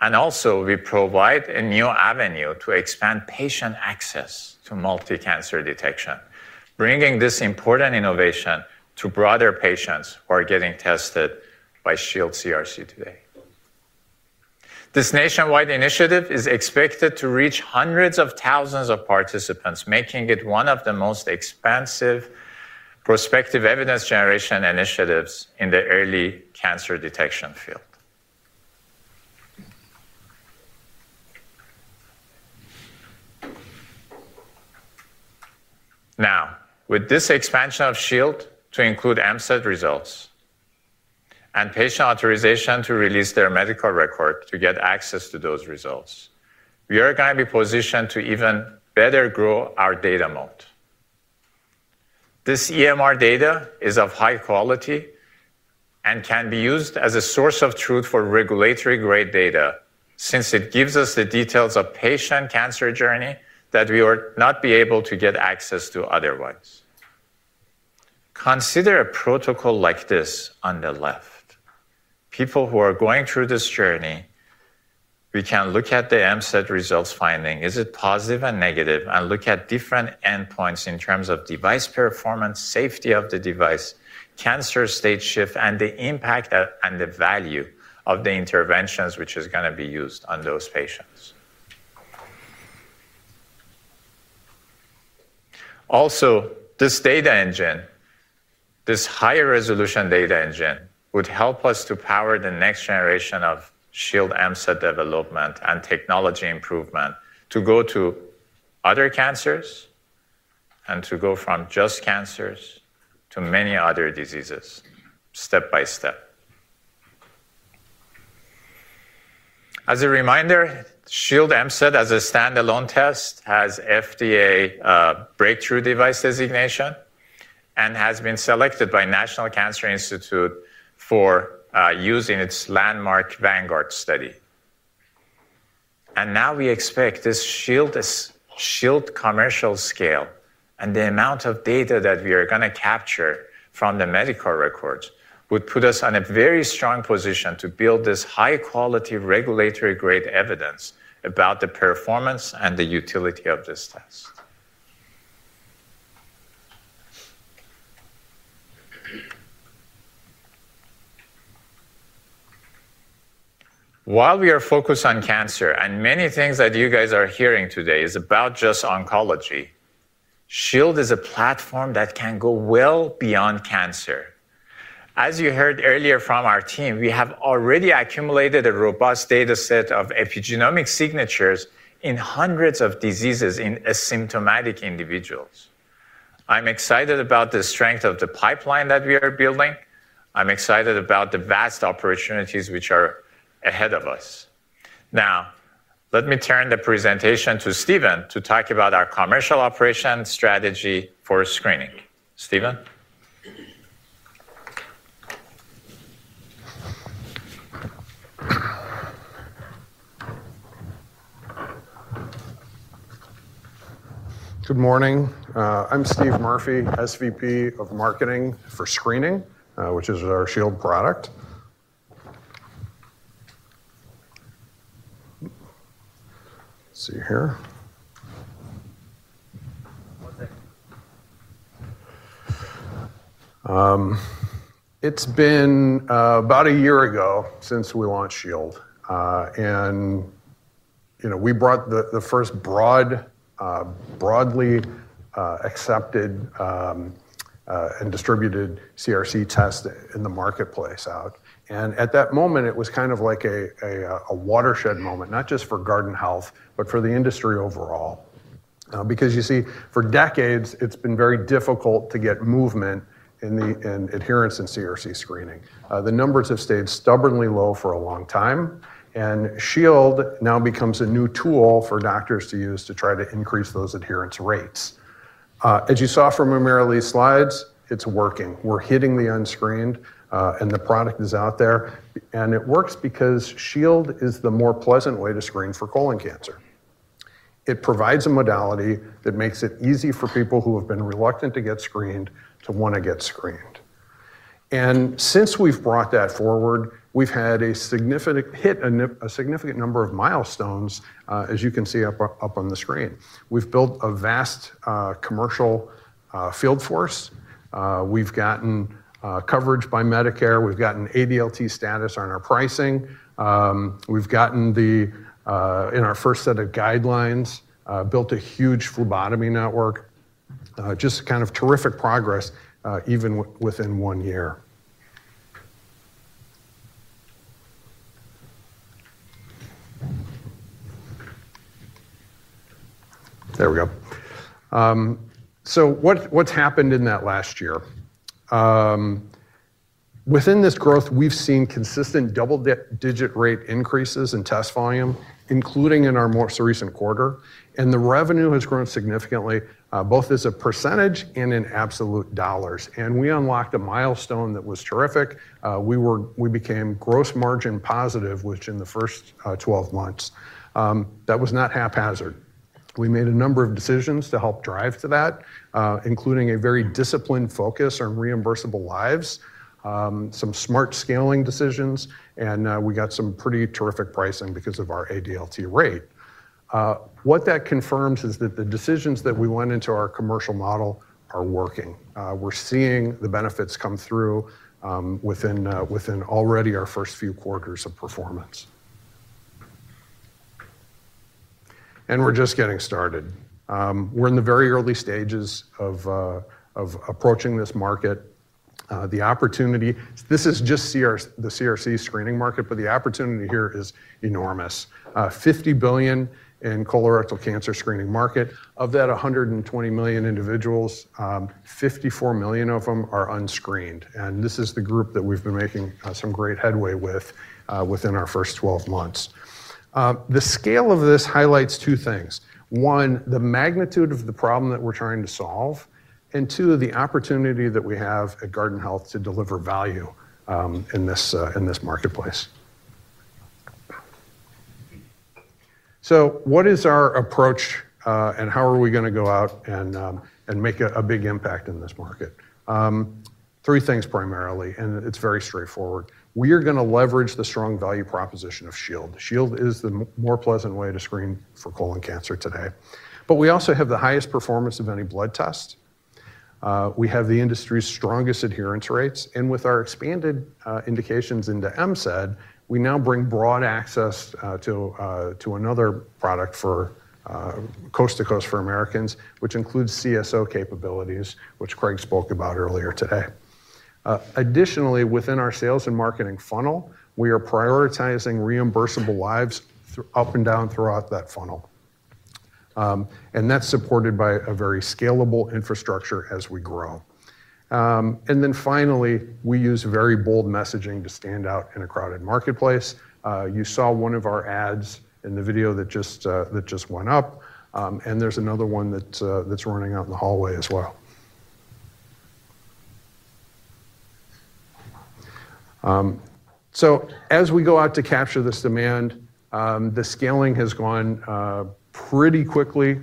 We also provide a new avenue to expand patient access to multi-cancer detection, bringing this important innovation to broader patients who are getting tested by Shield CRC today. This nationwide initiative is expected to reach hundreds of thousands of participants, making it one of the most expansive prospective evidence generation initiatives in the early cancer detection field. Now, with this expansion of Shield to include M-set results and patient authorization to release their medical record to get access to those results, we are going to be positioned to even better grow our data moat. This EMR data is of high quality and can be used as a source of truth for regulatory-grade data since it gives us the details of patient cancer journeys that we would not be able to get access to otherwise. Consider a protocol like this on the left. People who are going through this journey, we can look at the M-set results finding, is it positive and negative, and look at different endpoints in terms of device performance, safety of the device, cancer state shift, and the impact and the value of the interventions which are going to be used on those patients. This data engine, this high-resolution data engine, would help us to power the next generation of Shield M-set development and technology improvement to go to other cancers and to go from just cancers to many other diseases step by step. As a reminder, Shield M-set as a standalone test has FDA breakthrough device designation and has been selected by the National Cancer Institute for use in its landmark Vanguard study. We now expect this Shield commercial scale and the amount of data that we are going to capture from the medical records would put us in a very strong position to build this high-quality regulatory-grade evidence about the performance and the utility of this test. While we are focused on cancer and many things that you guys are hearing today are about just oncology, Shield is a platform that can go well beyond cancer. As you heard earlier from our team, we have already accumulated a robust data set of epigenomic signatures in hundreds of diseases in asymptomatic individuals. I'm excited about the strength of the pipeline that we are building. I'm excited about the vast opportunities which are ahead of us. Now, let me turn the presentation to Stephen to talk about our commercial operation strategy for screening. Stephen. Good morning. I'm Stephen Murphy, Senior Vice President of Marketing for Screening, which is our Shield product. It's been about a year ago since we launched Shield, and we brought the first broadly accepted and distributed CRC test in the marketplace out. At that moment, it was kind of like a watershed moment, not just for Guardant Health, but for the industry overall. For decades, it's been very difficult to get movement in adherence in CRC screening. The numbers have stayed stubbornly low for a long time. Shield now becomes a new tool for doctors to use to try to increase those adherence rates. As you saw from the Mary Lee slides, it's working. We're hitting the unscreened, and the product is out there. It works because Shield is the more pleasant way to screen for colon cancer. It provides a modality that makes it easy for people who have been reluctant to get screened to want to get screened. Since we've brought that forward, we've hit a significant number of milestones, as you can see up on the screen. We've built a vast commercial field force. We've gotten coverage by Medicare. We've gotten ADLT status on our pricing. We've gotten, in our first set of guidelines, built a huge phlebotomy network. Just terrific progress, even within one year. There we go. What's happened in that last year? Within this growth, we've seen consistent double-digit rate increases in test volume, including in our most recent quarter. The revenue has grown significantly, both as a percentage and in absolute dollars. We unlocked a milestone that was terrific. We became gross margin positive within the first 12 months. That was not haphazard. We made a number of decisions to help drive to that, including a very disciplined focus on reimbursable lives, some smart scaling decisions, and we got some pretty terrific pricing because of our ADLT rate. What that confirms is that the decisions that we went into our commercial model are working. We're seeing the benefits come through within already our first few quarters of performance. We're just getting started. We're in the very early stages of approaching this market. The opportunity, this is just the CRC screening market, but the opportunity here is enormous. $50 billion in the colorectal cancer screening market. Of that 120 million individuals, 54 million of them are unscreened. This is the group that we've been making some great headway with within our first 12 months. The scale of this highlights two things. One, the magnitude of the problem that we're trying to solve. Two, the opportunity that we have at Guardant Health to deliver value in this marketplace. What is our approach and how are we going to go out and make a big impact in this market? Three things primarily, and it's very straightforward. We are going to leverage the strong value proposition of Shield. Shield is the more pleasant way to screen for colon cancer today. We also have the highest performance of any blood test. We have the industry's strongest adherence rates. With our expanded indications into Medicare, we now bring broad access to another product for coast to coast for Americans, which includes CSO capabilities, which Craig spoke about earlier today. Additionally, within our sales and marketing funnel, we are prioritizing reimbursable lives up and down throughout that funnel. That is supported by a very scalable infrastructure as we grow. Finally, we use very bold messaging to stand out in a crowded marketplace. You saw one of our ads in the video that just went up. There's another one that's running out in the hallway as well. As we go out to capture this demand, the scaling has gone pretty quickly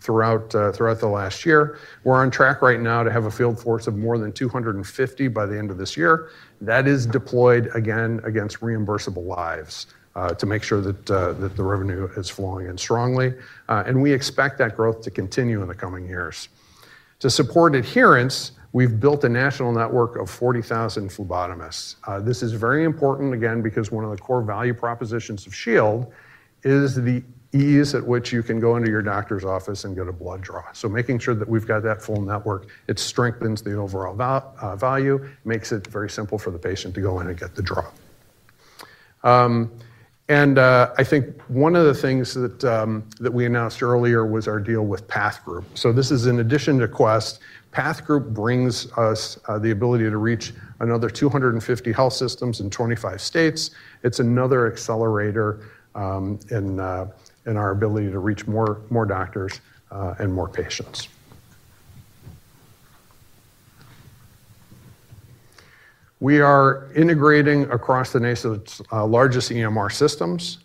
throughout the last year. We're on track right now to have a field force of more than 250 by the end of this year. That is deployed again against reimbursable lives to make sure that the revenue is flowing in strongly. We expect that growth to continue in the coming years. To support adherence, we've built a national network of 40,000 phlebotomists. This is very important, again, because one of the core value propositions of Shield is the ease at which you can go into your doctor's office and get a blood draw. Making sure that we've got that full network strengthens the overall value, makes it very simple for the patient to go in and get the draw. I think one of the things that we announced earlier was our deal with Path Group. This is in addition to Quest. Path Group brings us the ability to reach another 250 health systems in 25 states. It's another accelerator in our ability to reach more doctors and more patients. We are integrating across the nation's largest EMR systems.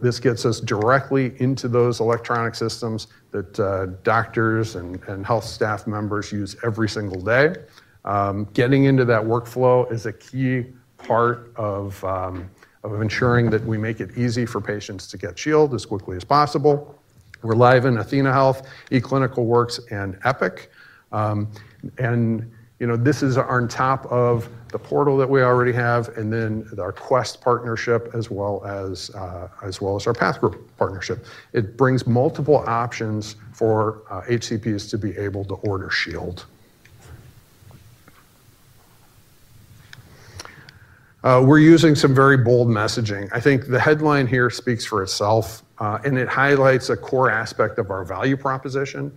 This gets us directly into those electronic systems that doctors and health staff members use every single day. Getting into that workflow is a key part of ensuring that we make it easy for patients to get Shield as quickly as possible. We're live in Athena Health, eClinicalWorks, and Epic. This is on top of the portal that we already have, and then our Quest partnership, as well as our Path Group partnership. It brings multiple options for HCPs to be able to order Shield. We're using some very bold messaging. I think the headline here speaks for itself. It highlights a core aspect of our value proposition.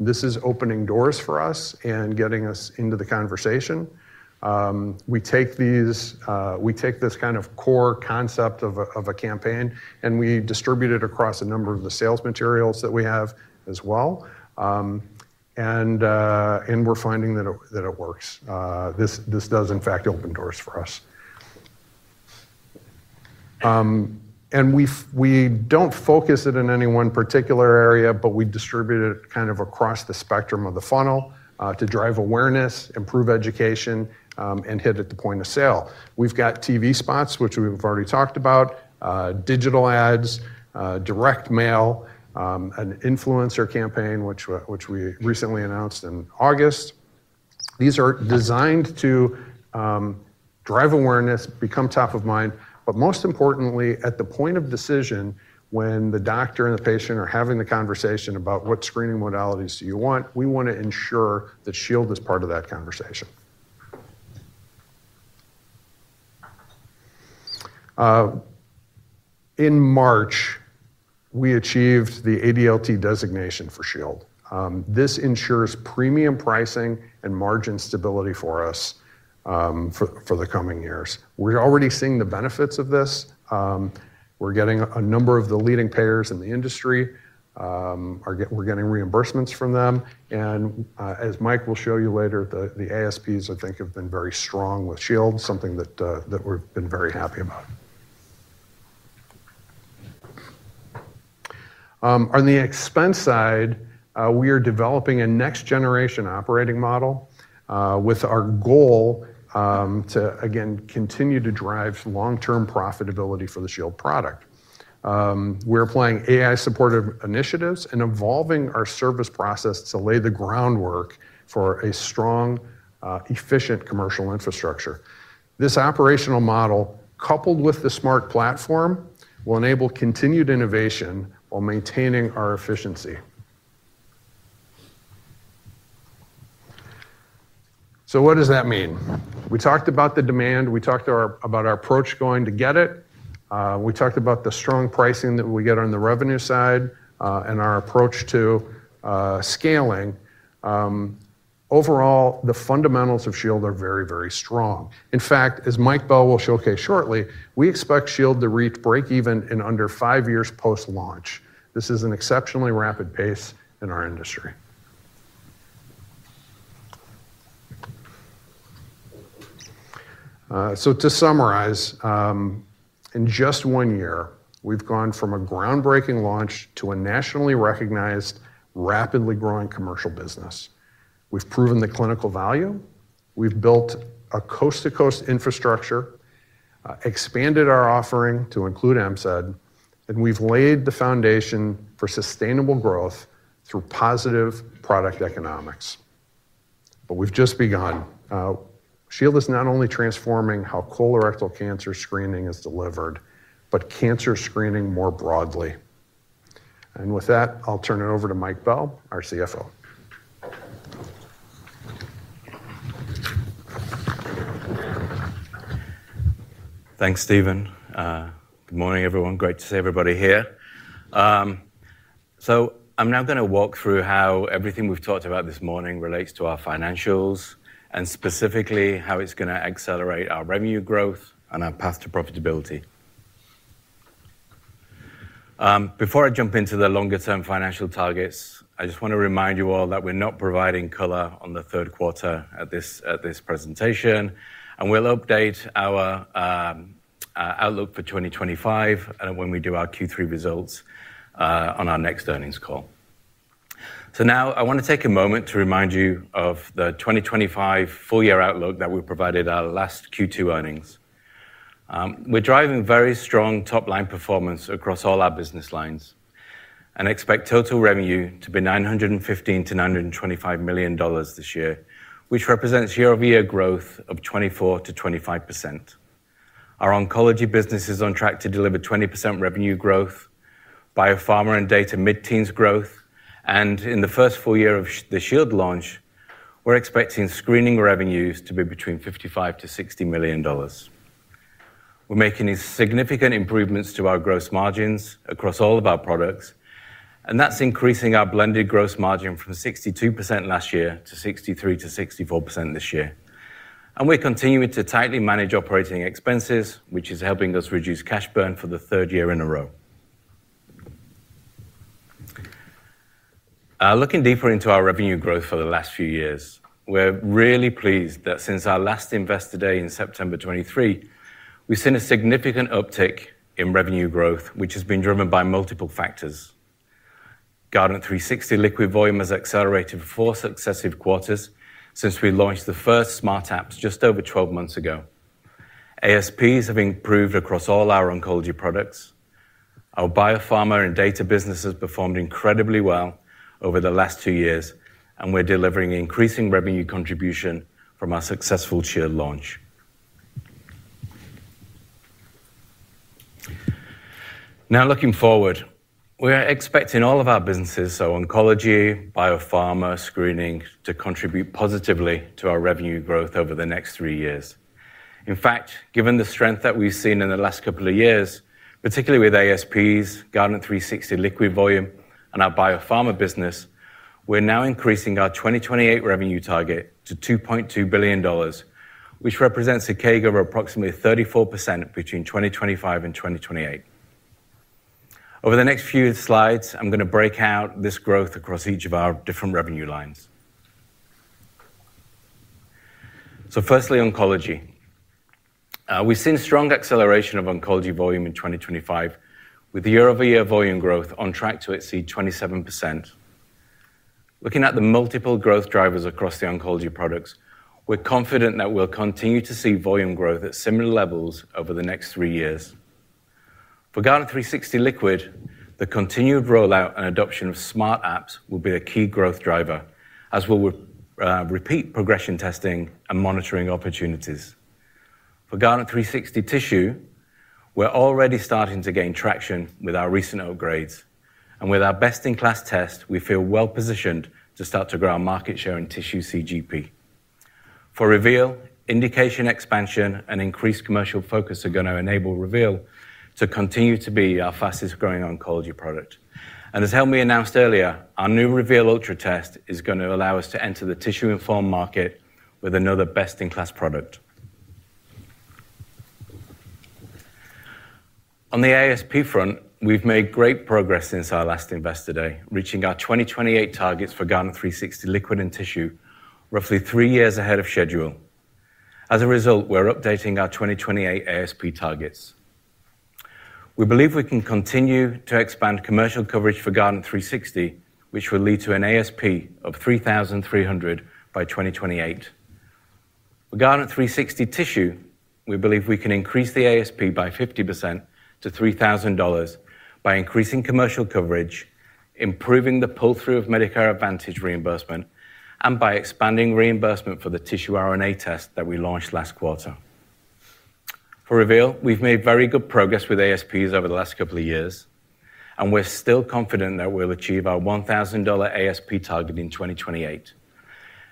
This is opening doors for us and getting us into the conversation. We take this kind of core concept of a campaign, and we distribute it across a number of the sales materials that we have as well. We're finding that it works. This does, in fact, open doors for us. We don't focus it in any one particular area, but we distribute it kind of across the spectrum of the funnel to drive awareness, improve education, and hit at the point of sale. We've got TV spots, which we've already talked about, digital ads, direct mail, an influencer campaign, which we recently announced in August. These are designed to drive awareness, become top of mind, but most importantly, at the point of decision, when the doctor and the patient are having the conversation about what screening modalities do you want, we want to ensure that Shield is part of that conversation. In March, we achieved the ADLT designation for Shield. This ensures premium pricing and margin stability for us for the coming years. We're already seeing the benefits of this. We're getting a number of the leading payers in the industry. We're getting reimbursements from them. As Mike Bell will show you later, the ASPs, I think, have been very strong with Shield, something that we've been very happy about. On the expense side, we are developing a next-generation operating model with our goal to, again, continue to drive long-term profitability for the Shield product. We're applying AI-supported initiatives and evolving our service process to lay the groundwork for a strong, efficient commercial infrastructure. This operational model, coupled with the Smart Platform, will enable continued innovation while maintaining our efficiency. What does that mean? We talked about the demand. We talked about our approach going to get it. We talked about the strong pricing that we get on the revenue side and our approach to scaling. Overall, the fundamentals of Shield are very, very strong. In fact, as Mike Bell will showcase shortly, we expect Shield to reach breakeven in under five years post-launch. This is an exceptionally rapid pace in our industry. To summarize, in just one year, we've gone from a groundbreaking launch to a nationally recognized, rapidly growing commercial business. We've proven the clinical value. We've built a coast-to-coast infrastructure, expanded our offering to include M-set, and we've laid the foundation for sustainable growth through positive product economics. We've just begun. Shield is not only transforming how colorectal cancer screening is delivered, but cancer screening more broadly. With that, I'll turn it over to Mike Bell, our CFO. Thanks, Stephen. Good morning, everyone. Great to see everybody here. I'm now going to walk through how everything we've talked about this morning relates to our financials and specifically how it's going to accelerate our revenue growth and our path to profitability. Before I jump into the longer-term financial targets, I just want to remind you all that we're not providing color on the third quarter at this presentation. We'll update our outlook for 2025 when we do our Q3 results on our next earnings call. I want to take a moment to remind you of the 2025 full-year outlook that we provided at our last Q2 earnings. We're driving very strong top-line performance across all our business lines and expect total revenue to be $915 million-$925 million this year, which represents year-over-year growth of 24%-25%. Our oncology business is on track to deliver 20% revenue growth, biopharma and data mid-teens growth. In the first full year of the Shield launch, we're expecting screening revenues to be between $55 million-$60 million. We're making significant improvements to our gross margins across all of our products. That's increasing our blended gross margin from 62% last year to 63%-64% this year. We're continuing to tightly manage operating expenses, which is helping us reduce cash burn for the third year in a row. Looking deeper into our revenue growth over the last few years, we're really pleased that since our last investor day in September 2023, we've seen a significant uptick in revenue growth, which has been driven by multiple factors. Guardant360 Liquid volume has accelerated four successive quarters since we launched the first Smart apps just over 12 months ago. ASPs have improved across all our oncology products. Our biopharma and data businesses performed incredibly well over the last two years. We're delivering increasing revenue contribution from our successful Shield launch. Looking forward, we are expecting all of our businesses, oncology, biopharma, screening, to contribute positively to our revenue growth over the next three years. In fact, given the strength that we've seen in the last couple of years, particularly with ASPs, Guardant360 Liquid volume, and our biopharma business, we're now increasing our 2028 revenue target to $2.2 billion, which represents a CAGR of approximately 34% between 2025 and 2028. Over the next few slides, I'm going to break out this growth across each of our different revenue lines. Firstly, oncology. We've seen strong acceleration of oncology volume in 2025, with the year-over-year volume growth on track to exceed 27%. Looking at the multiple growth drivers across the oncology products, we're confident that we'll continue to see volume growth at similar levels over the next three years. For Guardant360 Liquid, the continued rollout and adoption of smart apps will be the key growth driver, as will repeat progression testing and monitoring opportunities. For Guardant360 Tissue, we're already starting to gain traction with our recent upgrades. With our best-in-class test, we feel well positioned to start to grow our market share in tissue CGP. For Reveal, indication expansion and increased commercial focus are going to enable Reveal to continue to be our fastest growing oncology product. As Helmy announced earlier, our new Reveal Ultra test is going to allow us to enter the tissue-informed market with another best-in-class product. On the ASP front, we've made great progress since our last Investor Day, reaching our 2028 targets for Guardant360 Liquid and Tissue, roughly three years ahead of schedule. As a result, we're updating our 2028 ASP targets. We believe we can continue to expand commercial coverage for Guardant360, which will lead to an ASP of $3,300 by 2028. For Guardant360 Tissue, we believe we can increase the ASP by 50% to $3,000 by increasing commercial coverage, improving the pull-through of Medicare Advantage reimbursement, and by expanding reimbursement for the tissue RNA test that we launched last quarter. For Reveal, we've made very good progress with ASPs over the last couple of years. We're still confident that we'll achieve our $1,000 ASP target in 2028.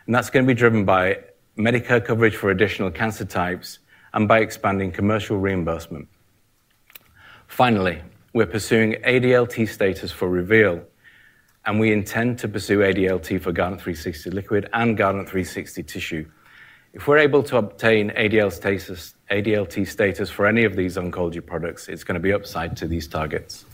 That's going to be driven by Medicare coverage for additional cancer types and by expanding commercial reimbursement. Finally, we're pursuing ADLT status for Reveal. We intend to pursue ADLT for Guardant360 Liquid and Guardant360 Tissue. If we're able to obtain ADLT status for any of these oncology products, it's going to be upside to these targets.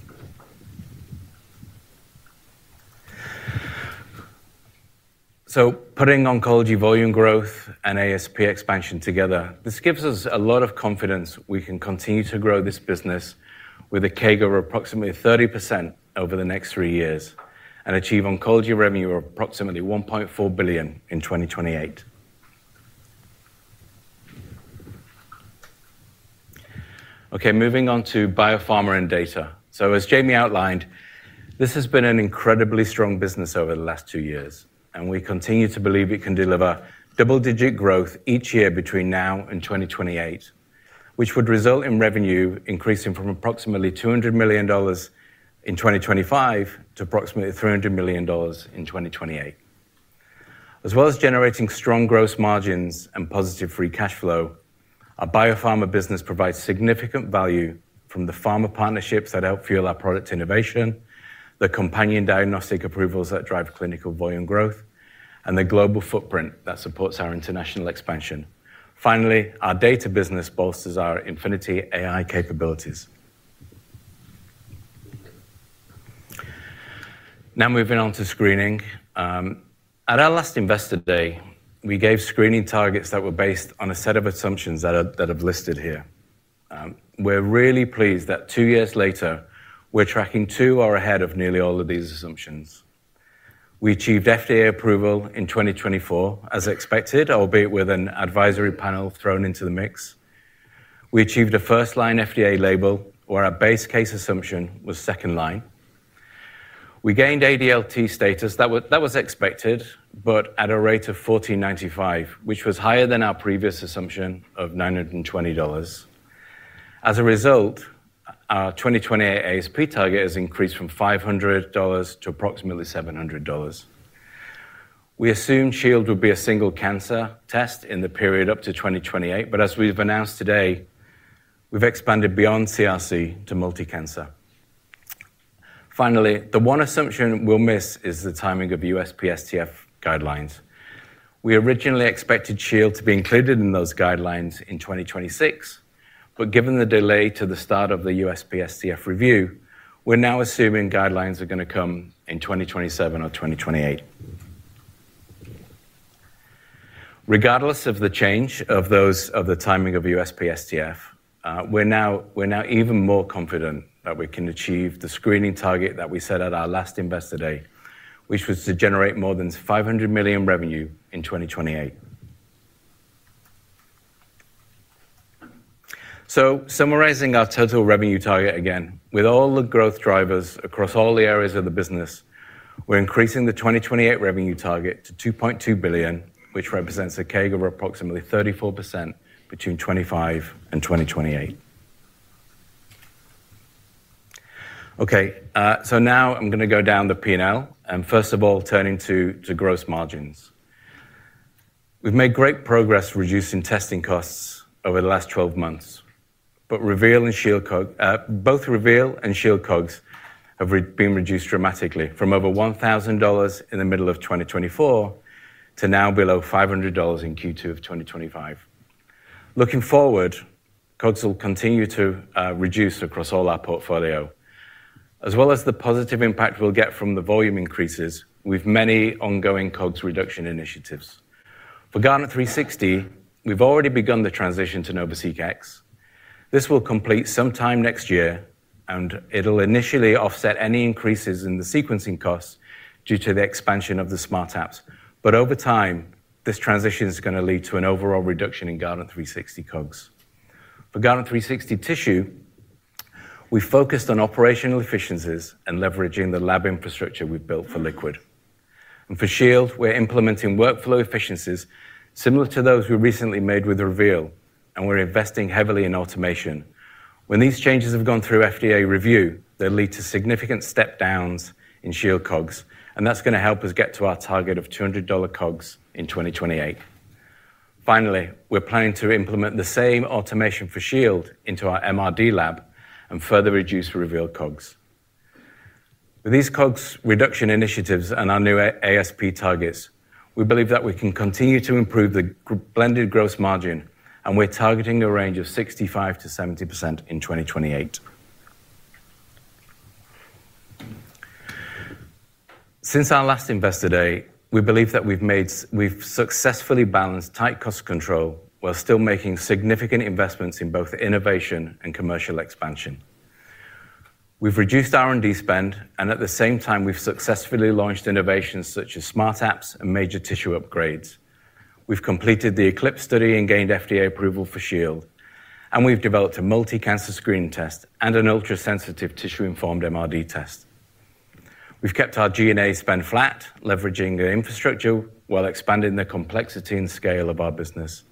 Putting oncology volume growth and ASP expansion together, this gives us a lot of confidence we can continue to grow this business with a CAGR of approximately 30% over the next three years and achieve oncology revenue of approximately $1.4 billion in 2028. Moving on to biopharma and data. As Jamie outlined, this has been an incredibly strong business over the last two years. We continue to believe it can deliver double-digit growth each year between now and 2028, which would result in revenue increasing from approximately $200 million in 2025 to approximately $300 million in 2028. As well as generating strong gross margins and positive free cash flow, our biopharma business provides significant value from the biopharma partnerships that help fuel our product innovation, the companion diagnostic approvals that drive clinical volume growth, and the global footprint that supports our international expansion. Finally, our data business bolsters our Infinity AI capabilities. Now moving on to screening. At our last Investor Day, we gave screening targets that were based on a set of assumptions that are listed here. We're really pleased that two years later, we're tracking to or ahead of nearly all of these assumptions. We achieved FDA approval in 2024, as expected, albeit with an advisory panel thrown into the mix. We achieved a first-line FDA label, where our base case assumption was second line. We gained ADLT status that was expected, but at a rate of $1,495, which was higher than our previous assumption of $920. As a result, our 2028 ASP target has increased from $500 to approximately $700. We assumed Shield would be a single cancer test in the period up to 2028, but as we've announced today, we've expanded beyond CRC to multi-cancer. Finally, the one assumption we'll miss is the timing of USPSTF guidelines. We originally expected Shield to be included in those guidelines in 2026, but given the delay to the start of the USPSTF review, we're now assuming guidelines are going to come in 2027 or 2028. Regardless of the change of the timing of USPSTF, we're now even more confident that we can achieve the screening target that we set at our last Investor Day, which was to generate more than $500 million revenue in 2028. Summarizing our total revenue target again, with all the growth drivers across all the areas of the business, we're increasing the 2028 revenue target to $2.2 billion, which represents a CAGR of approximately 34% between 2025 and 2028. Now I'm going to go down the P&L. First of all, turning to gross margins. We've made great progress reducing testing costs over the last 12 months. Both Reveal and Shield COGS have been reduced dramatically from over $1,000 in the middle of 2024 to now below $500 in Q2 of 2025. Looking forward, COGS will continue to reduce across all our portfolio, as well as the positive impact we'll get from the volume increases with many ongoing COGS reduction initiatives. For Guardant360, we've already begun the transition to NovaSeq X. This will complete sometime next year, and it'll initially offset any increases in the sequencing costs due to the expansion of the Smart Platform. Over time, this transition is going to lead to an overall reduction in Guardant360 COGS. For Guardant360 Tissue, we focused on operational efficiencies and leveraging the lab infrastructure we've built for liquid. For Shield, we're implementing workflow efficiencies similar to those we recently made with Guardant Reveal, and we're investing heavily in automation. When these changes have gone through FDA review, they'll lead to significant step-downs in Shield COGS. That's going to help us get to our target of $200 COGS in 2028. Finally, we're planning to implement the same automation for Shield into our MRD lab and further reduce Guardant Reveal COGS. With these COGS reduction initiatives and our new ASP targets, we believe that we can continue to improve the blended gross margin, and we're targeting a range of 65%-70% in 2028. Since our last Investor Day, we believe that we've successfully balanced tight cost control while still making significant investments in both innovation and commercial expansion. We've reduced R&D spend, and at the same time, we've successfully launched innovations such as Smart Platform and major tissue upgrades. We've completed the ECLIPSE study and gained FDA approval for Shield. We've developed a multi-cancer screening test and an ultrasensitive tissue-informed MRD test. We've kept our G&A spend flat, leveraging the infrastructure while expanding the complexity and scale of our business.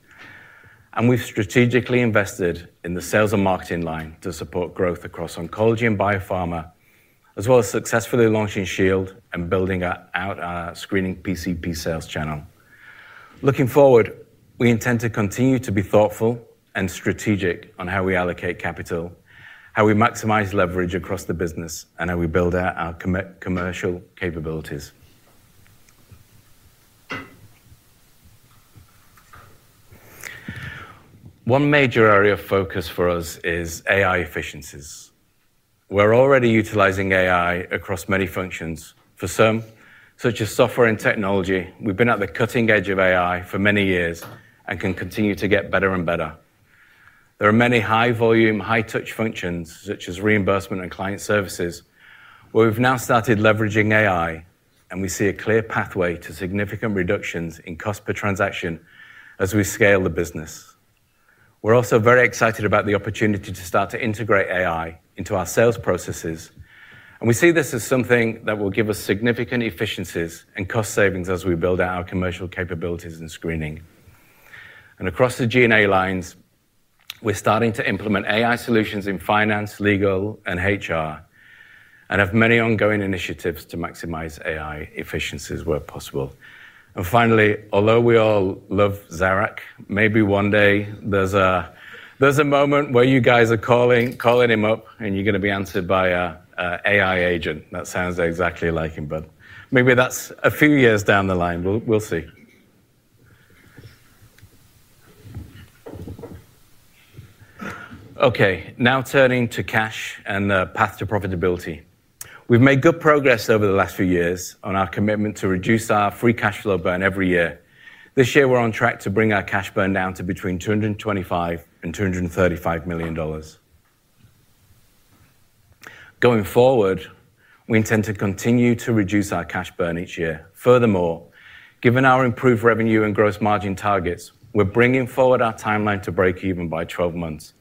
We've strategically invested in the sales and marketing line to support growth across oncology and biopharma, as well as successfully launching Shield and building out our screening PCP sales channel. Looking forward, we intend to continue to be thoughtful and strategic on how we allocate capital, how we maximize leverage across the business, and how we build out our commercial capabilities. One major area of focus for us is AI efficiencies. We're already utilizing AI across many functions. For some, such as software and technology, we've been at the cutting edge of AI for many years and can continue to get better and better. There are many high-volume, high-touch functions, such as reimbursement and client services, where we've now started leveraging AI. We see a clear pathway to significant reductions in cost per transaction as we scale the business. We're also very excited about the opportunity to start to integrate AI into our sales processes. We see this as something that will give us significant efficiencies and cost savings as we build out our commercial capabilities in screening. Across the G&A lines, we're starting to implement AI solutions in finance, legal, and HR and have many ongoing initiatives to maximize AI efficiencies where possible. Finally, although we all love Zarak, maybe one day there's a moment where you guys are calling him up and you're going to be answered by an AI agent that sounds exactly like him. Maybe that's a few years down the line. We'll see. Okay, now turning to cash and the path to profitability. We've made good progress over the last few years on our commitment to reduce our free cash flow burn every year. This year, we're on track to bring our cash burn down to between $225 million and $235 million. Going forward, we intend to continue to reduce our cash burn each year. Furthermore, given our improved revenue and gross margin targets, we're bringing forward our timeline to break even by 12 months,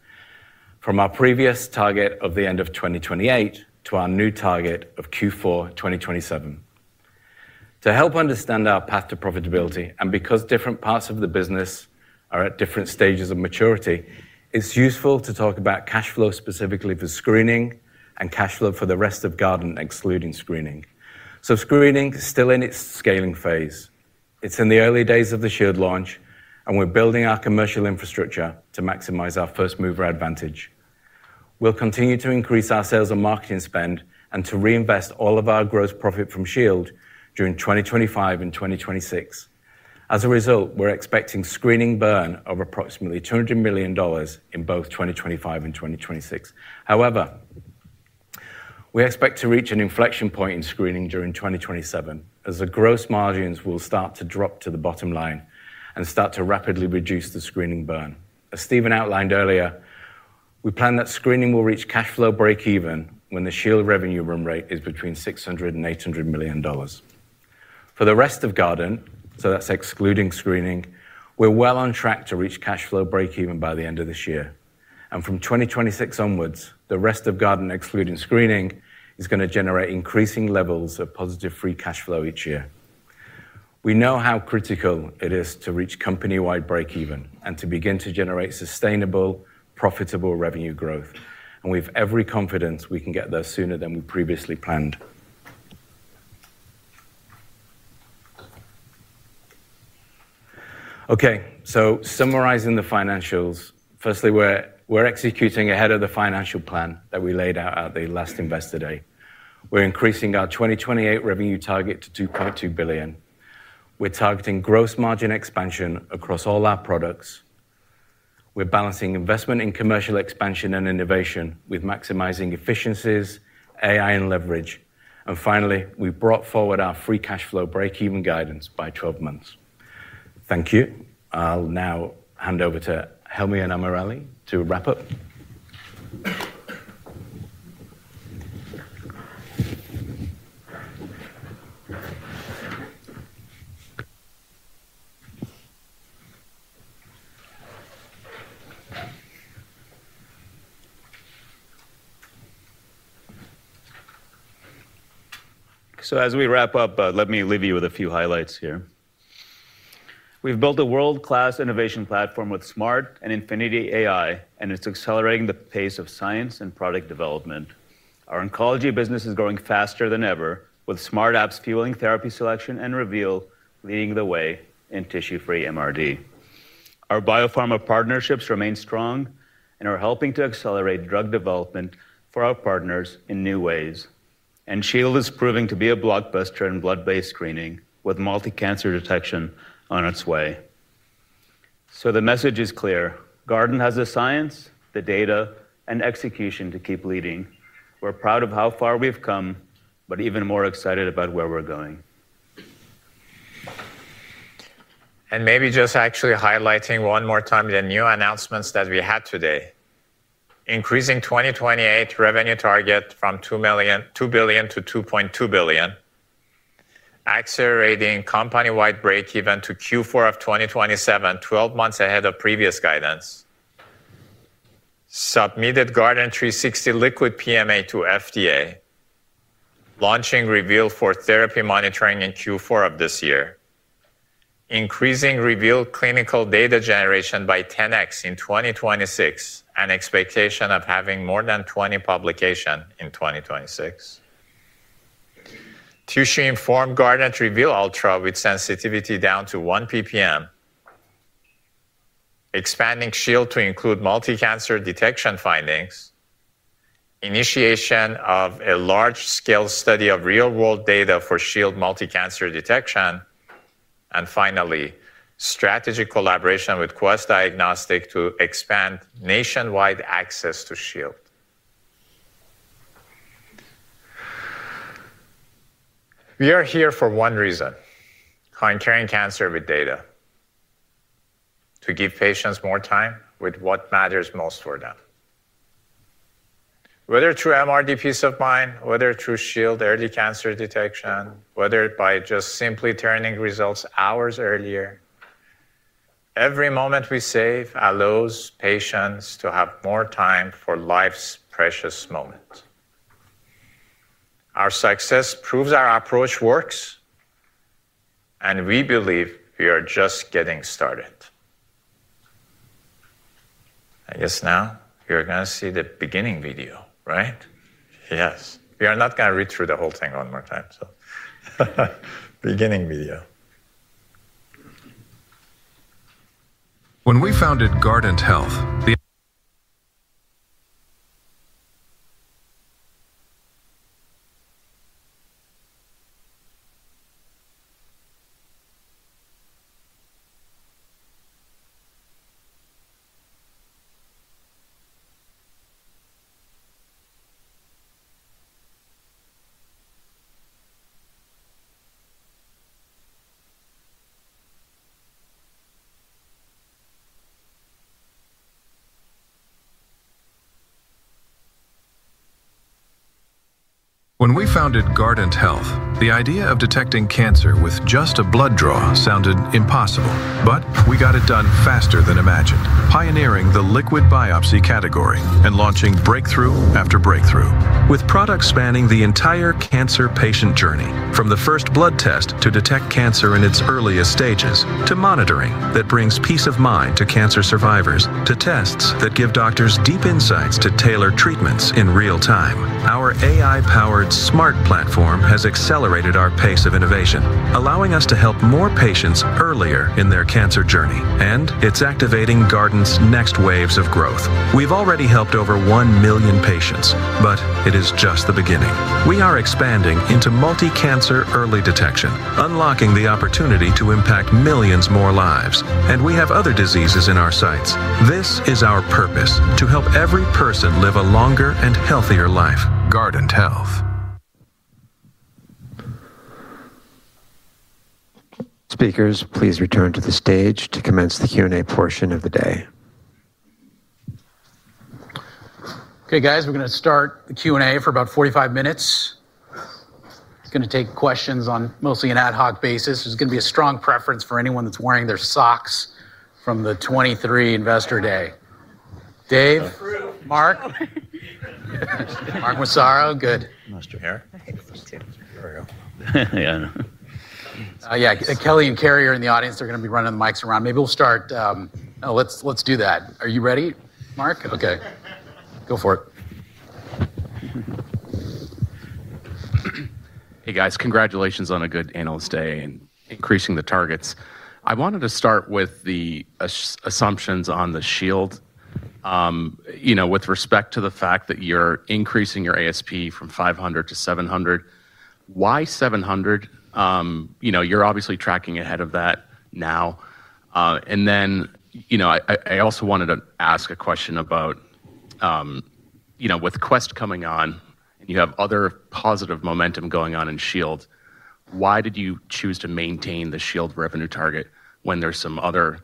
from our previous target of the end of 2028 to our new target of Q4 2027. To help understand our path to profitability, and because different parts of the business are at different stages of maturity, it's useful to talk about cash flow specifically for screening and cash flow for the rest of Guardant, excluding screening. Screening is still in its scaling phase. It's in the early days of the Shield launch, and we're building our commercial infrastructure to maximize our first-mover advantage. We'll continue to increase our sales and marketing spend and to reinvest all of our gross profit from Shield during 2025 and 2026. As a result, we're expecting a screening burn of approximately $200 million in both 2025 and 2026. However, we expect to reach an inflection point in screening during 2027 as the gross margins will start to drop to the bottom line and start to rapidly reduce the screening burn. As Stephen outlined earlier, we plan that screening will reach cash flow breakeven when the Shield revenue run rate is between $600 million and $800 million. For the rest of Guardant, so that's excluding screening, we're well on track to reach cash flow breakeven by the end of this year. From 2026 onwards, the rest of Guardant Health, excluding screening, is going to generate increasing levels of positive free cash flow each year. We know how critical it is to reach company-wide breakeven and to begin to generate sustainable, profitable revenue growth. We have every confidence we can get there sooner than we previously planned. Summarizing the financials, firstly, we're executing ahead of the financial plan that we laid out at the last Investor Day. We're increasing our 2028 revenue target to $2.2 billion. We're targeting gross margin expansion across all our products. We're balancing investment in commercial expansion and innovation with maximizing efficiencies, AI, and leverage. Finally, we brought forward our free cash flow breakeven guidance by 12 months. Thank you. I'll now hand over to Helmy and AmirAli to wrap up. As we wrap up, let me leave you with a few highlights here. We've built a world-class innovation platform with Smart and Infinity AI, and it's accelerating the pace of science and product development. Our oncology business is growing faster than ever, with Smart apps fueling therapy selection and Reveal leading the way in tissue-free MRD. Our biopharma partnerships remain strong and are helping to accelerate drug development for our partners in new ways. Shield is proving to be a blockbuster in blood-based screening, with multi-cancer detection on its way. The message is clear. Guardant has the science, the data, and execution to keep leading. We're proud of how far we've come, but even more excited about where we're going. Maybe just actually highlighting one more time the new announcements that we had today. Increasing 2028 revenue target from $2 billion to $2.2 billion, accelerating company-wide breakeven to Q4 2027, 12 months ahead of previous guidance. Submitted Guardant360 Liquid PMA to FDA. Launching Guardant Reveal for therapy monitoring in Q4 of this year. Increasing Guardant Reveal clinical data generation by 10x in 2026 and expectation of having more than 20 publications in 2026. Tissue-informed Guardant Reveal Ultra with sensitivity down to 1 ppm. Expanding Shield to include multi-cancer detection findings. Initiation of a large-scale study of real-world data for Shield multi-cancer detection. Finally, strategic collaboration with Quest Diagnostics to expand nationwide access to Shield. We are here for one reason: conquering cancer with data, to give patients more time with what matters most for them. Whether through MRD peace of mind, whether through Shield early cancer detection, whether by just simply turning results hours earlier, every moment we save allows patients to have more time for life's precious moments. Our success proves our approach works. We believe we are just getting started. I guess now you're going to see the beginning video, right? Yes. We are not going to read through the whole thing one more time. Beginning video. When we founded Guardant Health, the idea of detecting cancer with just a blood draw sounded impossible. We got it done faster than imagined, pioneering the liquid biopsy category and launching breakthrough after breakthrough, with products spanning the entire cancer patient journey, from the first blood test to detect cancer in its earliest stages to monitoring that brings peace of mind to cancer survivors, to tests that give doctors deep insights to tailor treatments in real time. Our AI-powered Smart Platform has accelerated our pace of innovation, allowing us to help more patients earlier in their cancer journey. It is activating Guardant's next waves of growth. We've already helped over 1 million patients, but it is just the beginning. We are expanding into multi-cancer early detection, unlocking the opportunity to impact millions more lives. We have other diseases in our sights. This is our purpose: to help every person live a longer and healthier life. Guardant Health. Speakers, please return to the stage to commence the Q&A portion of the day. Okay, guys, we're going to start the Q&A for about 45 minutes. Going to take questions on mostly an ad hoc basis. There's going to be a strong preference for anyone that's wearing their socks from the 2023 Investor Day. Dave, Mark, Mark Massaro, good. I lost your hair. Yeah, I know. Yeah, Kelly and Carrie in the audience, they're going to be running the mics around. Maybe we'll start. Let's do that. Are you ready, Mark? Okay, go for it. Hey, guys, congratulations on a good Analyst Day and increasing the targets. I wanted to start with the assumptions on the Shield. With respect to the fact that you're increasing your ASP from $500 to $700, why $700? You're obviously tracking ahead of that now. I also wanted to ask a question about, with Quest coming on and you have other positive momentum going on in Shield, why did you choose to maintain the Shield revenue target when there's some other?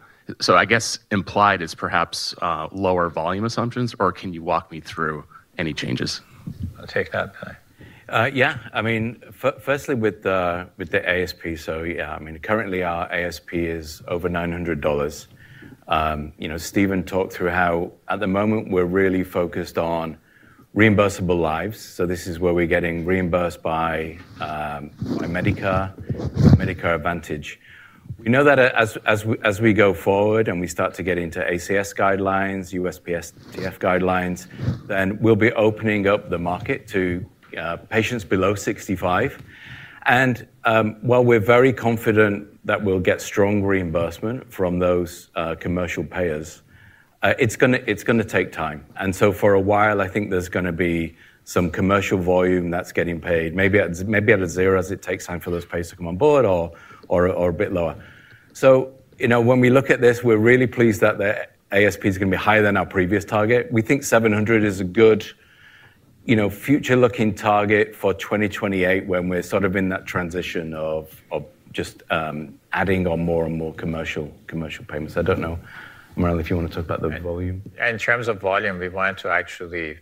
I guess implied is perhaps lower volume assumptions. Can you walk me through any changes? I'll take that. Yeah, I mean, firstly, with the ASP. Currently, our ASP is over $900. Stephen talked through how at the moment, we're really focused on reimbursable lives. This is where we're getting reimbursed by Medicare, Medicare Advantage. We know that as we go forward and we start to get into ACS guidelines, USPSTF guidelines, we will be opening up the market to patients below 65. While we're very confident that we'll get strong reimbursement from those commercial payers, it's going to take time. For a while, I think there's going to be some commercial volume that's getting paid, maybe at a zero as it takes time for those patients to come on board or a bit lower. When we look at this, we're really pleased that the ASP is going to be higher than our previous target. We think $700 is a good future-looking target for 2028 when we're sort of in that transition of just adding on more and more commercial payments. I don't know, AmirAli, if you want to talk about the volume. In terms of volume, we wanted to actually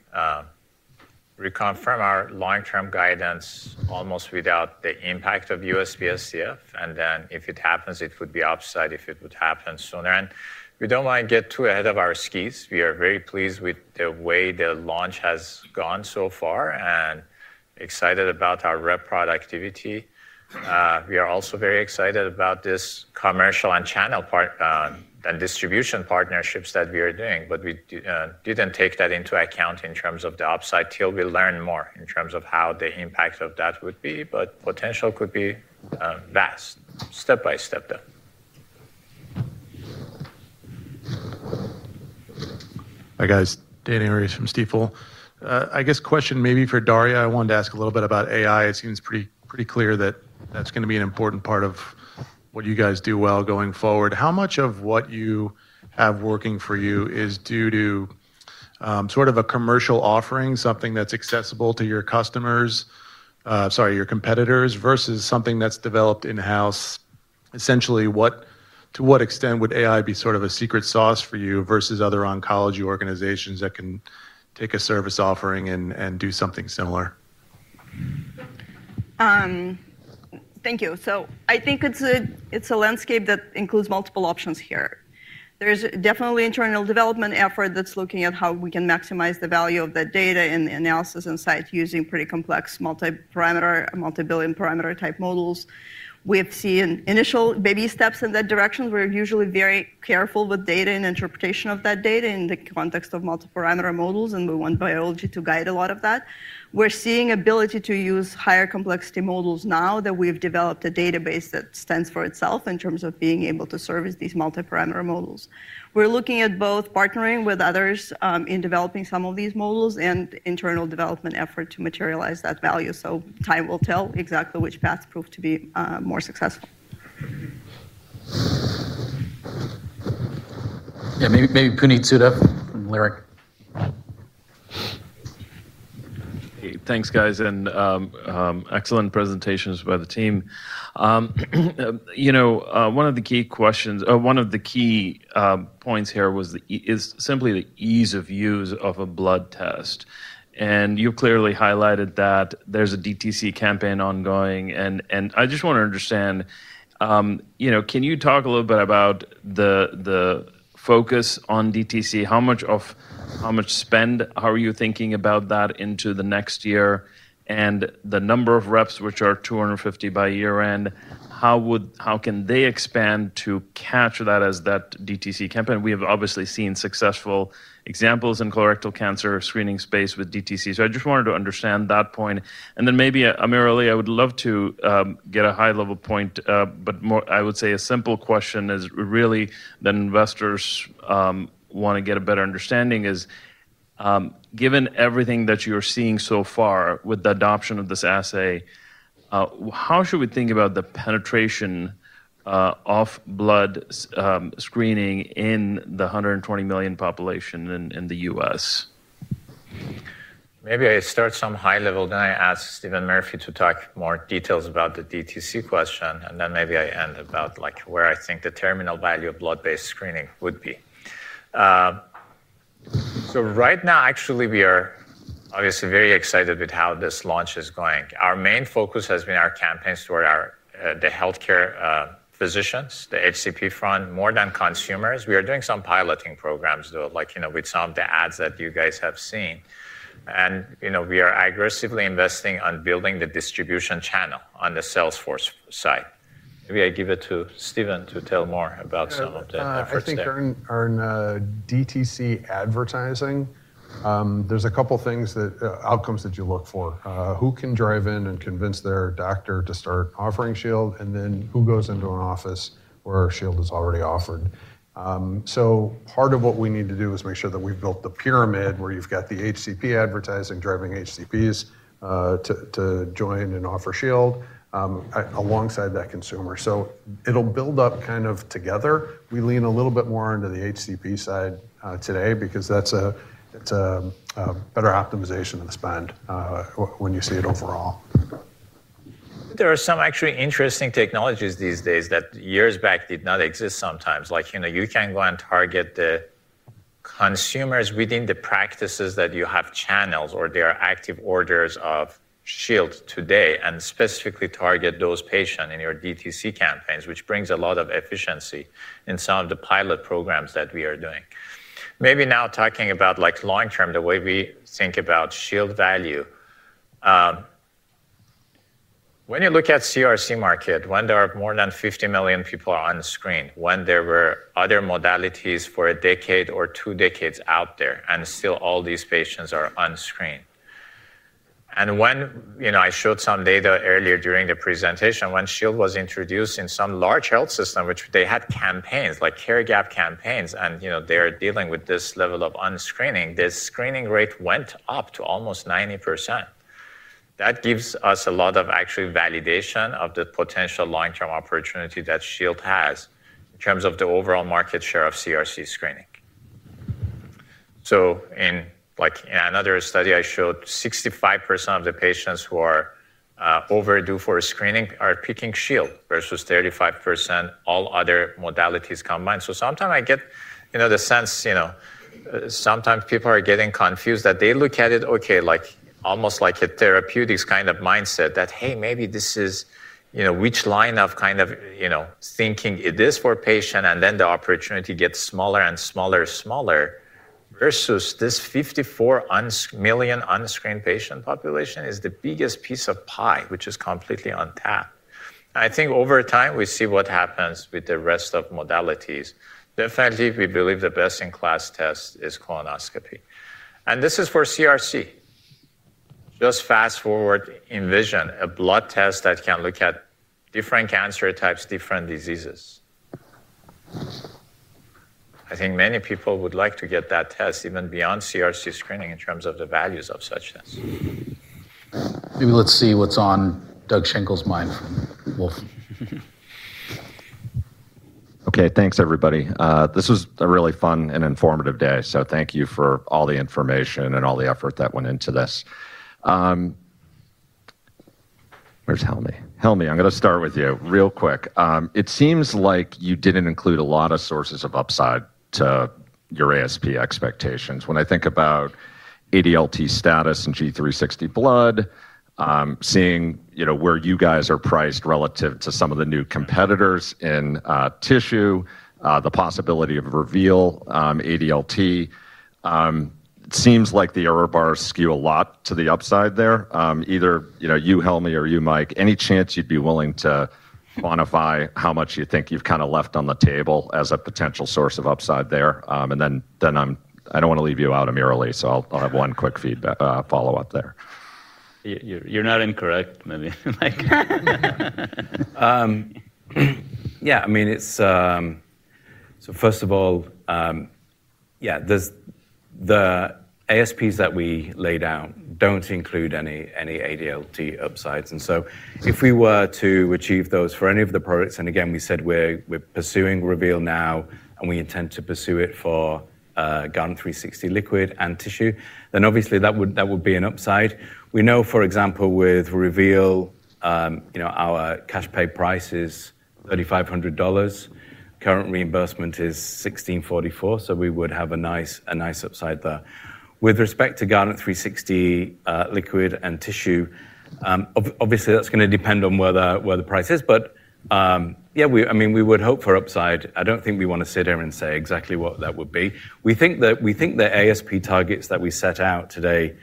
reconfirm our long-term guidance almost without the impact of USPSTF. If it happens, it would be upside if it would happen sooner. We don't want to get too ahead of our skis. We are very pleased with the way the launch has gone so far and excited about our rep productivity. We are also very excited about this commercial and channel part and distribution partnerships that we are doing. We didn't take that into account in terms of the upside till we learn more in terms of how the impact of that would be. The potential could be vast, step by step though. Hi guys, Danny Aries from Stifel. I guess question maybe for Darya. I wanted to ask a little bit about AI. It seems pretty clear that that's going to be an important part of what you guys do well going forward. How much of what you have working for you is due to sort of a commercial offering, something that's accessible to your customers, sorry, your competitors, versus something that's developed in-house? Essentially, to what extent would AI be sort of a secret sauce for you versus other oncology organizations that can take a service offering and do something similar? Thank you. I think it's a landscape that includes multiple options here. There's definitely internal development effort that's looking at how we can maximize the value of the data and the analysis inside using pretty complex multi-parameter, multi-billion parameter type models. We have seen initial baby steps in that direction. We're usually very careful with data and interpretation of that data in the context of multi-parameter models. We want biology to guide a lot of that. We're seeing the ability to use higher complexity models now that we've developed a database that stands for itself in terms of being able to service these multi-parameter models. We're looking at both partnering with others in developing some of these models and internal development effort to materialize that value. Time will tell exactly which paths prove to be more successful. Yeah, maybe Hey, thanks guys, and excellent presentations by the team. One of the key questions, or one of the key points here is simply the ease of use of a blood test. You clearly highlighted that there's a DTC campaign ongoing. I just want to understand, can you talk a little bit about the focus on DTC? How much spend, how are you thinking about that into the next year? The number of reps, which are 250 by year end, how can they expand to catch that as that DTC campaign? We have obviously seen successful examples in colorectal cancer screening space with DTC. I just wanted to understand that point. Maybe AmirAli, I would love to get a high-level point. I would say a simple question is really that investors want to get a better understanding is, given everything that you're seeing so far with the adoption of this assay, how should we think about the penetration of blood screening in the 120 million population in the U.S.? Maybe I start some high level. I ask Stephen Murphy to talk more details about the DTC question. I end about where I think the terminal value of blood-based screening would be. Right now, actually, we are obviously very excited with how this launch is going. Our main focus has been our campaigns toward the healthcare physicians, the HCP front, more than consumers. We are doing some piloting programs, like with some of the ads that you guys have seen. We are aggressively investing on building the distribution channel on the Salesforce side. Maybe I give it to Stephen to tell more about some of the. Yeah, I think on DTC advertising, there's a couple of things that outcomes that you look for. Who can drive in and convince their doctor to start offering Shield? And then who goes into an office where Shield is already offered? Part of what we need to do is make sure that we've built the pyramid where you've got the HCP advertising driving HCPs to join and offer Shield alongside that consumer. It'll build up kind of together. We lean a little bit more onto the HCP side today because that's a better optimization of the spend when you see it overall. There are some actually interesting technologies these days that years back did not exist. Sometimes you can go and target the consumers within the practices that you have channels or their active orders of Shield today and specifically target those patients in your DTC campaigns, which brings a lot of efficiency in some of the pilot programs that we are doing. Maybe now talking about long term, the way we think about Shield value. When you look at the CRC market, when there are more than 50 million people unscreened, when there were other modalities for a decade or two decades out there, and still all these patients are unscreened. When I showed some data earlier during the presentation, when Shield was introduced in some large health systems, which had campaigns like Care Gap campaigns, and they are dealing with this level of unscreening, the screening rate went up to almost 90%. That gives us a lot of actually validation of the potential long-term opportunity that Shield has in terms of the overall market share of CRC screening. In another study I showed, 65%. Of the patients who are overdue for a screening, are picking Shield versus 35% all other modalities combined. Sometimes I get the sense people are getting confused that they look at it almost like a therapeutics kind of mindset, that maybe this is which line of kind of thinking it is for a patient, and then the opportunity gets smaller and smaller versus this 54 million unscreened patient population, which is the biggest piece of pie, which is completely untapped. I think over time we see what happens with the rest of modalities. Definitely, we believe the best in class test is colonoscopy, and this is for CRC. Just fast forward, envision a blood test that can look at different cancer types, different diseases. I think many people would like to get that test even beyond CRC screening in terms of the values of such tests. Maybe let's see what's on Doug Schenkels mind from Wolfe. Okay, thanks everybody. This was a really fun and informative day. Thank you for all the information and all the effort that went into this. Where's Helmy? Helmy, I'm going to start with you real quick. It seems like you didn't include a lot of sources of upside to your ASP expectations. When I think about ADLT status and Guardant360 Liquid, seeing, you know, where you guys are priced relative to some of the new competitors in tissue, the possibility of Reveal ADLT seems like the error bars skew a lot to the upside there. Either you, Helmy, or you, Mike, any chance you'd be willing to quantify how much you think you've kind of left on the table as a potential source of upside there? I don't want to leave you out, AmirAli, so I'll have one quick feedback follow-up there. You're not incorrect, maybe. Yeah, I mean, it's, so first of all, yeah, the ASPs that we laid out don't include any ADLT upsides. If we were to achieve those for any of the products, and again, we said we're pursuing Reveal now, and we intend to pursue it for Guardant360 Liquid and Tissue, obviously that would be an upside. We know, for example, with Reveal, our cash pay price is $3,500. Current reimbursement is $1,644. We would have a nice upside there. With respect to Guardant360 Liquid and Tissue, obviously that's going to depend on where the price is. Yeah, I mean, we would hope for upside. I don't think we want to sit here and say exactly what that would be. We think the ASP targets that we set out today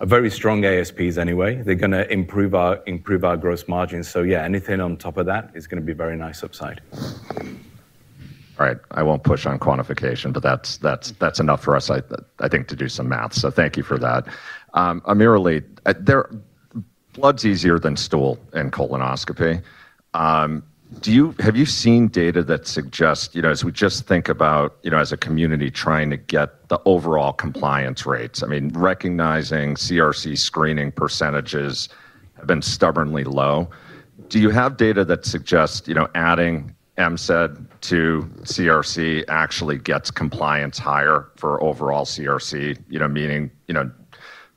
are very strong ASPs anyway. They're going to improve our gross margins. Anything on top of that is going to be a very nice upside. All right, I won't push on quantification, but that's enough for us, I think, to do some math. Thank you for that. AmirAli, blood's easier than stool in colonoscopy. Have you seen data that suggest, as we just think about, as a community trying to get the overall compliance rates, I mean, recognizing CRC screening percentages have been stubbornly low. Do you have data that suggests adding M-SED to CRC actually gets compliance higher for overall CRC, meaning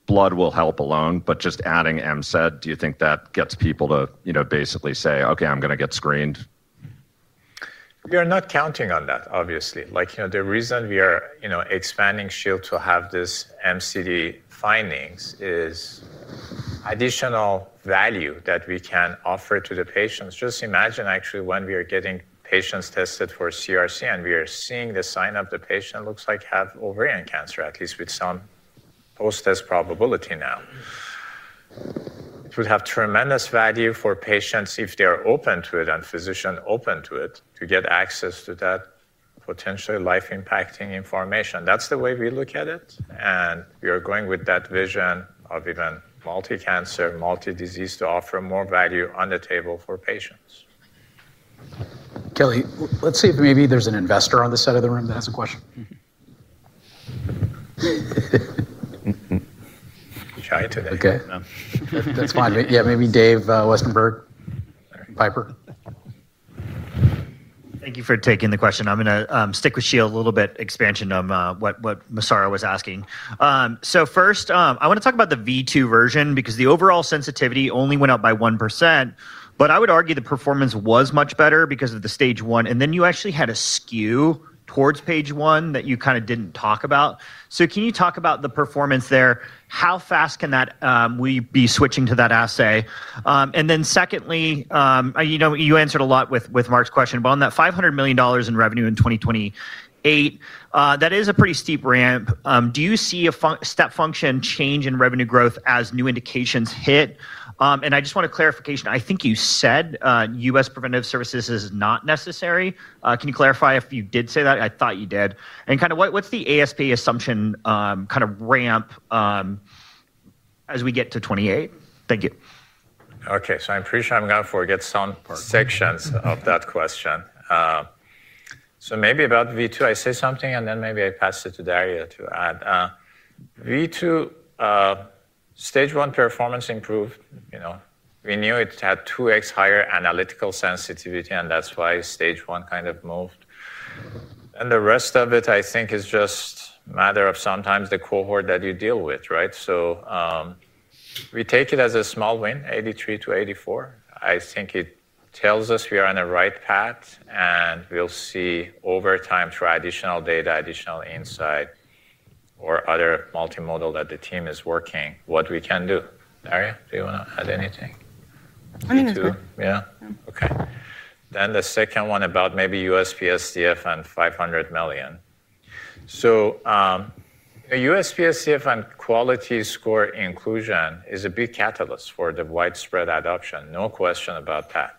blood will help alone, but just adding M-SED, do you think that gets people to basically say, okay, I'm going to get screened? We are not counting on that, obviously. The reason we are expanding Shield to have this MCD finding is additional value that we can offer to the patients. Just imagine actually when we are getting patients tested for CRC and we are seeing the sign the patient looks like have ovarian cancer, at least with some post-test probability now. It would have tremendous value for patients if they are open to it and physicians open to it to get access to that potentially life-impacting information. That's the way we look at it. We are going with that vision of even multi-cancer, multi-disease to offer more value on the table for patients. Kelly, let's see if maybe there's an investor on the side of the room that has a question. We tried today. Okay, that's fine. Yeah, maybe Dave Westernberg. Piper. Thank you for taking the question. I'm going to stick with Shield a little bit, expansion on what Massaro was asking. First, I want to talk about the V2 version because the overall sensitivity only went up by 1%, but I would argue the performance was much better because of the stage one. You actually had a skew towards stage one that you kind of didn't talk about. Can you talk about the performance there? How fast can we be switching to that assay? Secondly, you answered a lot with Mark's question, but on that $500 million in revenue in 2028, that is a pretty steep ramp. Do you see a step function change in revenue growth as new indications hit? I just want a clarification. I think you said U.S. Preventive Services is not necessary. Can you clarify if you did say that? I thought you did. What's the ASP assumption kind of ramp as we get to 2028? Thank you. Okay, so I'm pretty sure I'm going to forget some sections of that question. Maybe about V2, I say something and then I pass it to Darya to add. V2, stage one performance improved. You know, we knew it had 2x higher analytical sensitivity and that's why stage one kind of moved. The rest of it, I think, is just a matter of sometimes the cohort that you deal with, right? We take it as a small win, 83%-84%. I think it tells us we are on the right path and we'll see over time for additional data, additional insight, or other multimodal that the team is working, what we can do. Darya, do you want to add anything? I don't know. Okay. The second one about maybe USPSTF and $500 million. A USPSTF and quality score inclusion is a big catalyst for the widespread adoption, no question about that.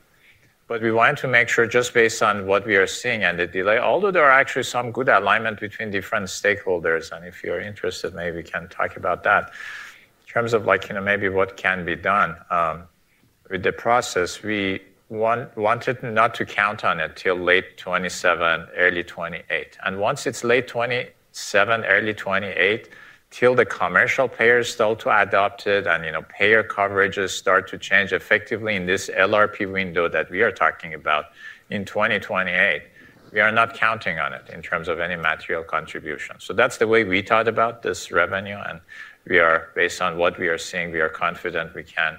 We wanted to make sure just based on what we are seeing and the delay, although there are actually some good alignment between different stakeholders, and if you're interested, maybe we can talk about that. In terms of what can be done with the process, we wanted not to count on it till late 2027, early 2028. Once it's late 2027, early 2028, till the commercial payers start to adopt it and payer coverages start to change effectively in this LRP window that we are talking about in 2028, we are not counting on it in terms of any material contribution. That's the way we thought about this revenue and we are, based on what we are seeing, confident we can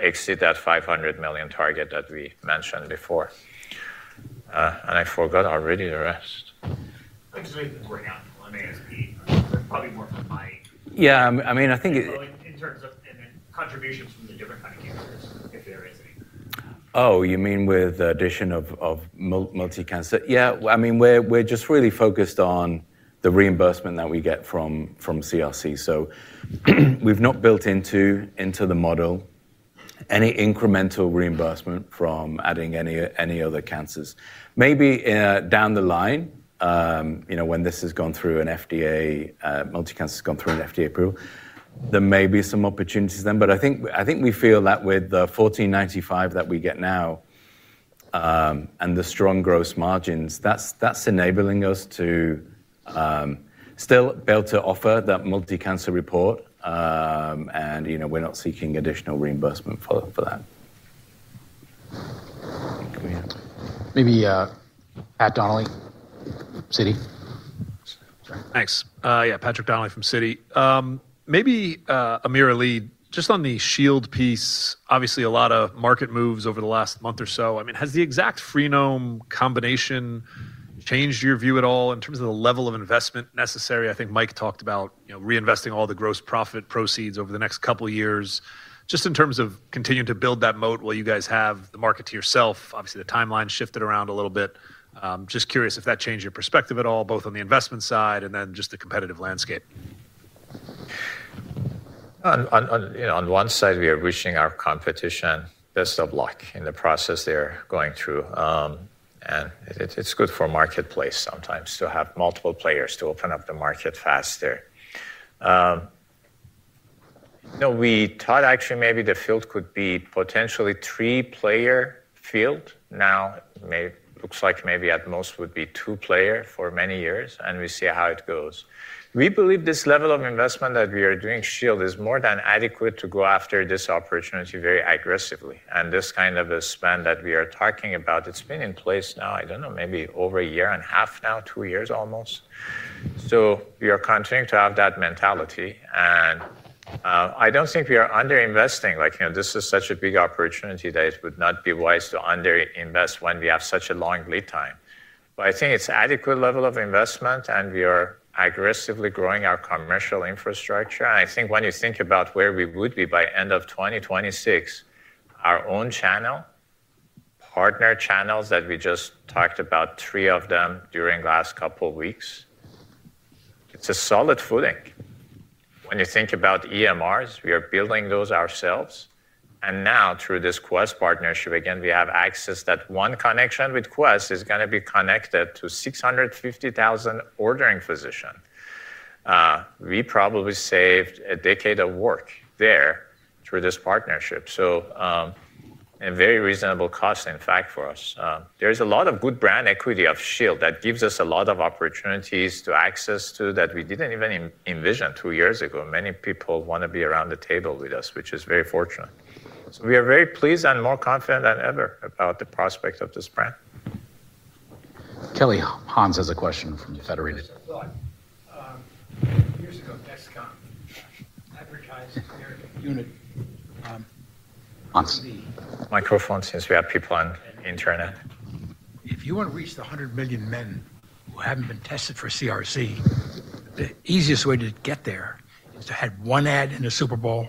exceed that $500 million target that we mentioned before. I forgot already the rest. Yeah, I mean, I think it... Oh, you mean with the addition of multi-cancer? Yeah, I mean, we're just really focused on the reimbursement that we get from CRC. We've not built into the model any incremental reimbursement from adding any other cancers. Maybe down the line, you know, when this has gone through an FDA, multi-cancer has gone through an FDA approval, there may be some opportunities then. I think we feel that with the $1,495 that we get now and the strong gross margins, that's enabling us to still be able to offer that multi-cancer report. You know, we're not seeking additional reimbursement for that. Maybe Patrick Donnelly from Citi. Sorry. Thanks. Yeah, Patrick Donnelly from Citi. Maybe AmirAli, just on the Shield piece, obviously a lot of market moves over the last month or so. Has the exact Freenome combination changed your view at all in terms of the level of investment necessary? I think Mike talked about reinvesting all the gross profit proceeds over the next couple of years, just in terms of continuing to build that moat while you guys have the market to yourself. Obviously, the timeline shifted around a little bit. Just curious if that changed your perspective at all, both on the investment side and then just the competitive landscape. On one side, we are reaching our competition. There's a block in the process they're going through. It's good for a marketplace sometimes to have multiple players to open up the market faster. We thought actually maybe the field could be potentially a three-player field. Now, it looks like maybe at most it would be a two-player for many years and we see how it goes. We believe this level of investment that we are doing in Shield is more than adequate to go after this opportunity very aggressively. This kind of a spend that we are talking about, it's been in place now, I don't know, maybe over a year and a half now, two years almost. We are continuing to have that mentality. I don't think we are underinvesting. This is such a big opportunity that it would not be wise to underinvest when we have such a long lead time. I think it's an adequate level of investment and we are aggressively growing our commercial infrastructure. When you think about where we would be by the end of 2026, our own channel, partner channels that we just talked about, three of them during the last couple of weeks, it's a solid footing. When you think about EMRs, we are building those ourselves. Now through this Quest partnership, we have access. That one connection with Quest Diagnostics is going to be connected to 650,000 ordering physicians. We probably saved a decade of work there through this partnership. A very reasonable cost, in fact, for us. There's a lot of good brand equity of Shield that gives us a lot of opportunities to access that we didn't even envision two years ago. Many people want to be around the table with us, which is very fortunate. We are very pleased and more confident than ever about the prospect of this brand. Kelly Hans has a question from Federation. Microphone since we have people on the internet. If you want to reach the 100 million men who haven't been tested for CRC, the easiest way to get there is to add one ad in the Super Bowl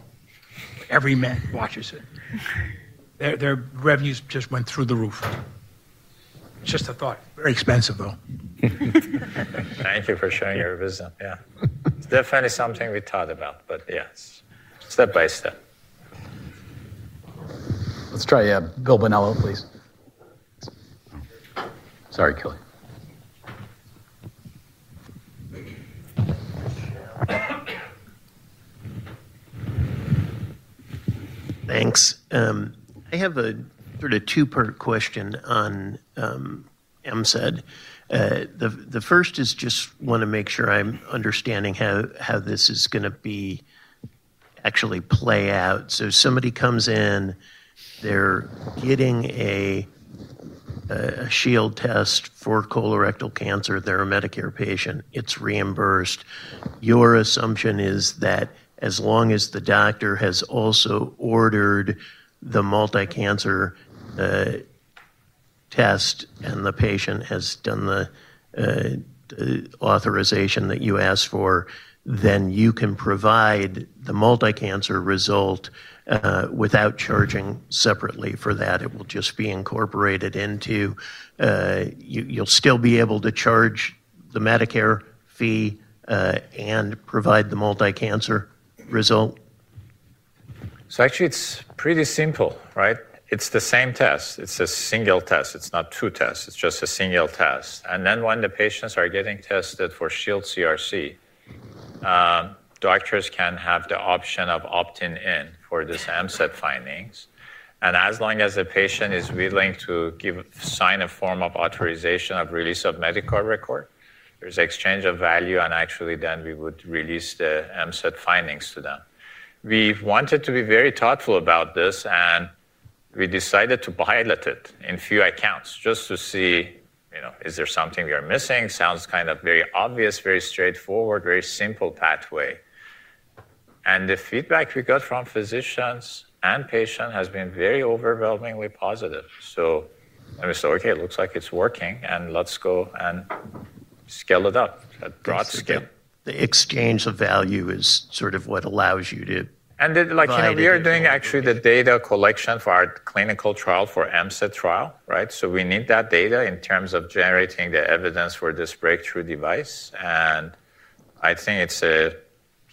for every man who watches it. Their revenues just went through the roof. Just a thought. Very expensive, though. Thank you for sharing your vision. It's definitely something we thought about, but yes, step by step. Let's try Bill Banello, please. Sorry, Kelly. Thanks. I have a sort of two-part question on M-SED. The first is just want to make sure I'm understanding how this is going to actually play out. Somebody comes in, they're getting a Shield test for colorectal cancer, they're a Medicare patient, it's reimbursed. Your assumption is that as long as the doctor has also ordered the multi-cancer test and the patient has done the authorization that you asked for, then you can provide the multi-cancer result without charging separately for that. It will just be incorporated into... You'll still be able to charge the Medicare fee and provide the multi-cancer result. It's pretty simple, right? It's the same test. It's a single test. It's not two tests. It's just a single test. When the patients are getting tested for Shield CRC, doctors can have the option of opting in for this M-SED findings. As long as the patient is willing to sign a form of authorization of release of medical record, there's an exchange of value, and actually then we would release the M-SED findings to them. We've wanted to be very thoughtful about this, and we decided to pilot it in a few accounts just to see, you know, is there something we are missing? It sounds kind of very obvious, very straightforward, very simple pathway. The feedback we got from physicians and patients has been very overwhelmingly positive. We said, okay, it looks like it's working, and let's go and scale it up. The exchange of value is what allows you to... We are actually doing the data collection for our clinical trial for the M-SED trial, right? We need that data in terms of generating the evidence for this breakthrough device. I think it's a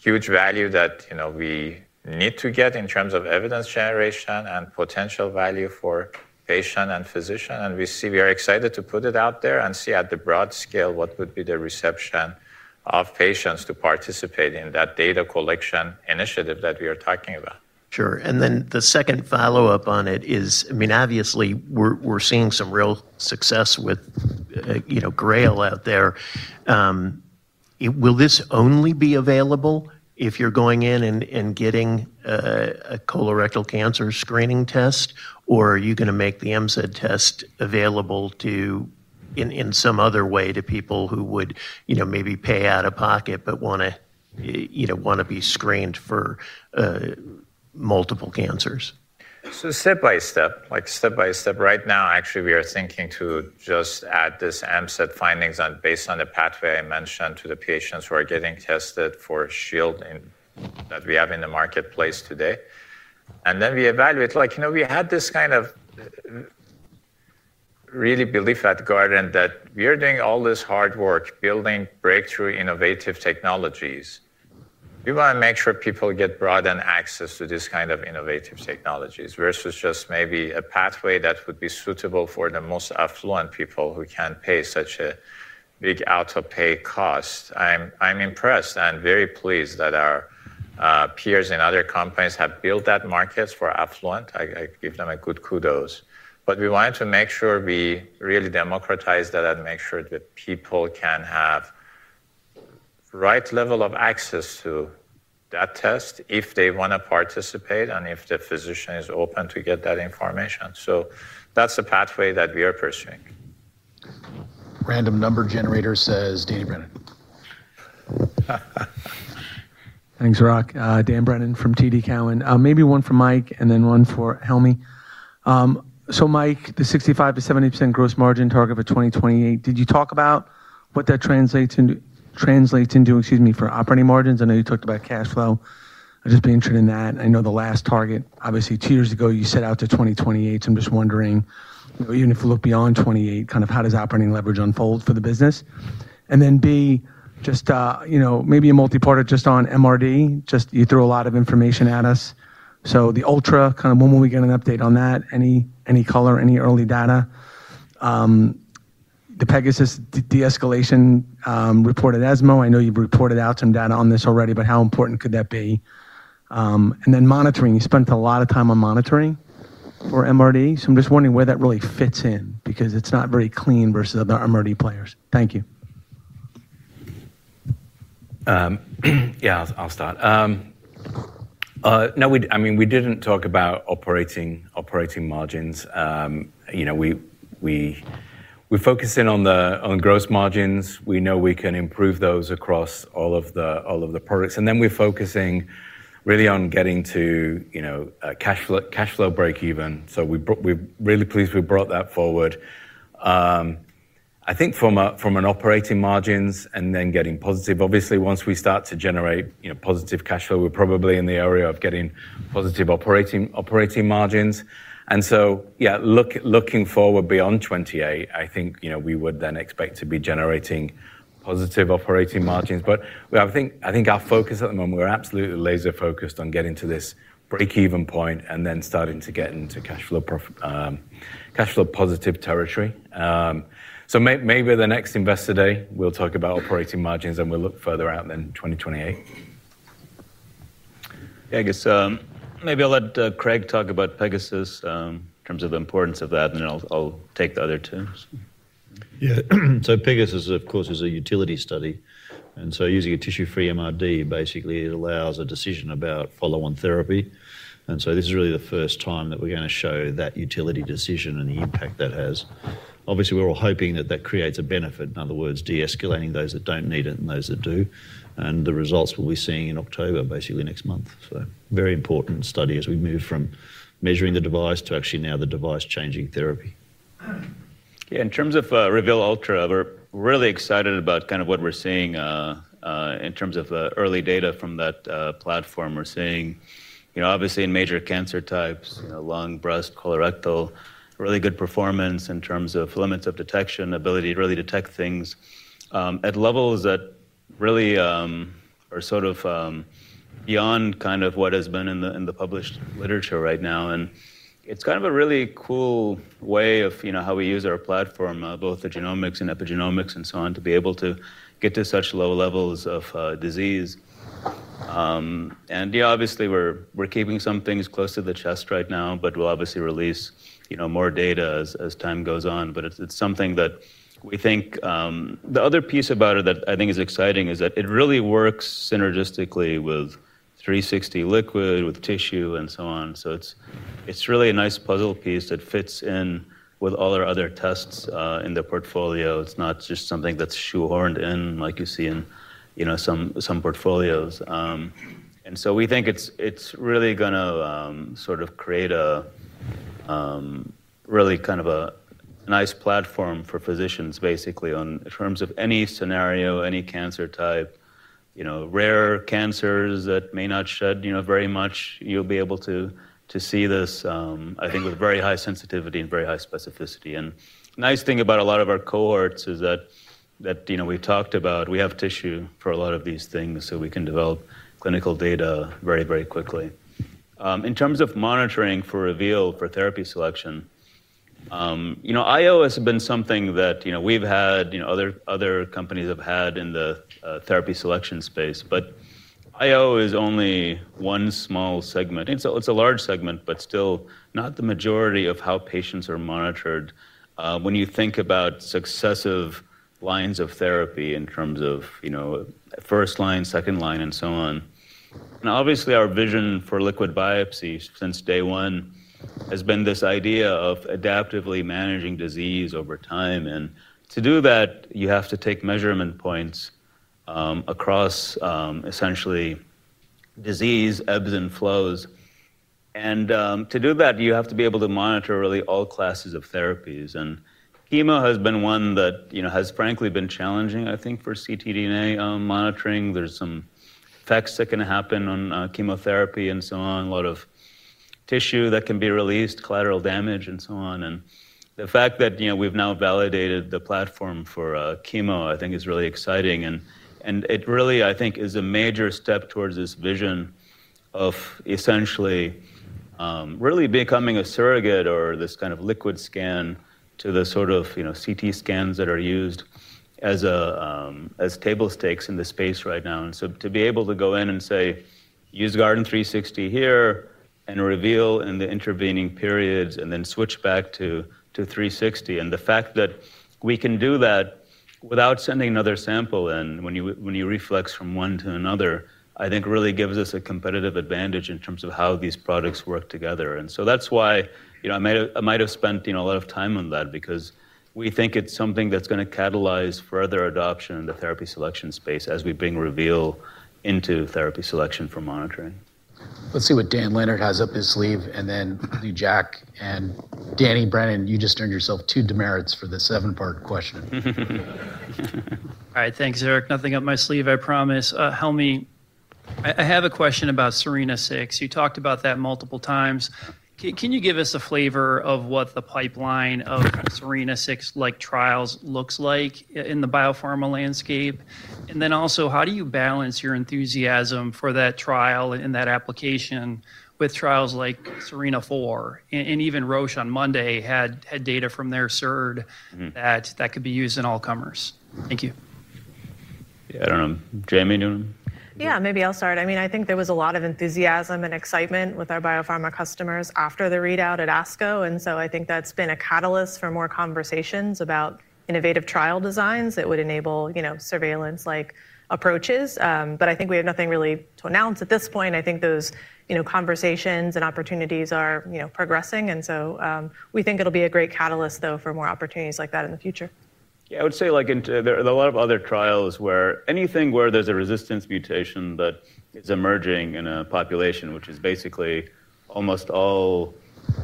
huge value that we need to get in terms of evidence generation and potential value for patient and physician. We are excited to put it out there and see at the broad scale what would be the reception of patients to participate in that data collection initiative that we are talking about. Sure. The second follow-up on it is, obviously we're seeing some real success with, you know, Grail out there. Will this only be available if you're going in and getting a colorectal cancer screening test, or are you going to make the M-SED test available in some other way to people who would, you know, maybe pay out of pocket but want to, you know, want to be screened for multiple cancers? Step by step, right now we are thinking to just add this M-SED findings based on the pathway I mentioned to the patients who are getting tested for Shield that we have in the marketplace today. We evaluate, like, you know, we had this kind of really belief at Guardant that we are doing all this hard work building breakthrough innovative technologies. We wanna make sure people get broad access to this kind of innovative technologies versus just maybe a pathway that would be suitable for the most affluent people who can pay such a big out-of-pay cost. I'm impressed and very pleased that our peers in other companies have built that market for affluent. I give them a good kudos. We wanted to make sure we really democratize that and make sure that people can have the right level of access to that test if they wanna participate and if the physician is open to get that information. That's a pathway that we are pursuing. Random number generator says Brennan. Thanks, Rock. Dan Brennan from TD Cowen. Maybe one for Mike and then one for Helmy. Mike, the 65 to 70% gross margin target for 2028, did you talk about what that translates into, excuse me, for operating margins? I know you talked about cash flow. I'm just being interested in that. I know the last target, obviously two years ago, you set out to 2028. I'm just wondering, even if we look beyond 2028, kind of how does operating leverage unfold for the business? B, just, you know, maybe a multi-part just on MRD. You threw a lot of information at us. The Ultra, kind of when will we get an update on that? Any color, any early data? The PEGASUS de-escalation reported ESMO. I know you reported out some data on this already, but how important could that be? Monitoring, you spent a lot of time on monitoring for MRD. I'm just wondering where that really fits in because it's not very clean versus other MRD players. Thank you. Yeah, I'll start. No, I mean, we didn't talk about operating margins. We focus in on the gross margins. We know we can improve those across all of the products. We're focusing really on getting to, you know, cash flow breakeven. We're really pleased we brought that forward. I think from an operating margins and then getting positive, obviously once we start to generate, you know, positive cash flow, we're probably in the area of getting positive operating margins. Looking forward beyond 2028, I think, you know, we would then expect to be generating positive operating margins. I think our focus at the moment, we're absolutely laser focused on getting to this breakeven point and then starting to get into cash flow positive territory. Maybe the next Investor Day, we'll talk about operating margins and we'll look further out than 2028. I guess maybe I'll let Craig talk about PEGASUS in terms of the importance of that and then I'll take the other two. Yeah, PEGASUS, of course, is a utility study. Using a tissue-free MRD, basically it allows a decision about follow-on therapy. This is really the first time that we're going to show that utility decision and the impact that has. Obviously, we're all hoping that creates a benefit, in other words, de-escalating those that don't need it and those that do. The results we'll be seeing in October, basically next month. Very important study as we move from measuring the device to actually now the device changing therapy. Yeah, in terms of Reveal Ultra, we're really excited about kind of what we're seeing in terms of early data from that platform. We're seeing, you know, obviously in major cancer types, you know, lung, breast, colorectal, really good performance in terms of limits of detection, ability to really detect things at levels that really are sort of beyond kind of what has been in the published literature right now. It's kind of a really cool way of, you know, how we use our platform, both the genomics and epigenomics and so on, to be able to get to such low levels of disease. Obviously, we're keeping some things close to the chest right now, but we'll obviously release, you know, more data as time goes on. It's something that we think the other piece about it that I think is exciting is that it really works synergistically with Guardant360 Liquid, with tissue, and so on. It's really a nice puzzle piece that fits in with all our other tests in the portfolio. It's not just something that's shoehorned in like you see in some portfolios. We think it's really going to sort of create a really kind of a nice platform for physicians, basically, in terms of any scenario, any cancer type, rare cancers that may not shed very much. You'll be able to see this, I think, with very high sensitivity and very high specificity. The nice thing about a lot of our cohorts is that we have tissue for a lot of these things, so we can develop clinical data very, very quickly. In terms of monitoring for Reveal for therapy selection, IO has been something that we've had, other companies have had in the therapy selection space. IO is only one small segment. It's a large segment, but still not the majority of how patients are monitored. When you think about successive lines of therapy in terms of first line, second line, and so on, our vision for liquid biopsy since day one has been this idea of adaptively managing disease over time. To do that, you have to take measurement points across essentially disease ebbs and flows. To do that, you have to be able to monitor really all classes of therapies. Chemo has been one that has frankly been challenging, I think, for ctDNA monitoring. There are some effects that can happen on chemotherapy, a lot of tissue that can be released, collateral damage, and so on. The fact that we've now validated the platform for chemo, I think, is really exciting. It really, I think, is a major step towards this vision of essentially really becoming a surrogate or this kind of liquid scan to the sort of CT scans that are used as table stakes in the space right now. To be able to go in and say, use Guardant360 here and Reveal in the intervening periods and then switch back to 360, and the fact that we can do that without sending another sample in when you reflex from one to another, I think, really gives us a competitive advantage in terms of how these products work together. That's why I might have spent a lot of time on that because we think it's something that's going to catalyze further adoption in the therapy selection space as we bring Reveal into therapy selection for monitoring. Let's see what Dan Leonard has up his sleeve, and then Jack and Dan Brennan, you just earned yourself two demerits for the seven-part question. All right, thanks, Eric. Nothing up my sleeve, I promise. Helmy, I have a question about SERENA-6. You talked about that multiple times. Can you give us a flavor of what the pipeline of SERENA-6 like trials looks like in the biopharma landscape? Also, how do you balance your enthusiasm for that trial and that application with trials like SERENA-4? Even Roche on Monday had data from their SERD that could be used in all comers. Thank you. Yeah, I don't know. Jamie, do you want to? Yeah, maybe I'll start. I think there was a lot of enthusiasm and excitement with our biopharma customers after the readout at the American Society for Clinical Oncology. I think that's been a catalyst for more conversations about innovative trial designs that would enable, you know, surveillance-like approaches. I think we have nothing really to announce at this point. I think those conversations and opportunities are progressing. We think it'll be a great catalyst for more opportunities like that in the future. Yeah, I would say like into a lot of other trials where anything where there's a resistance mutation that is emerging in a population, which is basically almost all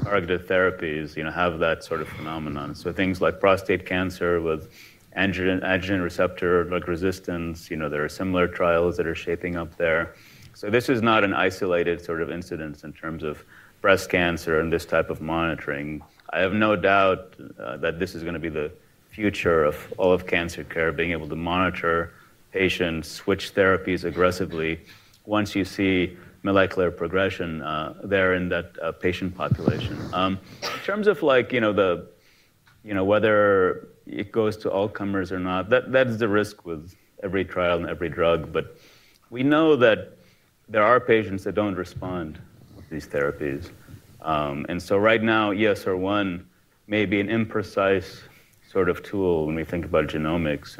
targeted therapies, you know, have that sort of phenomenon. Things like prostate cancer with androgen receptor-like resistance, you know, there are similar trials that are shaping up there. This is not an isolated sort of incidence in terms of breast cancer and this type of monitoring. I have no doubt that this is going to be the future of all of cancer care, being able to monitor patients, switch therapies aggressively once you see molecular progression there in that patient population. In terms of like, you know, whether it goes to all comers or not, that's the risk with every trial and every drug. We know that there are patients that don't respond to these therapies. Right now, ESR-1 may be an imprecise sort of tool when we think about genomics.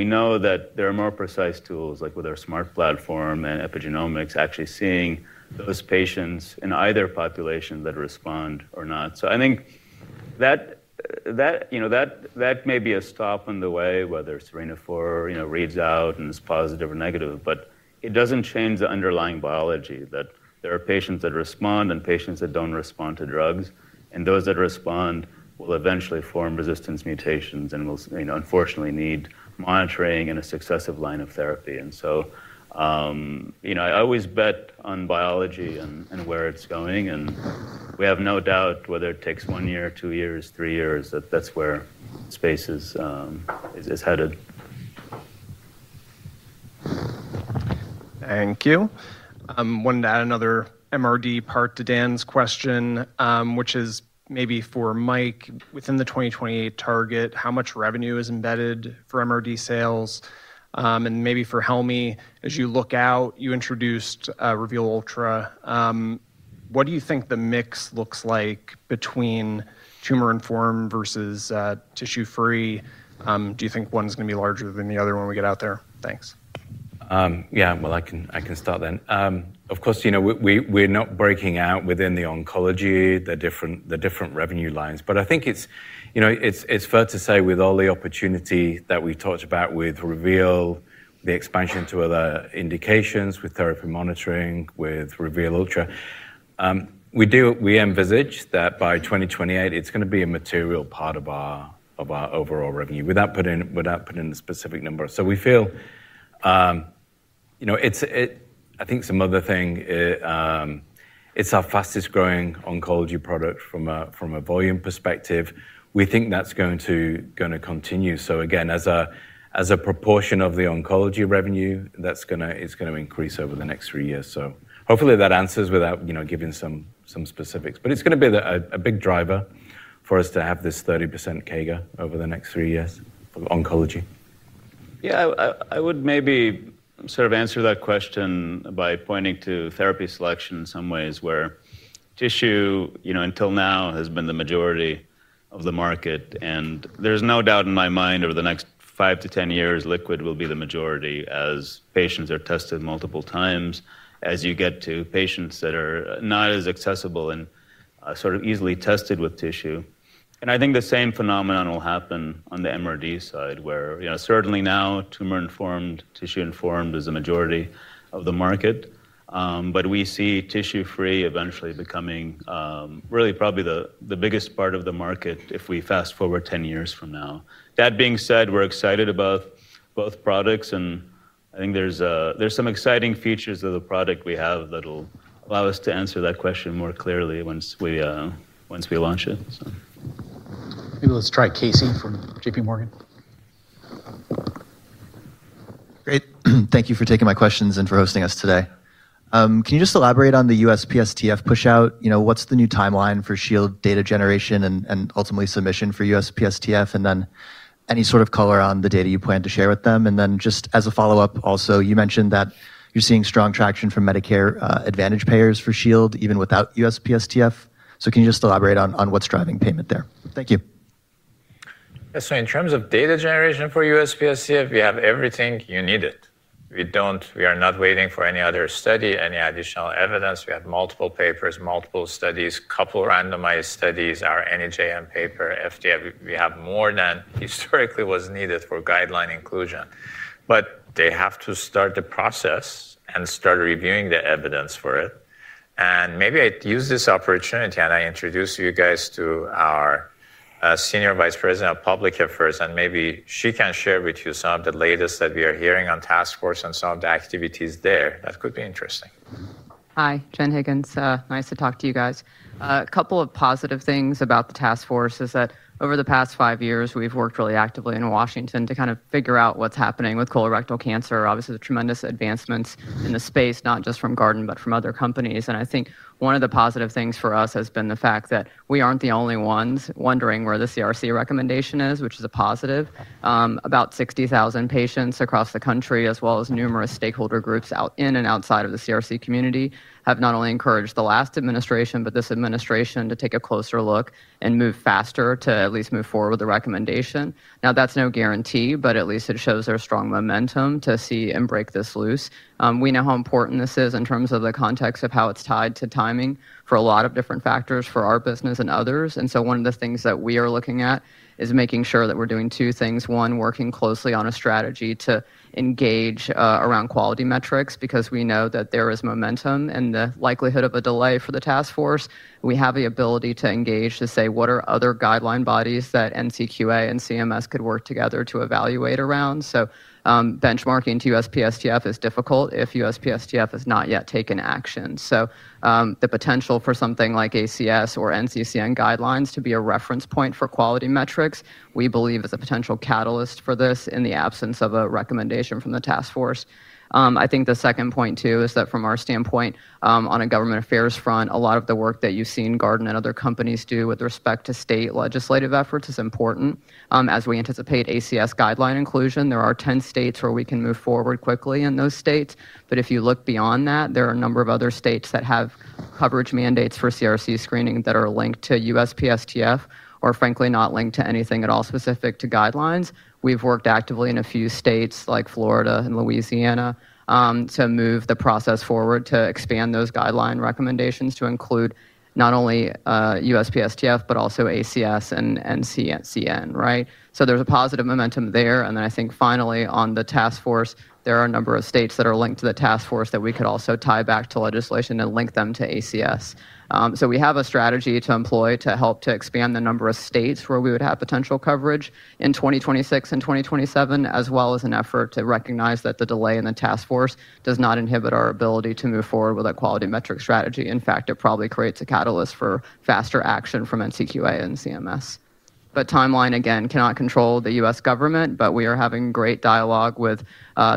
We know that there are more precise tools like with our Smart Platform and epigenomics actually seeing those patients in either population that respond or not. I think that may be a stop in the way whether SERENA-4, you know, reads out and is positive or negative. It doesn't change the underlying biology that there are patients that respond and patients that don't respond to drugs. Those that respond will eventually form resistance mutations and will, you know, unfortunately need monitoring and a successive line of therapy. I always bet on biology and where it's going. We have no doubt whether it takes one year, two years, three years, that that's where space is headed. Thank you. I wanted to add another MRD part to Dan's question, which is maybe for Mike, within the 2028 target, how much revenue is embedded for MRD sales? Maybe for Helmy, as you look out, you introduced Reveal Ultra. What do you think the mix looks like between tumor-informed versus tissue-free? Do you think one is going to be larger than the other when we get out there? Thanks. I can start then. Of course, you know, we're not breaking out within the oncology, the different revenue lines. I think it's fair to say with all the opportunity that we talked about with Guardant Reveal, the expansion to other indications with therapy monitoring, with Guardant Reveal Ultra, we do, we envisage that by 2028, it's going to be a material part of our overall revenue without putting a specific number. We feel, I think some other thing, it's our fastest growing oncology product from a volume perspective. We think that's going to continue. Again, as a proportion of the oncology revenue, it's going to increase over the next three years. Hopefully that answers without giving some specifics. It's going to be a big driver for us to have this 30% CAGR over the next three years of oncology. I would maybe sort of answer that question by pointing to therapy selection in some ways where tissue, you know, until now has been the majority of the market. There's no doubt in my mind over the next five to ten years, liquid will be the majority as patients are tested multiple times, as you get to patients that are not as accessible and sort of easily tested with tissue. I think the same phenomenon will happen on MRD side where, certainly now tumor-informed, tissue-informed is the majority of the market. We see tissue-free eventually becoming really probably the biggest part of the market if we fast forward ten years from now. That being said, we're excited about both products. I think there's some exciting features of the product we have that'll allow us to answer that question more clearly once we launch it. Maybe let's try Casey from JPMorgan. Great. Thank you for taking my questions and for hosting us today. Can you just elaborate on the USPSTF push out? What's the new timeline for Shield data generation and ultimately submission for USPSTF? Any sort of color on the data you plan to share with them? Just as a follow-up, you mentioned that you're seeing strong traction from Medicare Advantage payers for Shield even without USPSTF. Can you just elaborate on what's driving payment there? Thank you. Yeah, in terms of data generation for USPSTF, we have everything you needed. We don't, we are not waiting for any other study, any additional evidence. We have multiple papers, multiple studies, a couple of randomized studies, our NEJM paper, FDF. We have more than historically was needed for guideline inclusion. They have to start the process and start reviewing the evidence for it. Maybe I'd use this opportunity and introduce you guys to our Senior Vice President of Public Affairs. Maybe she can share with you some of the latest that we are hearing on Task Force and some of the activities there that could be interesting. Hi, Jen Higgins. Nice to talk to you guys. A couple of positive things about the Task Force is that over the past five years, we've worked really actively in Washington to kind of figure out what's happening with colorectal cancer. Obviously, the tremendous advancements in the space, not just from Guardant Health, but from other companies. I think one of the positive things for us has been the fact that we aren't the only ones wondering where the CRC recommendation is, which is a positive. About 60,000 patients across the country, as well as numerous stakeholder groups in and outside of the CRC community, have not only encouraged the last administration, but this administration to take a closer look and move faster to at least move forward with the recommendation. Now, that's no guarantee, but at least it shows there's strong momentum to see and break this loose. We know how important this is in terms of the context of how it's tied to timing for a lot of different factors for our business and others. One of the things that we are looking at is making sure that we're doing two things. One, working closely on a strategy to engage around quality metrics because we know that there is momentum in the likelihood of a delay for the Task Force. We have the ability to engage to say what are other guideline bodies that NCQA and CMS could work together to evaluate around. Benchmarking to USPSTF is difficult if USPSTF has not yet taken action. The potential for something like ACS or NCCN guidelines to be a reference point for quality metrics, we believe, is a potential catalyst for this in the absence of a recommendation from the Task Force. I think the second point too is that from our standpoint on a government affairs front, a lot of the work that you've seen Guardant and other companies do with respect to state legislative efforts is important. As we anticipate ACS guideline inclusion, there are 10 states where we can move forward quickly in those states. If you look beyond that, there are a number of other states that have coverage mandates for CRC screening that are linked to USPSTF or frankly not linked to anything at all specific to guidelines. We've worked actively in a few states like Florida and Louisiana to move the process forward to expand those guideline recommendations to include not only USPSTF, but also ACS and NCCN, right? There's a positive momentum there. I think finally on the Task Force, there are a number of states that are linked to the Task Force that we could also tie back to legislation and link them to ACS. We have a strategy to employ to help to expand the number of states where we would have potential coverage in 2026 and 2027, as well as an effort to recognize that the delay in the Task Force does not inhibit our ability to move forward with a quality metric strategy. In fact, it probably creates a catalyst for faster action from NCQA and CMS. The timeline, again, cannot control the U.S. government, but we are having great dialogue with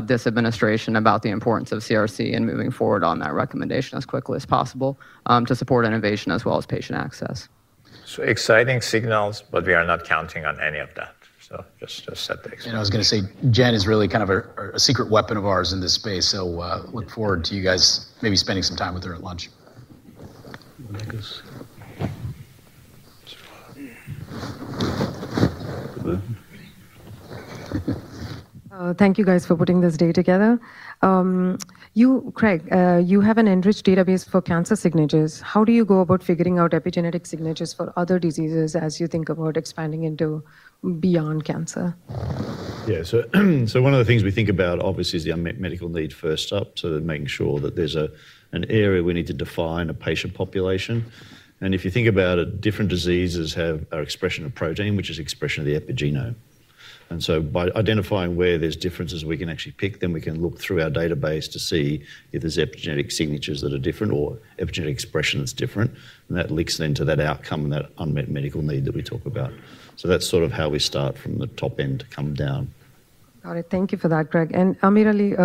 this administration about the importance of CRC and moving forward on that recommendation as quickly as possible to support innovation as well as patient access. Exciting signals, but we are not counting on any of that. Just set there. I was going to say, Jen is really kind of a secret weapon of ours in this space. I look forward to you guys maybe spending some time with her at lunch. Thank you guys for putting this day together. You, Craig, you have an enriched database for cancer signatures. How do you go about figuring out epigenetic signatures for other diseases as you think about expanding into beyond cancer? Yeah, one of the things we think about obviously is our medical need first, making sure that there's an area we need to define a patient population. If you think about it, different diseases have our expression of protein, which is the expression of the epigenome. By identifying where there's differences, we can actually pick, then we can look through our database to see if there's epigenetic signatures that are different or epigenetic expressions different. That links into that outcome and that unmet medical need that we talk about. That's sort of how we start from the top end to come down. Got it. Thank you for that, Craig. AmirAli,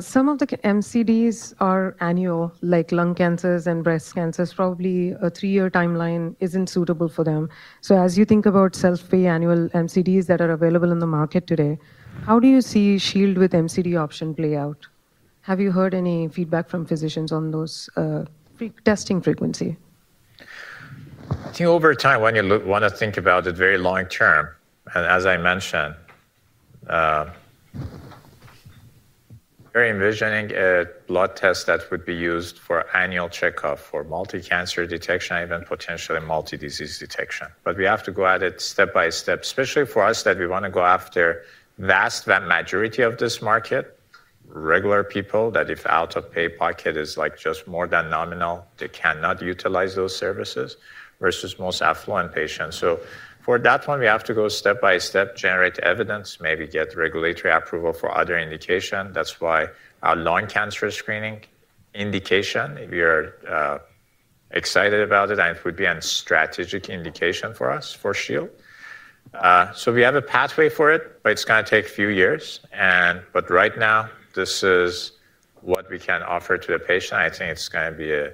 some of the MCDs are annual, like lung cancers and breast cancers. Probably a three-year timeline isn't suitable for them. As you think about self-pay annual MCDs that are available in the market today, how do you see Shield with MCD option play out? Have you heard any feedback from physicians on those testing frequency? I think over time, when you want to think about it very long term, and as I mentioned, we're envisioning a blood test that would be used for annual checkup for multi-cancer detection, even potentially multi-disease detection. We have to go at it step by step, especially for us that we want to go after the vast majority of this market, regular people that if out-of-pocket is just more than nominal, they cannot utilize those services versus most affluent patients. For that one, we have to go step by step, generate evidence, maybe get regulatory approval for other indications. That is why our lung cancer screening indication, we are excited about it, and it would be a strategic indication for us for Shield. We have a pathway for it, but it is going to take a few years. Right now, this is what we can offer to the patient. I think it is going to be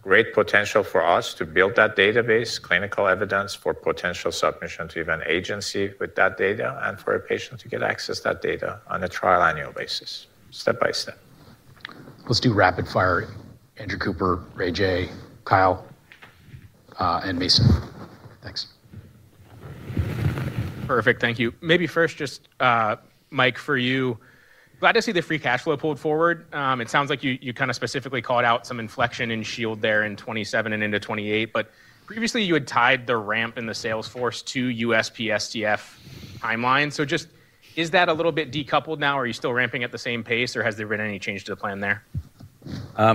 a great potential for us to build that database, clinical evidence for potential submission to even agency with that data and for a patient to get access to that data on a trial annual basis, step by step. Let's do rapid fire. Andrew Cooper, Ray J, Kyle, and Mason. Thanks. Perfect. Thank you. Maybe first just, Mike, for you. Glad to see the free cash flow pulled forward. It sounds like you kind of specifically called out some inflection in Shield there in 2027 and into 2028. Previously, you had tied the ramp in the sales force to USPSTF timeline. Is that a little bit decoupled now? Are you still ramping at the same pace, or has there been any change to the plan there? I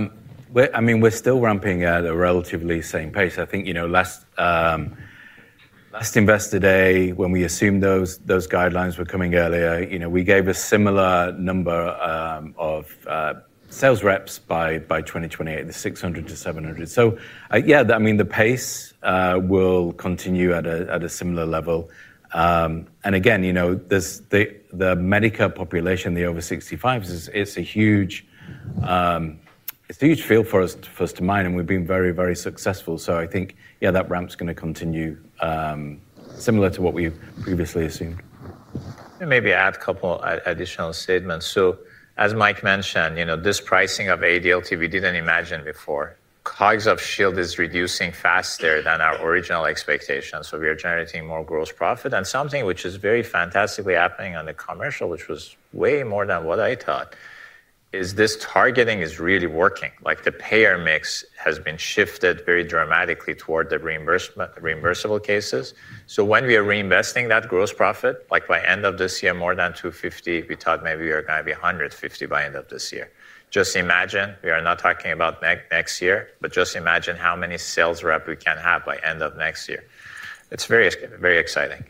mean, we're still ramping at a relatively same pace. I think, you know, last Investor Day, when we assumed those guidelines were coming earlier, you know, we gave a similar number of sales reps by 2028, the 600-700. Yeah, I mean, the pace will continue at a similar level. Again, you know, there's the Medicare population, the over 65, it's a huge field for us to mine, and we've been very, very successful. I think, yeah, that ramp is going to continue similar to what we previously assumed. Maybe add a couple of additional statements. As Mike mentioned, you know, this pricing of ADLT we didn't imagine before. COGS of Shield is reducing faster than our original expectations. We are generating more gross profit. Something which is very fantastically happening on the commercial, which was way more than what I thought, is this targeting is really working. The payer mix has been shifted very dramatically toward the reimbursable cases. When we are reinvesting that gross profit, like by the end of this year, more than 250, we thought maybe we were going to be 150 by the end of this year. Just imagine, we are not talking about next year, but just imagine how many sales reps we can have by the end of next year. It's very, very exciting.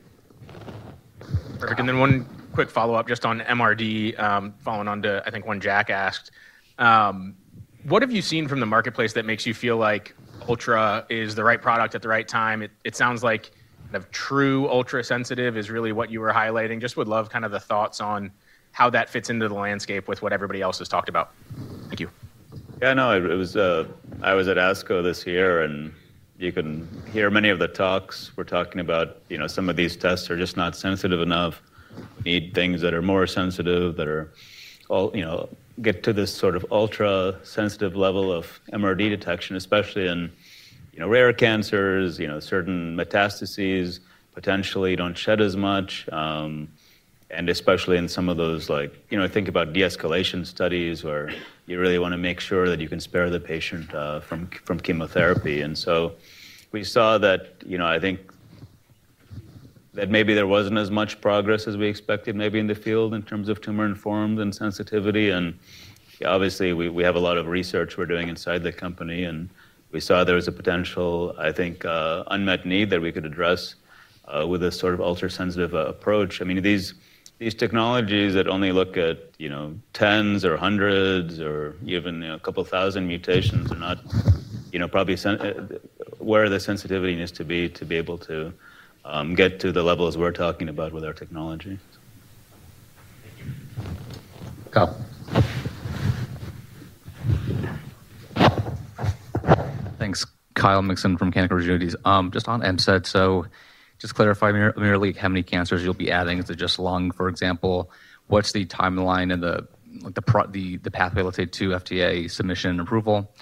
Perfect. One quick follow-up just on MRD, following on to, I think, one Jack asked. What have you seen from the marketplace that makes you feel like Ultra is the right product at the right time? It sounds like kind of true ultra-sensitive is really what you were highlighting. I would love the thoughts on how that fits into the landscape with what everybody else has talked about. Thank you. Yeah, no, I was at ASCO this year, and you can hear many of the talks. We're talking about, you know, some of these tests are just not sensitive enough. Need things that are more sensitive that are, you know, get to this sort of ultra-sensitive level of MRD detection, especially in, you know, rare cancers, certain metastases potentially don't shed as much. Especially in some of those, like, I think about de-escalation studies where you really want to make sure that you can spare the patient from chemotherapy. We saw that, you know, I think that maybe there wasn't as much progress as we expected, maybe in the field in terms of tumor-informed and sensitivity. Obviously, we have a lot of research we're doing inside the company, and we saw there was a potential, I think, unmet need that we could address with a sort of ultra-sensitive approach. I mean, these technologies that only look at, you know, tens or hundreds or even a couple thousand mutations are not, you know, probably where the sensitivity needs to be to be able to get to the levels we're talking about with our technology. Thanks, Kyle Mixon from Canaccord Genuity. Just on M-SET, just clarifying, AmirAli, how many cancers you'll be adding? Is it just lung, for example? What's the timeline and the pathway, let's say, to FDA submission and approval?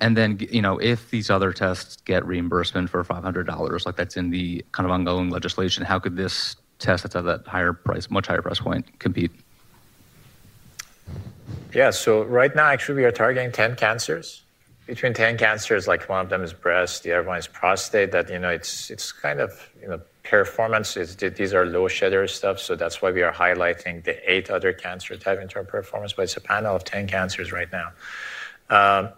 If these other tests get reimbursement for $500, like that's in the kind of ongoing legislation, how could this test that's at that higher price, much higher price point, compete? Yeah, so right now, actually, we are targeting 10 cancers. Between 10 cancers, like one of them is breast, the other one is prostate, that, you know, it's kind of, you know, performance, these are low shedders stuff. That's why we are highlighting the eight other cancer types in terms of performance, but it's a panel of 10 cancers right now.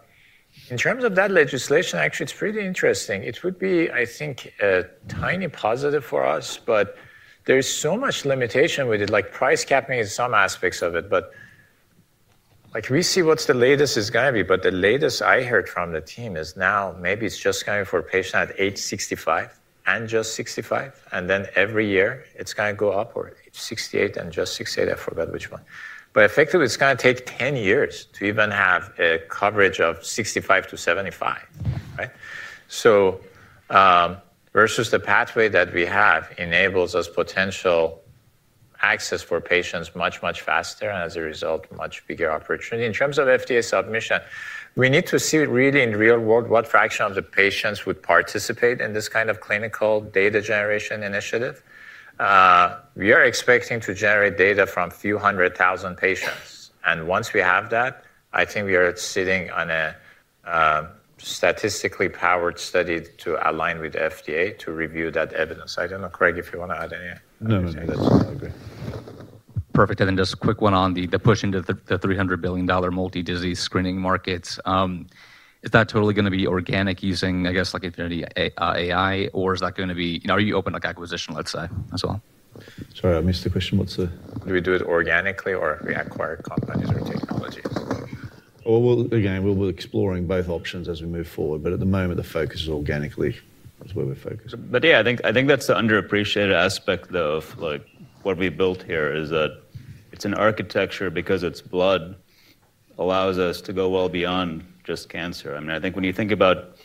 In terms of that legislation, actually, it's pretty interesting. It would be, I think, a tiny positive for us, but there's so much limitation with it, like price cap in some aspects of it. We see what the latest is going to be, but the latest I heard from the team is now maybe it's just coming for patients at age 65 and just 65, and then every year it's going to go upward, age 68 and just 68, I forgot which one. Effectively, it's going to take 10 years to even have a coverage of 65-75, right? Versus the pathway that we have enables us potential access for patients much, much faster, and as a result, much bigger opportunity. In terms of FDA submission, we need to see really in real world what fraction of the patients would participate in this kind of clinical data generation initiative. We are expecting to generate data from a few hundred thousand patients. Once we have that, I think we are sitting on a statistically powered study to align with FDA to review that evidence. I don't know, Craig, if you wanna add anything. No, I agree. Perfect. Just a quick one on the push into the $300 billion multi-disease screening markets. Is that totally going to be organic using, I guess, like if you're in the AI, or is that going to be, you know, are you open to acquisition, let's say, as well? Sorry, I missed the question. Do we do it organically or do we acquire companies or technology? We're exploring both options as we move forward. At the moment, the focus is organically. That's where we're focused. I think that's the underappreciated aspect of what we built here, that it's an architecture because it's blood, it allows us to go well beyond just cancer. I mean, when you think about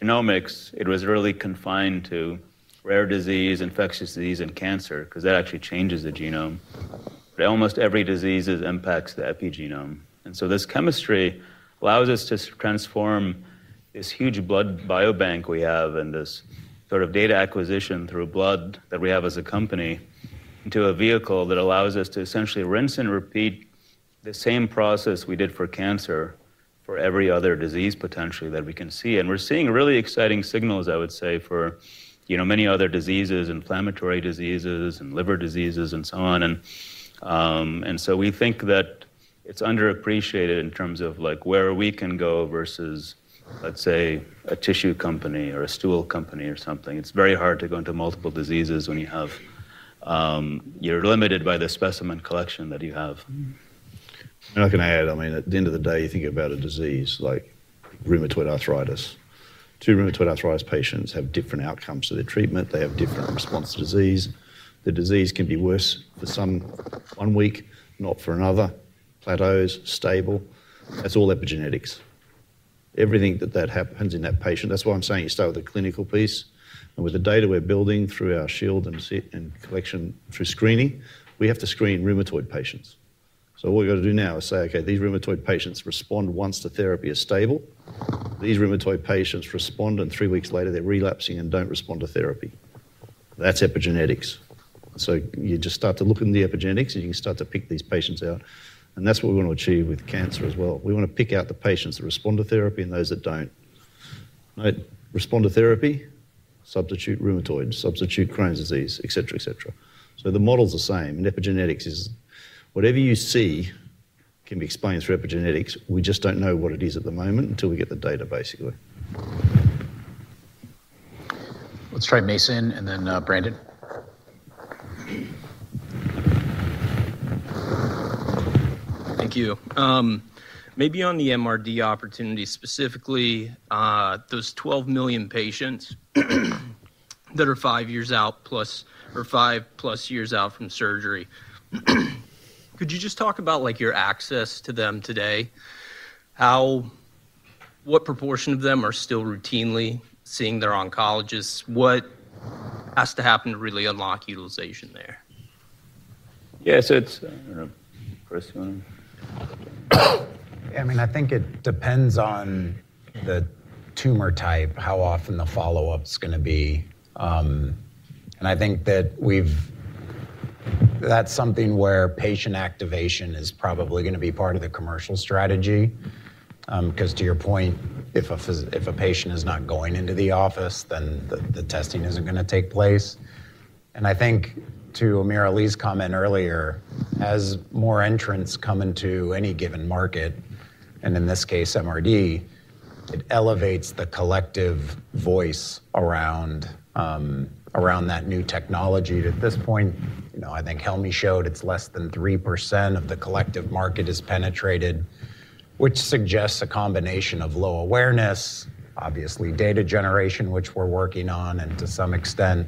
genomics, it was really confined to rare disease, infectious disease, and cancer because that actually changes the genome. Almost every disease impacts the epigenome. This chemistry allows us to transform this huge blood biobank we have and this sort of data acquisition through blood that we have as a company into a vehicle that allows us to essentially rinse and repeat the same process we did for cancer for every other disease potentially that we can see. We're seeing really exciting signals, I would say, for many other diseases, inflammatory diseases, and liver diseases, and so on. We think that it's underappreciated in terms of where we can go versus, let's say, a tissue company or a stool company or something. It's very hard to go into multiple diseases when you're limited by the specimen collection that you have. I'm not going to add, I mean, at the end of the day, you think about a disease like rheumatoid arthritis. Two rheumatoid arthritis patients have different outcomes to their treatment. They have different response to disease. The disease can be worse for some one week, not for another, plateaus, stable. That's all epigenetics. Everything that happens in that patient, that's why I'm saying you start with a clinical piece. With the data we're building through our Shield and collection through screening, we have to screen rheumatoid patients. What we've got to do now is say, okay, these rheumatoid patients respond once the therapy is stable. These rheumatoid patients respond, and three weeks later, they're relapsing and don't respond to therapy. That's epigenetics. You just start to look in the epigenetics, and you can start to pick these patients out. That's what we want to achieve with cancer as well. We want to pick out the patients that respond to therapy and those that don't. Respond to therapy, substitute rheumatoid, substitute Crohn's disease, etcetera, etcetera. The model's the same. Epigenetics is whatever you see can be explained through epigenetics. We just don't know what it is at the moment until we get the data, basically. Let's try Mason and then Brandon. Thank you. Maybe on the MRD opportunity, specifically, those 12 million patients that are five years out plus or five plus years out from surgery. Could you just talk about your access to them today? What proportion of them are still routinely seeing their oncologists? What has to happen to really unlock utilization there? Yeah, it's, I don't know, Chris. I mean, I think it depends on the tumor type, how often the follow-up is going to be. I think that that's something where patient activation is probably going to be part of the commercial strategy. Because to your point, if a patient is not going into the office, then the testing is not going to take place. I think to AmirAli's comment earlier, as more entrants come into any given market, and in this case, MRD, it elevates the collective voice around that new technology. At this point, I think Helmy showed it's less than 3% of the collective market is penetrated, which suggests a combination of low awareness, obviously data generation, which we're working on, and to some extent,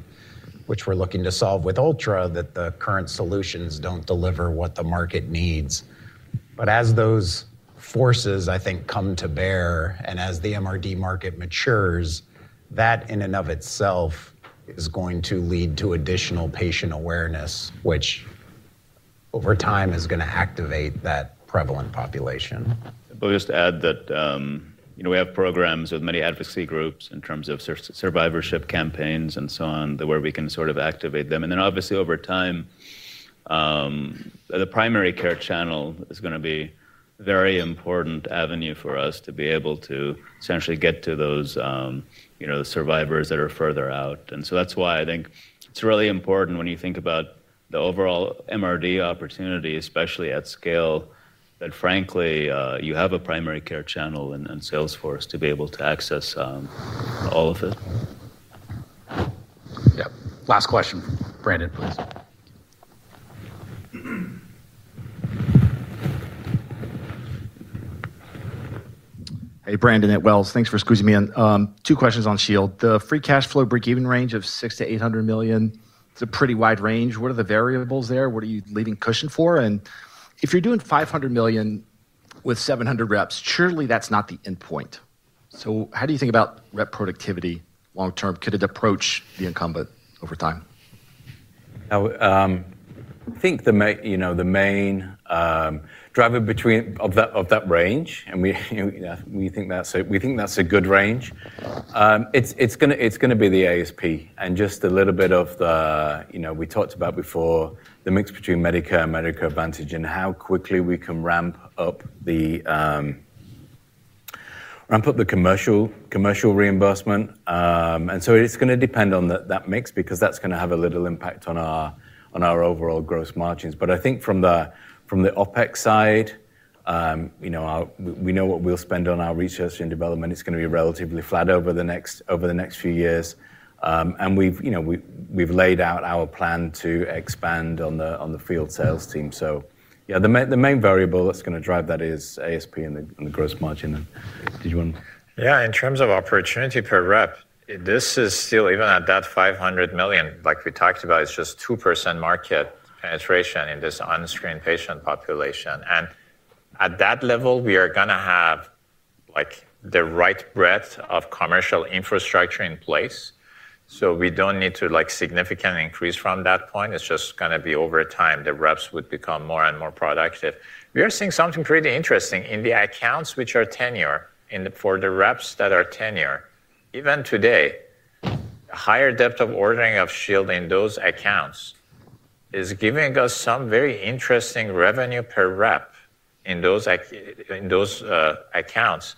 which we're looking to solve with Ultra, that the current solutions do not deliver what the market needs. As those forces, I think, come to bear, and as the MRD market matures, that in and of itself is going to lead to additional patient awareness, which over time is going to activate that prevalent population. I'll just add that we have programs with many advocacy groups in terms of survivorship campaigns and so on, where we can sort of activate them. Obviously, over time, the primary care channel is going to be a very important avenue for us to be able to essentially get to those survivors that are further out. That's why I think it's really important when you think about the overall MRD opportunity, especially at scale, that frankly you have a primary care channel and sales force to be able to access all of it. Yeah, last question, Brandon, please. Hey, Brandon at Wells. Thanks for squeezing me in. Two questions on Shield. The free cash flow breakeven range of $600 million-$800 million, it's a pretty wide range. What are the variables there? What are you leaving cushion for? If you're doing $500 million with 700 reps, surely that's not the endpoint. How do you think about rep productivity long term? Could it approach the incumbent over time? I think the main driver of that range, and we think that's a good range, is going to be the ASP. Just a little bit of the, you know, we talked about before, the mix between Medicare and Medicare Advantage and how quickly we can ramp up the commercial reimbursement. It's going to depend on that mix because that's going to have a little impact on our overall gross margins. I think from the OpEx side, we know what we'll spend on our research and development. It's going to be relatively flat over the next few years. We've laid out our plan to expand on the field sales team. The main variable that's going to drive that is ASP and the gross margin. Did you want... Yeah, in terms of opportunity per rep, this is still even at that $500 million, like we talked about, it's just 2% market penetration in this unscreened patient population. At that level, we are going to have the right breadth of commercial infrastructure in place. We don't need to significantly increase from that point. It's just going to be over time the reps would become more and more productive. We are seeing something pretty interesting in the accounts which are tenure for the reps that are tenure. Even today, higher depth of ordering of Shield in those accounts is giving us some very interesting revenue per rep in those accounts,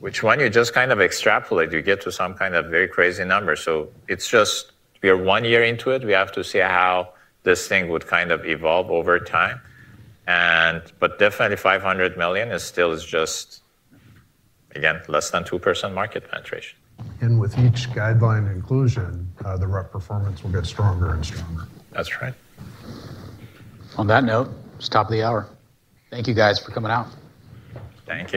which when you just kind of extrapolate, you get to some kind of very crazy numbers. We are one year into it. We have to see how this thing would kind of evolve over time. Definitely, $500 million is still just, again, less than 2% market penetration. With each guideline inclusion, the rep performance will get stronger and stronger. That's right. On that note, stop the hour. Thank you guys for coming out. Thank you.